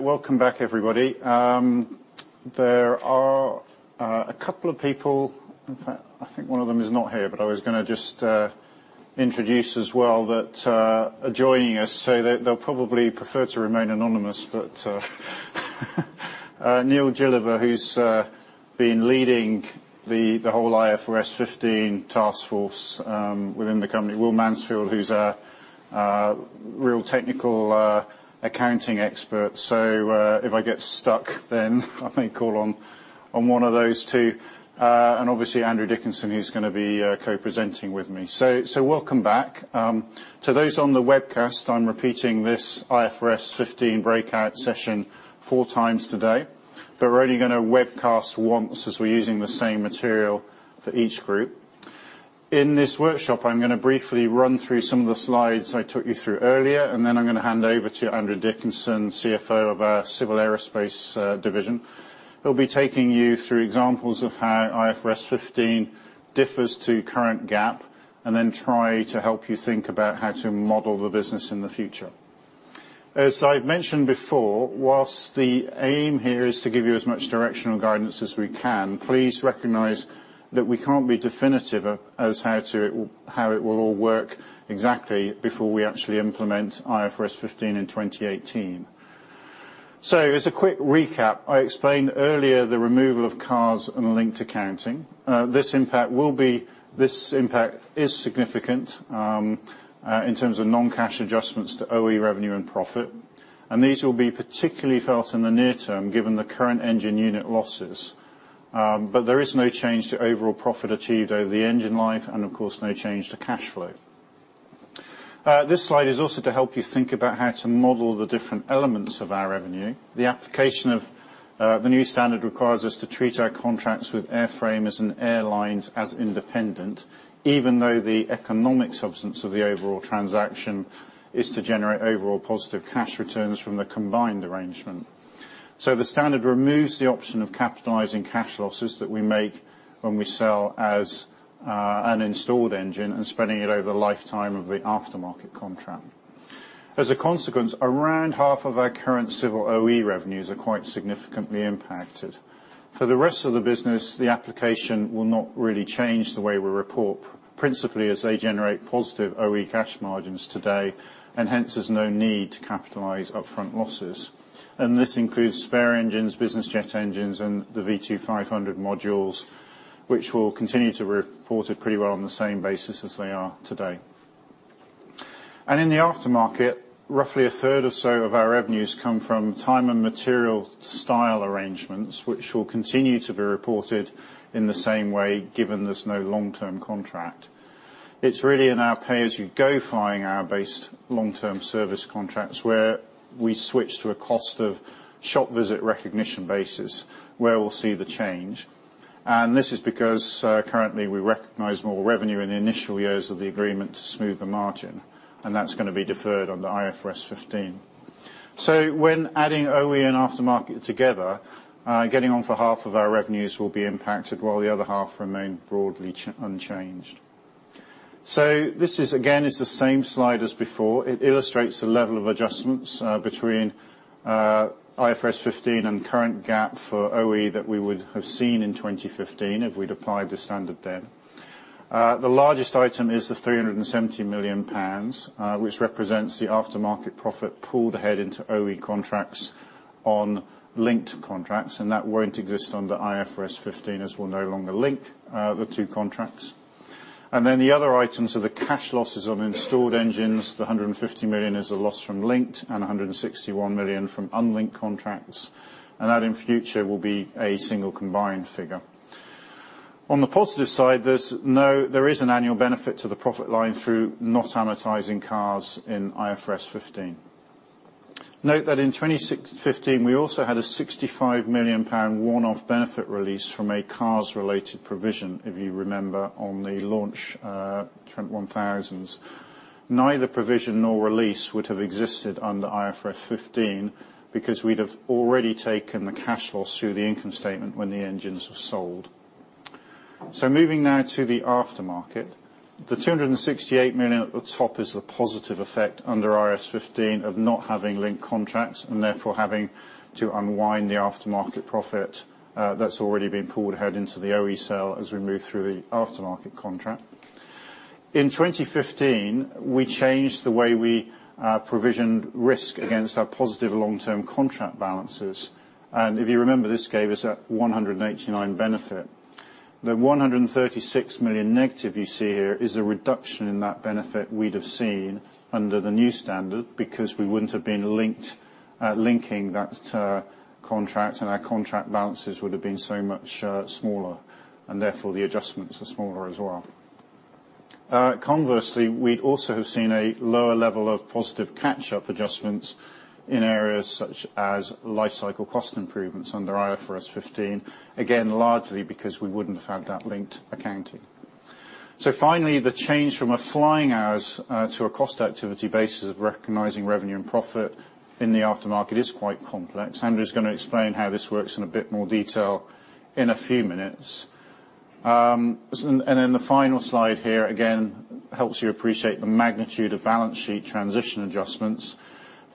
Welcome back, everybody. There are a couple of people, in fact, I think one of them is not here, but I was going to just introduce as well that are joining us. They'll probably prefer to remain anonymous, but Neil Gilliver, who's been leading the whole IFRS 15 task force within the company. Will Mansfield, who's a real technical accounting expert. If I get stuck, then I may call on one of those two. Obviously Andrew Dickinson, who's going to be co-presenting with me. Welcome back. To those on the webcast, I'm repeating this IFRS 15 breakout session four times today, but we're only going to webcast once as we're using the same material for each group. In this workshop, I'm going to briefly run through some of the slides I took you through earlier, then I'm going to hand over to Andrew Dickinson, CFO of our Civil Aerospace Division, who'll be taking you through examples of how IFRS 15 differs to current GAAP, then try to help you think about how to model the business in the future. As I've mentioned before, whilst the aim here is to give you as much directional guidance as we can, please recognize that we can't be definitive as how it will all work exactly before we actually implement IFRS 15 in 2018. As a quick recap, I explained earlier the removal of CARs and linked accounting. This impact is significant in terms of non-cash adjustments to OE revenue and profit, and these will be particularly felt in the near term given the current engine unit losses. There is no change to overall profit achieved over the engine life and of course no change to cash flow. This slide is also to help you think about how to model the different elements of our revenue. The application of the new standard requires us to treat our contracts with airframers and airlines as independent, even though the economic substance of the overall transaction is to generate overall positive cash returns from the combined arrangement. The standard removes the option of capitalizing cash losses that we make when we sell as an installed engine and spreading it over the lifetime of the aftermarket contract. As a consequence, around half of our current civil OE revenues are quite significantly impacted. For the rest of the business, the application will not really change the way we report, principally as they generate positive OE cash margins today and hence there's no need to capitalize upfront losses. This includes spare engines, business jet engines, and the V2500 modules, which we'll continue to report it pretty well on the same basis as they are today. In the aftermarket, roughly a third or so of our revenues come from time and material style arrangements, which will continue to be reported in the same way given there's no long-term contract. It's really in our pay as you go flying hour based long-term service contracts where we switch to a cost of shop visit recognition basis where we'll see the change. This is because currently we recognize more revenue in the initial years of the agreement to smooth the margin, and that's going to be deferred under IFRS 15. When adding OE and aftermarket together, getting on for half of our revenues will be impacted while the other half remain broadly unchanged. This is again is the same slide as before. It illustrates the level of adjustments between IFRS 15 and current GAAP for OE that we would have seen in 2015 if we'd applied the standard then. The largest item is the 370 million pounds, which represents the aftermarket profit pulled ahead into OE contracts on linked contracts. That won't exist under IFRS 15 as we'll no longer link the two contracts. Then the other items are the cash losses on installed engines. The 150 million is a loss from linked and 161 million from unlinked contracts. That in future will be a single combined figure. On the positive side, there is an annual benefit to the profit line through not amortizing CARs in IFRS 15. Note that in 2015, we also had a 65 million pound one-off benefit release from a CARs related provision, if you remember on the launch Trent 1000s. Neither provision nor release would have existed under IFRS 15 because we'd have already taken the cash loss through the income statement when the engines were sold. Moving now to the aftermarket. The 268 million at the top is the positive effect under IFRS 15 of not having linked contracts and therefore having to unwind the aftermarket profit that's already been pulled ahead into the OE sale as we move through the aftermarket contract. In 2015, we changed the way we provisioned risk against our positive long-term contract balances. If you remember, this gave us that 189 benefit. The 136 million negative you see here is a reduction in that benefit we'd have seen under the new standard because we wouldn't have been linking that contract and our contract balances would have been so much smaller and therefore the adjustments are smaller as well. Conversely, we'd also have seen a lower level of positive catch-up adjustments in areas such as life cycle cost improvements under IFRS 15, again, largely because we wouldn't have had that linked accounting. Finally, the change from a flying hours to a cost activity basis of recognizing revenue and profit in the aftermarket is quite complex. Andrew is going to explain how this works in a bit more detail in a few minutes. The final slide here, again, helps you appreciate the magnitude of balance sheet transition adjustments.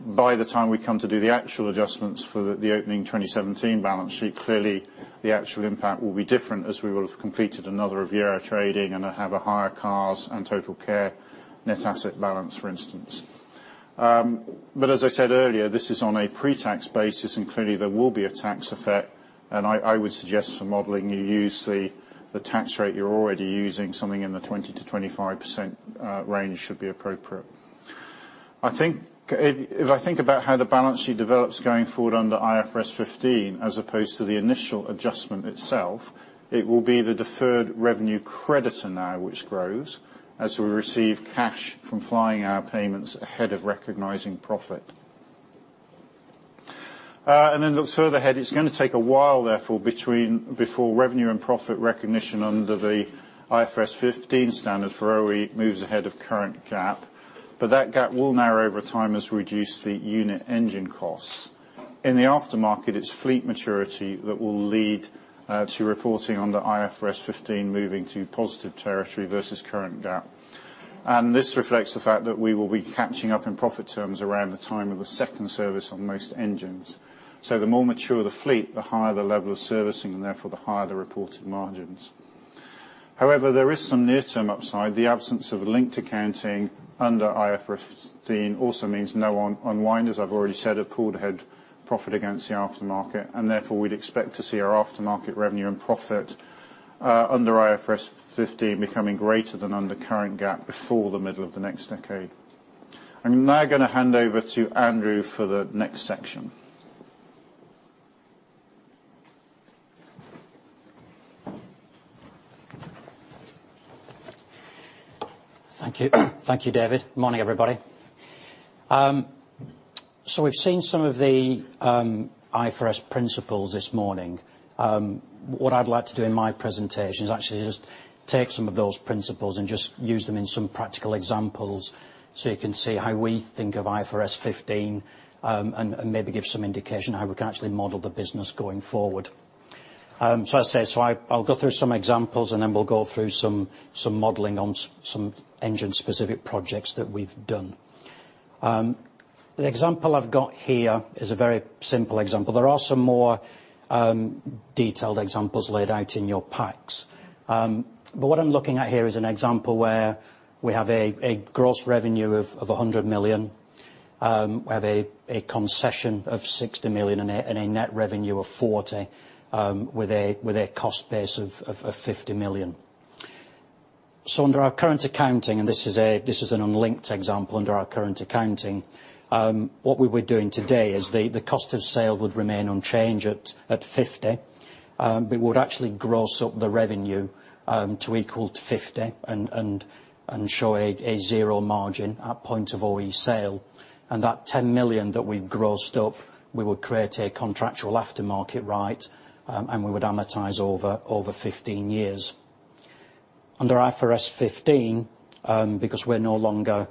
By the time we come to do the actual adjustments for the opening 2017 balance sheet, clearly the actual impact will be different as we will have completed another year of trading and have a higher CARs and TotalCare net asset balance, for instance. As I said earlier, this is on a pre-tax basis, and clearly there will be a tax effect. I would suggest for modeling you use the tax rate you're already using, something in the 20%-25% range should be appropriate. If I think about how the balance sheet develops going forward under IFRS 15 as opposed to the initial adjustment itself, it will be the deferred revenue creditor now which grows as we receive cash from flying hour payments ahead of recognizing profit. Look further ahead, it's going to take a while, therefore, before revenue and profit recognition under the IFRS 15 standard for OE moves ahead of current GAAP. That gap will narrow over time as we reduce the unit engine costs. In the aftermarket, it's fleet maturity that will lead to reporting under IFRS 15 moving to positive territory versus current GAAP. This reflects the fact that we will be catching up in profit terms around the time of the second service on most engines. The more mature the fleet, the higher the level of servicing, and therefore the higher the reported margins. However, there is some near-term upside. The absence of linked accounting under IFRS 15 also means no unwind, as I've already said, of pulled ahead profit against the aftermarket, and therefore we'd expect to see our aftermarket revenue and profit under IFRS 15 becoming greater than under current GAAP before the middle of the next decade. I'm now going to hand over to Andrew for the next section. Thank you, David. Morning, everybody. We've seen some of the IFRS principles this morning. What I'd like to do in my presentation is actually just take some of those principles and just use them in some practical examples so you can see how we think of IFRS 15, and maybe give some indication how we can actually model the business going forward. As I said, I'll go through some examples, and then we'll go through some modeling on some engine-specific projects that we've done. The example I've got here is a very simple example. There are some more detailed examples laid out in your packs. What I'm looking at here is an example where we have a gross revenue of 100 million, we have a concession of 60 million, and a net revenue of 40 with a cost base of 50 million. Under our current accounting, and this is an unlinked example under our current accounting, what we were doing today is the cost of sale would remain unchanged at 50, but it would actually gross up the revenue to equal to 50 and show a zero margin at point of OE sale. That 10 million that we grossed up, we would create a contractual aftermarket right, and we would amortize over 15 years. Under IFRS 15, because we're no longer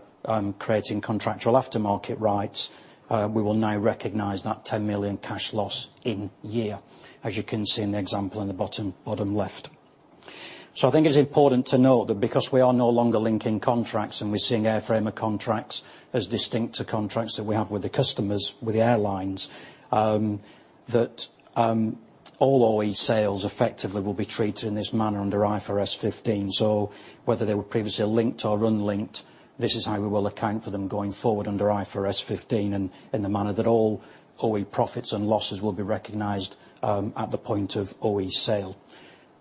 creating contractual aftermarket rights, we will now recognize that 10 million cash loss in year, as you can see in the example in the bottom left. I think it's important to note that because we are no longer linking contracts and we're seeing airframer contracts as distinct to contracts that we have with the customers, with the airlines, that all OE sales effectively will be treated in this manner under IFRS 15. Whether they were previously linked or unlinked, this is how we will account for them going forward under IFRS 15 and in the manner that all OE profits and losses will be recognized at the point of OE sale.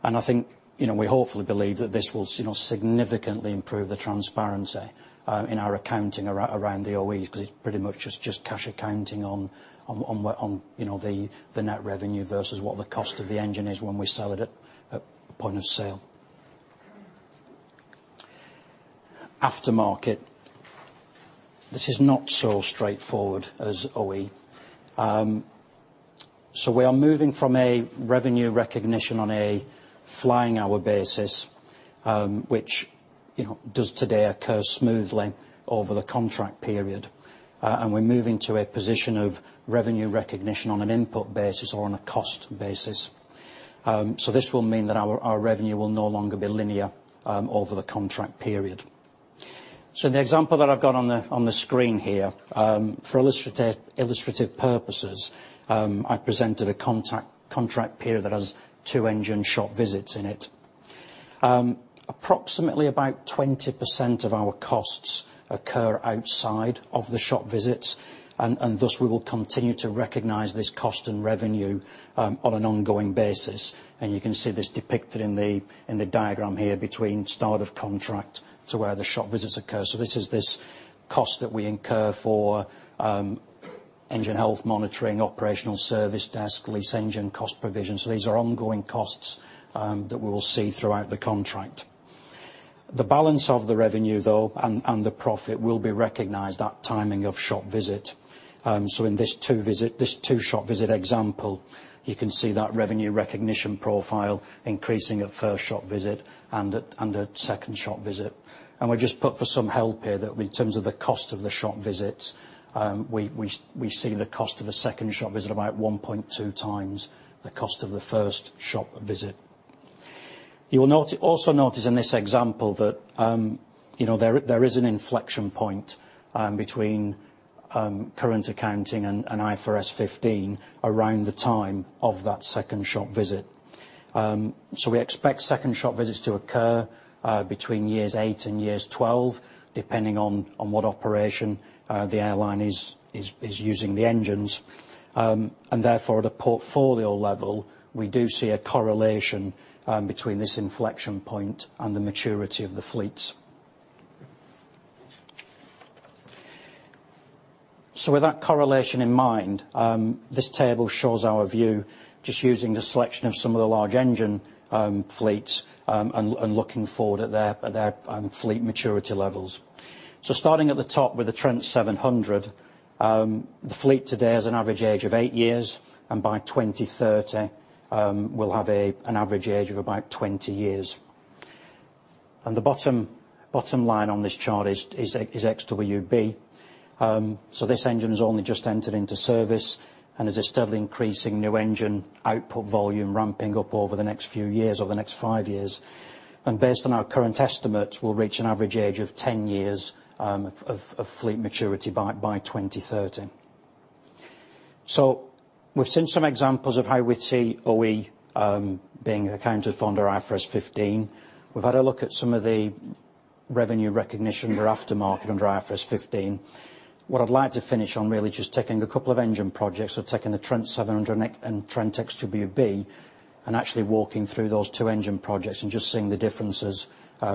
I think we hopefully believe that this will significantly improve the transparency in our accounting around the OEs, because it's pretty much just cash accounting on the net revenue versus what the cost of the engine is when we sell it at point of sale. Aftermarket. This is not so straightforward as OE. We are moving from a revenue recognition on a flying hour basis, which does today occur smoothly over the contract period. We're moving to a position of revenue recognition on an input basis or on a cost basis. This will mean that our revenue will no longer be linear over the contract period. The example that I've got on the screen here, for illustrative purposes, I presented a contract period that has two engine shop visits in it. Approximately about 20% of our costs occur outside of the shop visits, and thus we will continue to recognize this cost and revenue on an ongoing basis. You can see this depicted in the diagram here between start of contract to where the shop visits occur. This is this cost that we incur for engine health monitoring, operational service desk, leased engine cost provisions. These are ongoing costs that we will see throughout the contract. The balance of the revenue, though, and the profit will be recognized at timing of shop visit. In this two shop visit example, you can see that revenue recognition profile increasing at first shop visit and at second shop visit. We just put for some help here that in terms of the cost of the shop visits, we see the cost of a second shop visit about 1.2 times the cost of the first shop visit. You will also notice in this example that there is an inflection point between current accounting and IFRS 15 around the time of that second shop visit. We expect second shop visits to occur between years eight and years 12, depending on what operation the airline is using the engines. Therefore, at a portfolio level, we do see a correlation between this inflection point and the maturity of the fleets. With that correlation in mind, this table shows our view, just using the selection of some of the large engine fleets, and looking forward at their fleet maturity levels. Starting at the top with the Trent 700, the fleet today has an average age of eight years, and by 2030, will have an average age of about 20 years. The bottom line on this chart is XWB. This engine has only just entered into service and is a steadily increasing new engine output volume ramping up over the next few years, over the next five years. Based on our current estimate, will reach an average age of 10 years of fleet maturity by 2030. We've seen some examples of how we see OE being accounted for under IFRS 15. We've had a look at some of the revenue recognition for aftermarket under IFRS 15. What I'd like to finish on, really just taking a couple of engine projects. We're taking the Trent 700 and Trent XWB and actually walking through those two engine projects and just seeing the differences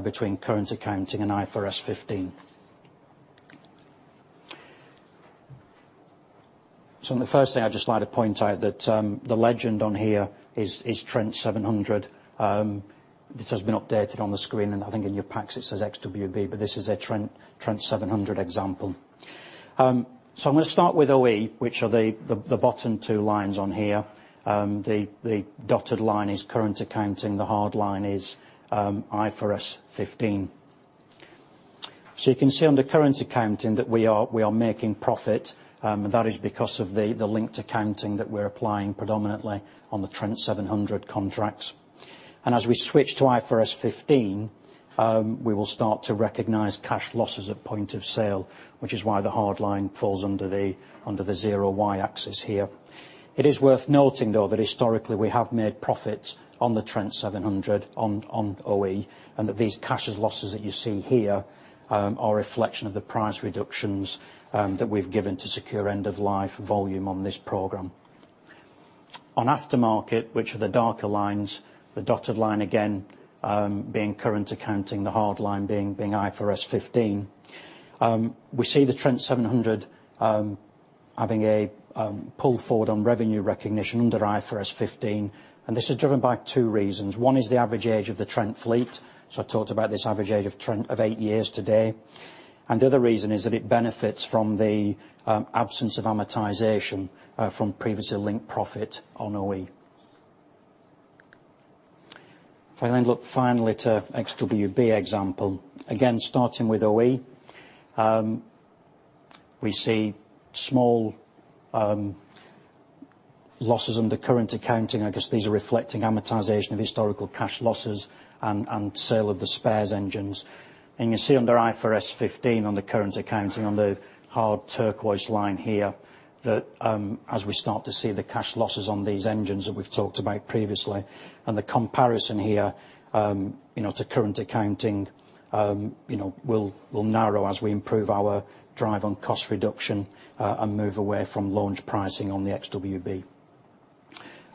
between current accounting and IFRS 15. The first thing I'd just like to point out that the legend on here is Trent 700. This has been updated on the screen, and I think in your packs it says XWB, but this is a Trent 700 example. I'm going to start with OE, which are the bottom two lines on here. The dotted line is current accounting. The hard line is IFRS 15. You can see on the current accounting that we are making profit. That is because of the linked accounting that we're applying predominantly on the Trent 700 contracts. As we switch to IFRS 15, we will start to recognize cash losses at point of sale, which is why the hard line falls under the zero Y-axis here. It is worth noting, though, that historically we have made profits on the Trent 700 on OE, and that these cash losses that you see here are a reflection of the price reductions that we've given to secure end-of-life volume on this program. On aftermarket, which are the darker lines, the dotted line again being current accounting, the hard line being IFRS 15. We see the Trent 700 having a pull forward on revenue recognition under IFRS 15, this is driven by two reasons. One is the average age of the Trent fleet. I talked about this average age of Trent of eight years today. The other reason is that it benefits from the absence of amortization from previously linked profit on OE. If I then look finally to XWB example, again, starting with OE, we see small losses under current accounting. I guess these are reflecting amortization of historical cash losses and sale of the spares engines. You see under IFRS 15 on the current accounting on the hard turquoise line here, that as we start to see the cash losses on these engines that we've talked about previously, the comparison here to current accounting will narrow as we improve our drive on cost reduction and move away from launch pricing on the XWB.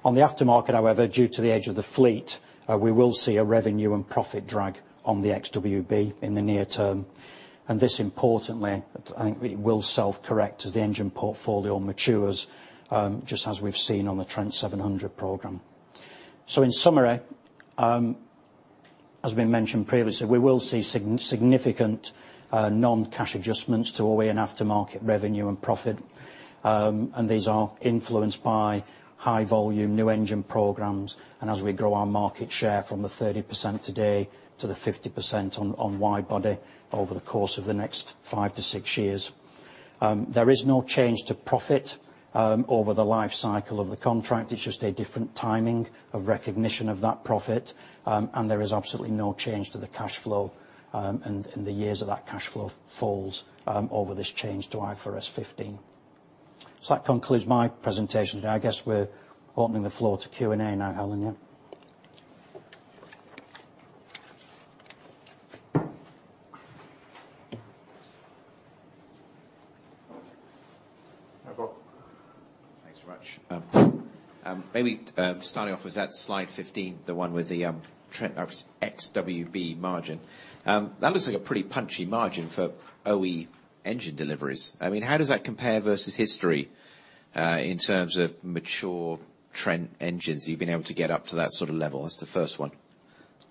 On the aftermarket, however, due to the age of the fleet, we will see a revenue and profit drag on the XWB in the near term, this importantly, I think it will self-correct as the engine portfolio matures, just as we've seen on the Trent 700 program. In summary, as we mentioned previously, we will see significant non-cash adjustments to OE and aftermarket revenue and profit, these are influenced by high volume new engine programs as we grow our market share from the 30% today to the 50% on wide body over the course of the next five to six years. There is no change to profit over the life cycle of the contract. It's just a different timing of recognition of that profit. There is absolutely no change to the cash flow and the years of that cash flow falls over this change to IFRS 15. That concludes my presentation. I guess we're opening the floor to Q&A now, Helen, yeah? Yeah, go. Thanks much. Maybe starting off with that slide 15, the one with the XWB margin. That looks like a pretty punchy margin for OE engine deliveries. How does that compare versus history, in terms of mature Trent engines you've been able to get up to that sort of level? That's the first one.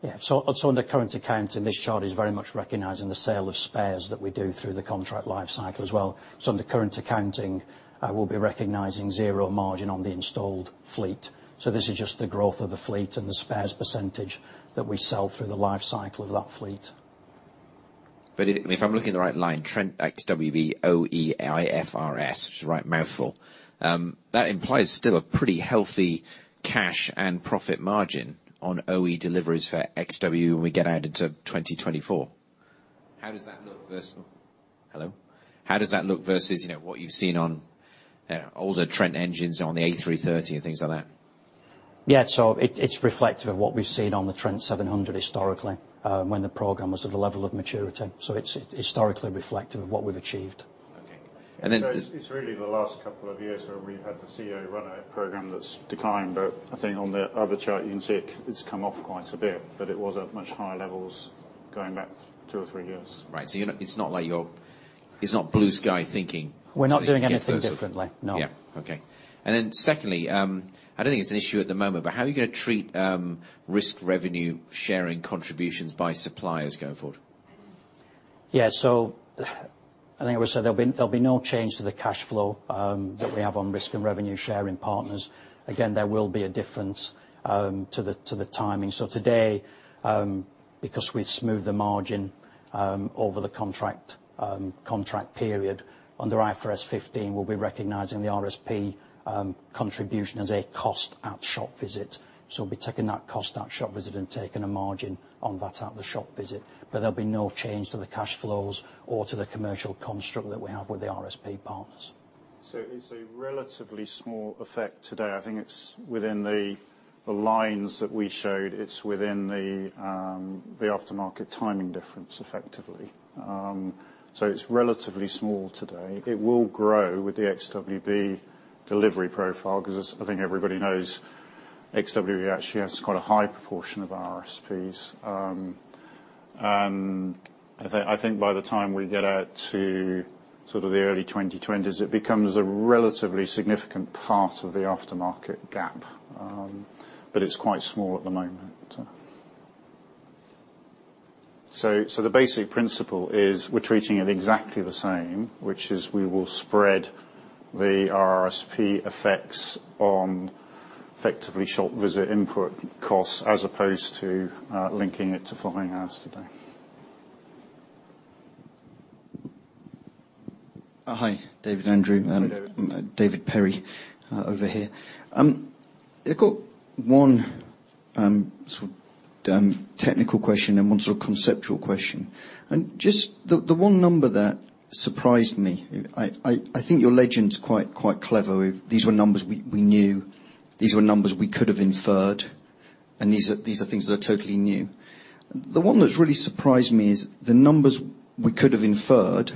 Yeah. Under current accounting, this chart is very much recognizing the sale of spares that we do through the contract life cycle as well. Under current accounting, we'll be recognizing zero margin on the installed fleet. This is just the growth of the fleet and the spares % that we sell through the life cycle of that fleet. If I'm looking at the right line, Trent XWB OE IFRS, it's a right mouthful. That implies still a pretty healthy cash and profit margin on OE deliveries for XWB, when we get out into 2024. How does that look versus Hello? How does that look versus what you've seen on older Trent engines on the A330 and things like that? Yeah. It's reflective of what we've seen on the Trent 700 historically, when the program was at a level of maturity. It's historically reflective of what we've achieved. Okay. It's really the last couple of years where we've had the COO run a program that's declined, but I think on the other chart you can see it's come off quite a bit, but it was at much higher levels going back two or three years. Right. It's not blue sky thinking. We're not doing anything differently. No. Okay. Secondly, I don't think it's an issue at the moment, but how are you going to treat risk revenue sharing contributions by suppliers going forward? I think it was said, there'll be no change to the cash flow that we have on risk and revenue sharing partners. There will be a difference to the timing. Today, because we smooth the margin over the contract period, under IFRS 15, we'll be recognizing the RSP contribution as a cost at shop visit. We'll be taking that cost at shop visit and taking a margin on that at the shop visit, but there'll be no change to the cash flows or to the commercial construct that we have with the RSP partners. It's a relatively small effect today. I think it's within the lines that we showed. It's within the aftermarket timing difference, effectively. It's relatively small today. It will grow with the XWB delivery profile because as I think everybody knows, XWB actually has quite a high proportion of RSPs. I think by the time we get out to the early 2020s, it becomes a relatively significant part of the aftermarket gap. It's quite small at the moment. The basic principle is we're treating it exactly the same, which is we will spread the RSP effects on effectively shop visit input costs as opposed to linking it to flying hours today. Oh, hi. David, Andrew. Hello. David Perry, over here. I've got one technical question and one conceptual question. Just the one number that surprised me, I think your legend's quite clever. These were numbers we knew, these were numbers we could have inferred, and these are things that are totally new. The one that's really surprised me is the numbers we could have inferred,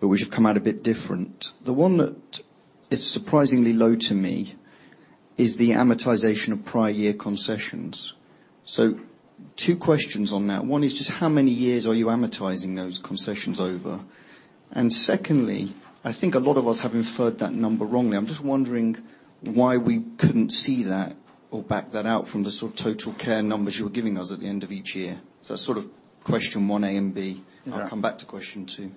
but which have come out a bit different. The one that is surprisingly low to me is the amortization of prior year concessions. Two questions on that. One is just how many years are you amortizing those concessions over? Secondly, I think a lot of us have inferred that number wrongly. I'm just wondering why we couldn't see that or back that out from the TotalCare numbers you were giving us at the end of each year. That's question one, A and B. Yeah. I'll come back to question two.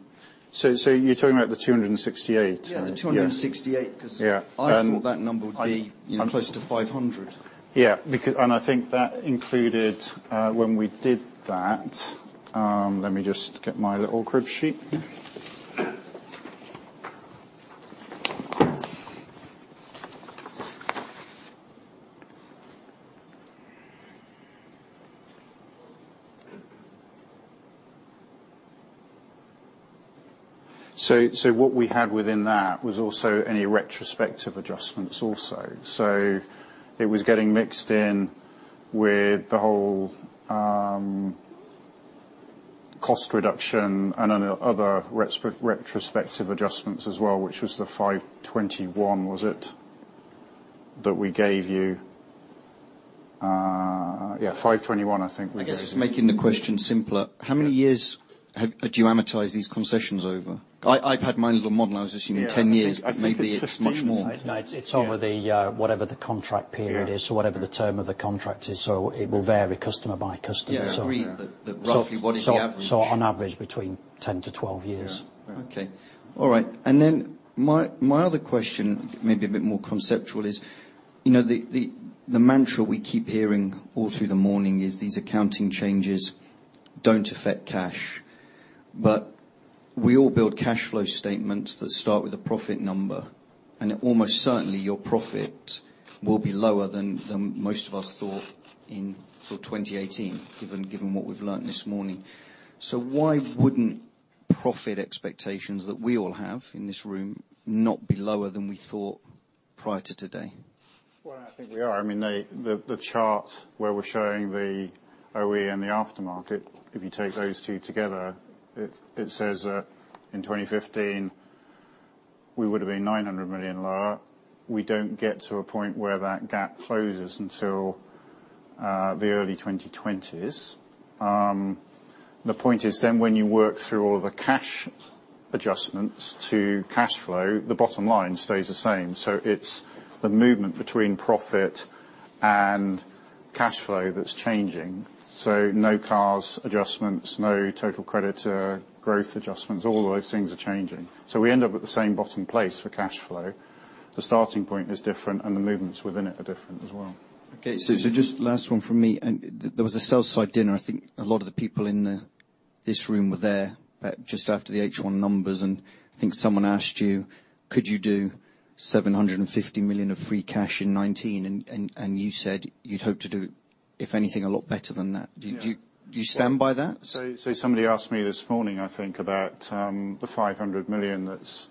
You're talking about the 268? Yeah, the 268- Yeah. I thought that number would be close to 500. Yeah. I think that included, when we did that Let me just get my little crib sheet. What we had within that was also any retrospective adjustments also. It was getting mixed in with the whole cost reduction and other retrospective adjustments as well, which was the 521, was it? That we gave you. Yeah, 521, I think we gave you. I guess just making the question simpler, how many years do you amortize these concessions over? I've had my little model. I was assuming 10 years- Yeah. maybe it's much more. it's over the whatever the contract period is or whatever the term of the contract is. it will vary customer by customer. Yeah, agreed. roughly, what is the average? on average, between 10 to 12 years. Yeah. Okay. All right. My other question, maybe a bit more conceptual, is the mantra we keep hearing all through the morning is these accounting changes don't affect cash. We all build cash flow statements that start with a profit number, and almost certainly your profit will be lower than most of us thought in 2018, given what we've learned this morning. Why wouldn't profit expectations that we all have in this room not be lower than we thought prior to today? I think we are. The chart where we're showing the OE and the aftermarket, if you take those two together, it says that in 2015 we would've been 900 million lower. We don't get to a point where that gap closes until the early 2020s. The point is when you work through all the cash adjustments to cash flow, the bottom line stays the same. It's the movement between profit and cash flow that's changing. No CARS adjustments, no total creditor growth adjustments. All those things are changing. We end up at the same bottom place for cash flow. The starting point is different, and the movements within it are different as well. Okay. Just last one from me. There was a sell-side dinner, I think a lot of the people in this room were there, just after the H1 numbers. I think someone asked you, could you do 750 million of free cash in 2019? You said you'd hope to do, if anything, a lot better than that. Yeah. Do you stand by that? Somebody asked me this morning, I think, about the 500 million that's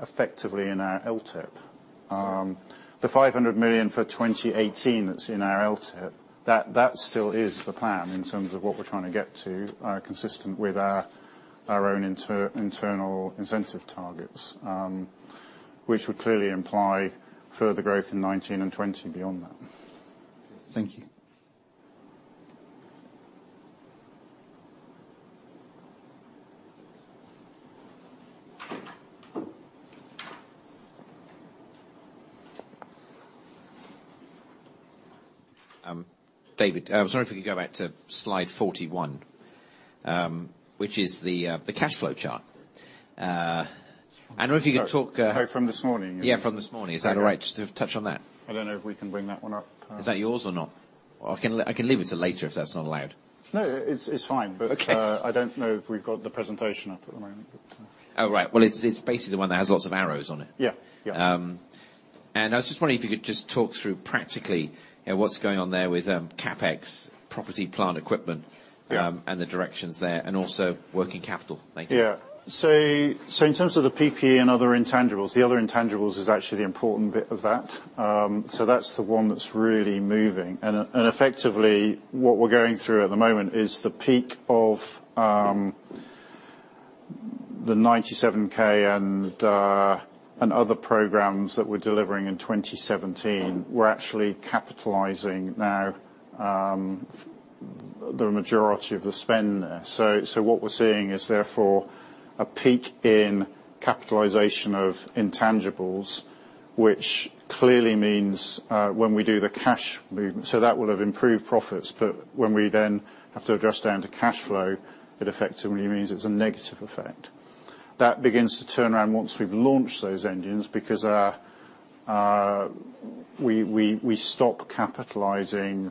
effectively in our LTIP. The 500 million for 2018 that's in our LTIP, that still is the plan in terms of what we're trying to get to, consistent with our own internal incentive targets, which would clearly imply further growth in 2019 and 2020 beyond that. Thank you. David, sorry, if we could go back to slide 41, which is the cash flow chart. I don't know if you could talk. Oh, from this morning you mean? Yeah, from this morning. Is that all right just to touch on that? I don't know if we can bring that one up. Is that yours or not? I can leave it to later if that's not allowed. No, it's fine. Okay I don't know if we've got the presentation up at the moment. It's basically the one that has lots of arrows on it. Yeah. I was just wondering if you could just talk through practically what's going on there with CapEx, property, plant, equipment. Yeah The directions there, and also working capital. Thank you. Yeah. In terms of the PPE and other intangibles, the other intangibles is actually the important bit of that. That's the one that's really moving. Effectively what we're going through at the moment is the peak of the 97K and other programs that we're delivering in 2017. We're actually capitalizing now the majority of the spend there. What we're seeing is therefore a peak in capitalization of intangibles, which clearly means when we do the cash movement. That will have improved profits, but when we then have to adjust down to cash flow, it effectively means it's a negative effect. That begins to turn around once we've launched those engines because we stop capitalizing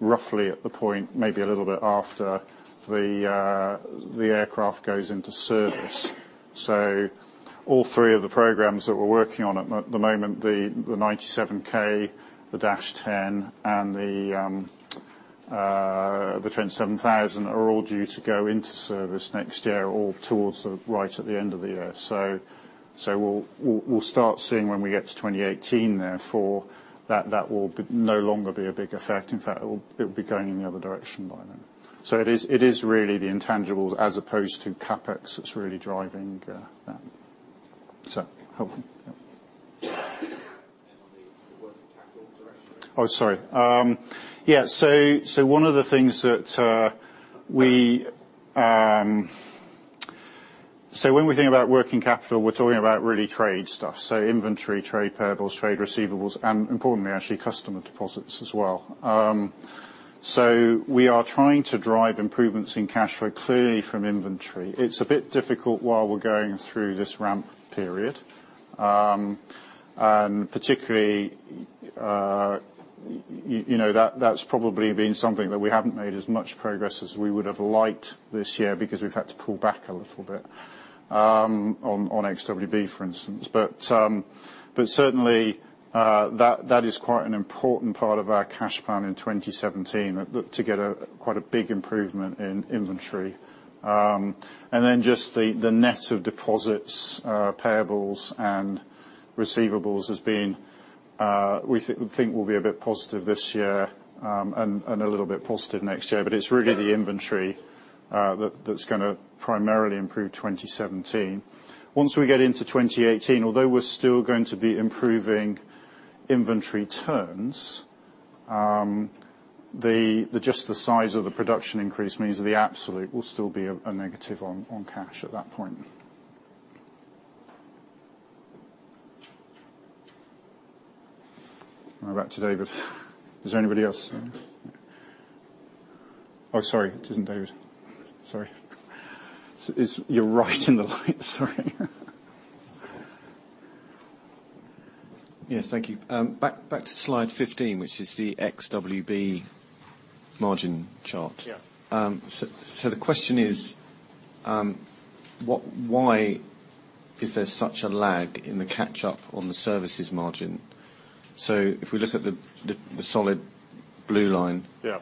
roughly at the point, maybe a little bit after, the aircraft goes into service. All three of the programs that we're working on at the moment, the 97K, the Trent 1000-TEN, and the 27,000 are all due to go into service next year or towards right at the end of the year. We'll start seeing when we get to 2018 therefore, that that will no longer be a big effect. In fact, it will be going in the other direction by then. It is really the intangibles as opposed to CapEx that's really driving that. Is that helpful? Yeah. Sorry. Yeah. One of the things that So when we think about working capital, we're talking about really trade stuff. Inventory, trade payables, trade receivables, and importantly, actually, customer deposits as well. We are trying to drive improvements in cash flow clearly from inventory. It's a bit difficult while we're going through this ramp period. Particularly, that's probably been something that we haven't made as much progress as we would've liked this year because we've had to pull back a little bit on XWB, for instance. Certainly, that is quite an important part of our cash plan in 2017, to get quite a big improvement in inventory. Then just the net of deposits, payables, and receivables has been, we think will be a bit positive this year, and a little bit positive next year. It's really the inventory that's going to primarily improve 2017. Once we get into 2018, although we're still going to be improving inventory turns, just the size of the production increase means that the absolute will still be a negative on cash at that point. Back to David. Is there anybody else? Oh, sorry. It isn't David. Sorry. You're right in the light sorry. Yes. Thank you. Back to slide 15, which is the XWB margin chart. Yeah. The question is, why is there such a lag in the catch-up on the services margin? If we look at the solid blue line. Yeah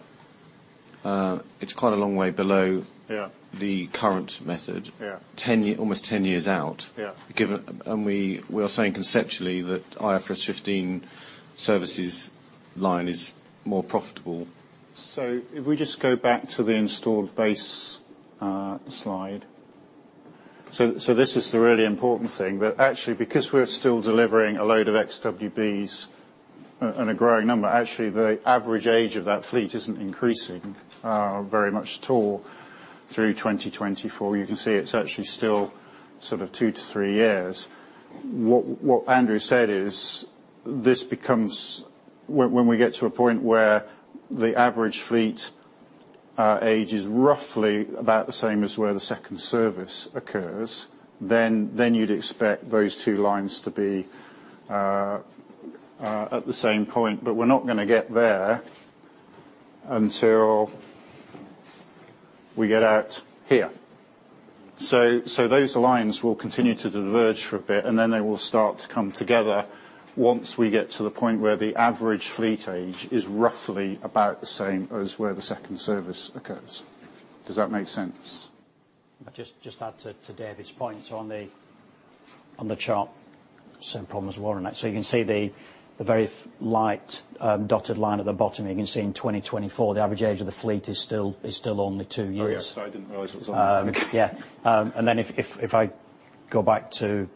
It's quite a long way below. Yeah the current method. Yeah. Almost 10 years out. Yeah. We are saying conceptually that IFRS 15 services line is more profitable. If we just go back to the installed base slide. This is the really important thing, that actually because we're still delivering a load of XWBs and a growing number, actually, the average age of that fleet isn't increasing very much at all through 2024. You can see it's actually still sort of two to three years. What Andrew said is, when we get to a point where the average fleet age is roughly about the same as where the second service occurs, then you'd expect those two lines to be at the same point, but we're not going to get there until we get out here. Those lines will continue to diverge for a bit, and then they will start to come together once we get to the point where the average fleet age is roughly about the same as where the second service occurs. Does that make sense? I'll just add to David's point on the chart. Same problem as Warren. You can see the very light dotted line at the bottom. You can see in 2024, the average age of the fleet is still only two years. Oh, yeah. Sorry, I didn't realize it was on there. Yeah. If I go back to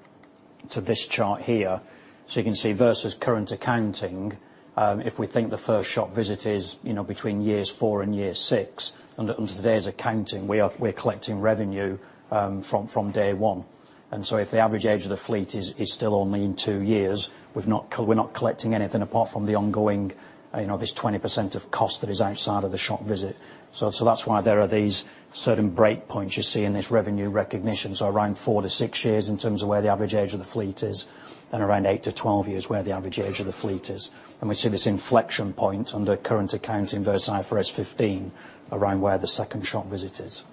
this chart here, so you can see versus current accounting, if we think the first shop visit is between years four and six, under today's accounting, we're collecting revenue from day one. If the average age of the fleet is still only in two years, we're not collecting anything apart from the ongoing, this 20% of cost that is outside of the shop visit. That's why there are these certain break points you see in this revenue recognition. Around four to six years in terms of where the average age of the fleet is, and around eight to 12 years where the average age of the fleet is. We see this inflection point under current accounting versus IFRS 15 around where the second shop visit is.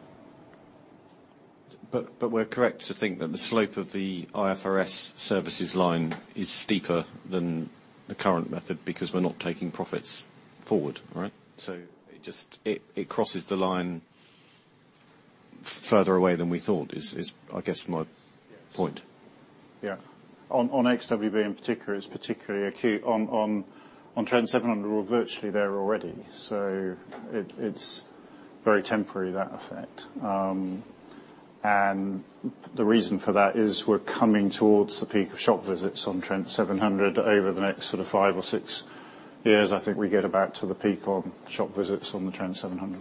We're correct to think that the slope of the IFRS services line is steeper than the current method because we're not taking profits forward, right? It crosses the line further away than we thought is I guess my point. Yeah. On XWB in particular, it's particularly acute. On Trent 700, we're virtually there already, it's very temporary, that effect. The reason for that is we're coming towards the peak of shop visits on Trent 700. Over the next five or six years, I think we get about to the peak on shop visits on the Trent 700.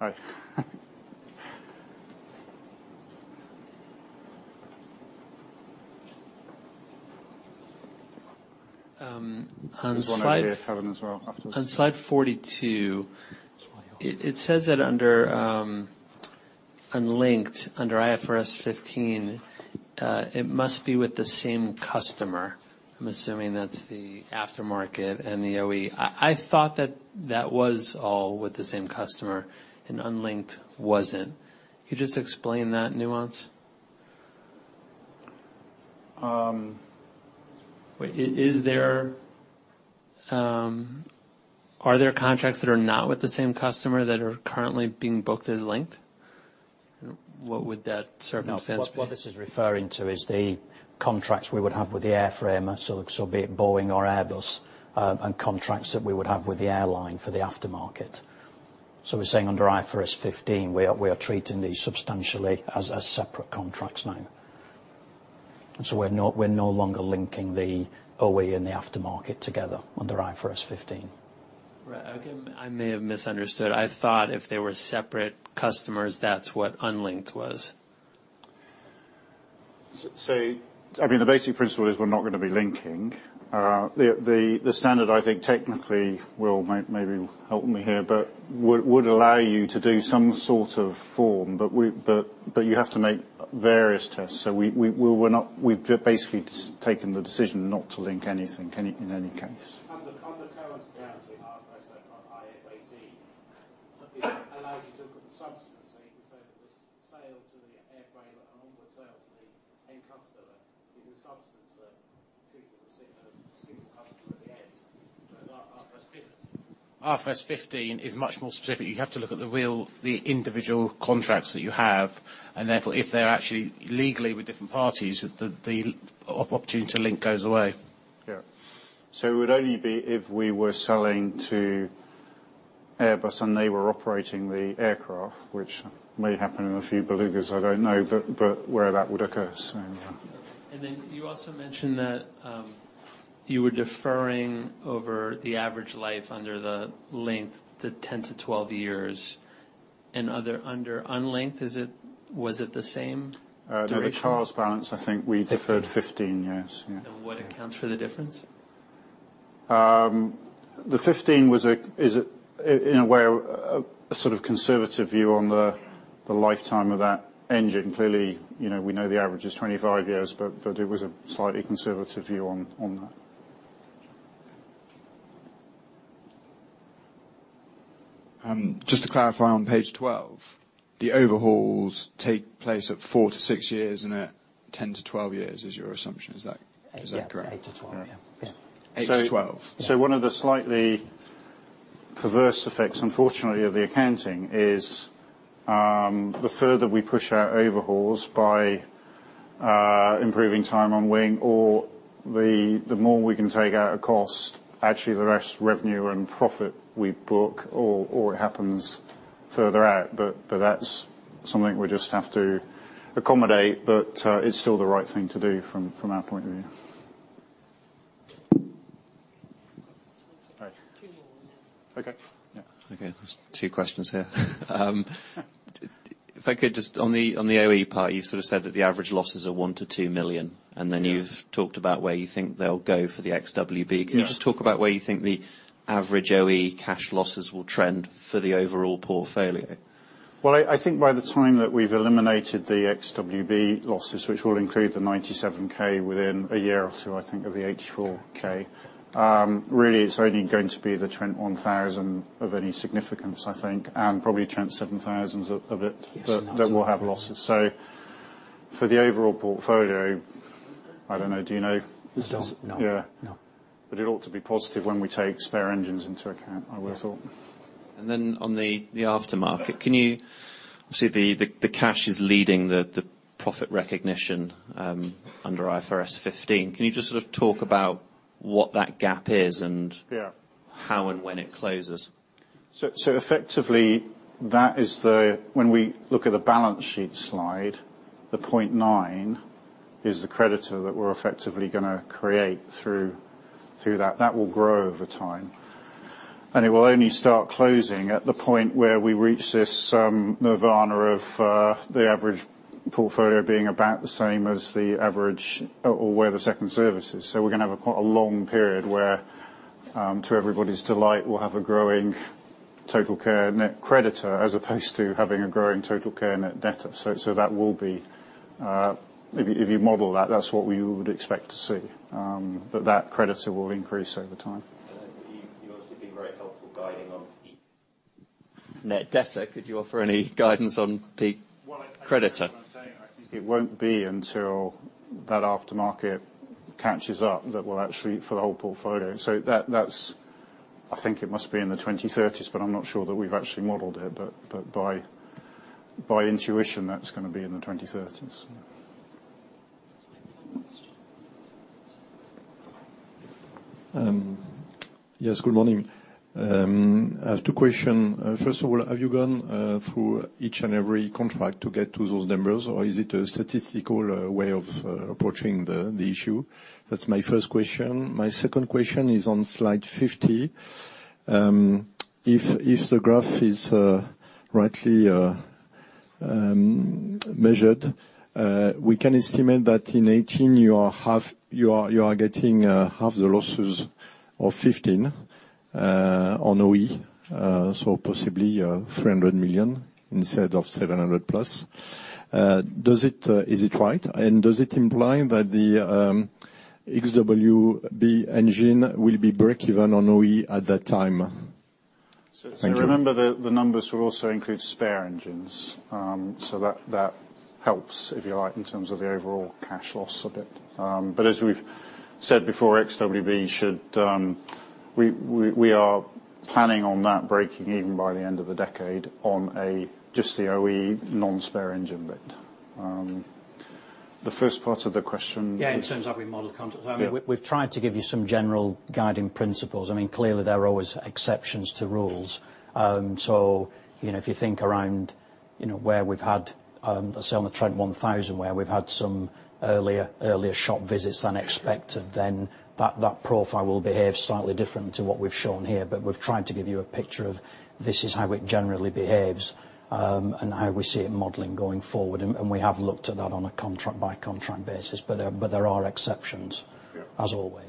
All right. On slide. There's one over here, Kevin, as well. Afterwards. On slide 42, it says that on linked under IFRS 15, it must be with the same customer. I'm assuming that's the aftermarket and the OE. I thought that that was all with the same customer and unlinked wasn't. Can you just explain that nuance? Are there contracts that are not with the same customer that are currently being booked as linked? What would that circumstance be? What this is referring to is the contracts we would have with the airframer, be it Boeing or Airbus, and contracts that we would have with the airline for the aftermarket. We're saying under IFRS 15, we are treating these substantially as separate contracts now. We're no longer linking the OE and the aftermarket together under IFRS 15. Right. Okay. I may have misunderstood. I thought if they were separate customers, that's what unlinked was. The basic principle is we're not going to be linking. The standard, I think technically, Will, maybe help me here, but would allow you to do some sort of form, but you have to make various tests. We've basically taken the decision not to link anything in any case. Under current accounting, IFRS, or IAS 18, it allows you to look at the substance. You can say that this sale to the airframer and onward sale to the end customer is a substance that treats it as a single customer at the end, whereas IFRS 15. IFRS 15 is much more specific. You have to look at the individual contracts that you have, therefore, if they're actually legally with different parties, the opportunity to link goes away. Yeah. It would only be if we were selling to Airbus and they were operating the aircraft, which may happen in a few belugas, I don't know, but where that would occur. Yeah. Then you also mentioned that you were deferring over the average life under the linked, the 10-12 years. Under unlinked, was it the same duration? The retreads balance, I think we deferred 15. 15. Yes. Yeah. What accounts for the difference? The 15 is in a way, a sort of conservative view on the lifetime of that engine. Clearly, we know the average is 25 years, but it was a slightly conservative view on that. Just to clarify on page 12, the overhauls take place at four to six years and at 10 to 12 years is your assumption. Is that correct? Yeah. Eight to 12. Yeah. Eight to 12. One of the slightly perverse effects, unfortunately, of the accounting is the further we push our overhauls by improving time on wing or the more we can take out of cost, actually, the less revenue and profit we book or it happens further out. That's something we just have to accommodate, but it's still the right thing to do from our point of view. Two more. Okay. Yeah. Okay. There's two questions here. On the OE part, you sort of said that the average losses are 1 million-2 million. Yeah. You've talked about where you think they'll go for the XWB. Yeah. Can you just talk about where you think the average OE cash losses will trend for the overall portfolio? Well, I think by the time that we've eliminated the XWB losses, which will include the 97K within a year or two, I think, of the 84K. Really, it's only going to be the 21,000 of any significance, I think, and probably 27,000. Yes That will have losses. For the overall portfolio, I don't know. Do you know? I don't. No. Yeah. No. It ought to be positive when we take spare engines into account, I would have thought. On the aftermarket. Obviously, the cash is leading the profit recognition under IFRS 15. Can you just sort of talk about what that gap is. Yeah How and when it closes? Effectively, when we look at the balance sheet slide, the 0.9 is the creditor that we're effectively going to create through that. That will grow over time, and it will only start closing at the point where we reach this nirvana of the average portfolio being about the same as the average or where the second service is. We're going to have a long period where to everybody's delight, we'll have a growing TotalCare net creditor as opposed to having a growing TotalCare net debtor. If you model that's what we would expect to see. That creditor will increase over time. You have obviously been very helpful guiding on peak net debtor. Could you offer any guidance on peak creditor? I'm saying, I think it won't be until that aftermarket catches up that we'll actually for the whole portfolio. That's I think it must be in the 2030s, but I'm not sure that we've actually modeled it. By intuition, that's going to be in the 2030s. One question. Yes, good morning. I have two question. First of all, have you gone through each and every contract to get to those numbers, or is it a statistical way of approaching the issue? That's my first question. My second question is on slide 50. If the graph is rightly measured, we can estimate that in 2018, you are getting half the losses of 2015 on OE, possibly 300 million instead of 700+. Is it right? Does it imply that the XWB engine will be break even on OE at that time? Thank you. Remember the numbers will also include spare engines. That helps, if you like, in terms of the overall cash loss of it. As we've said before, Trent XWB should We are planning on that breaking even by the end of the decade on just the OE non-spare engine bit. The first part of the question. Yeah, in terms of we model contract. Yeah. We've tried to give you some general guiding principles. Clearly, there are always exceptions to rules. If you think around where we've had, say on the 21,000, where we've had some earlier shop visits than expected, then that profile will behave slightly different to what we've shown here. We've tried to give you a picture of this is how it generally behaves, and how we see it modeling going forward. We have looked at that on a contract-by-contract basis. There are exceptions- Yeah as always.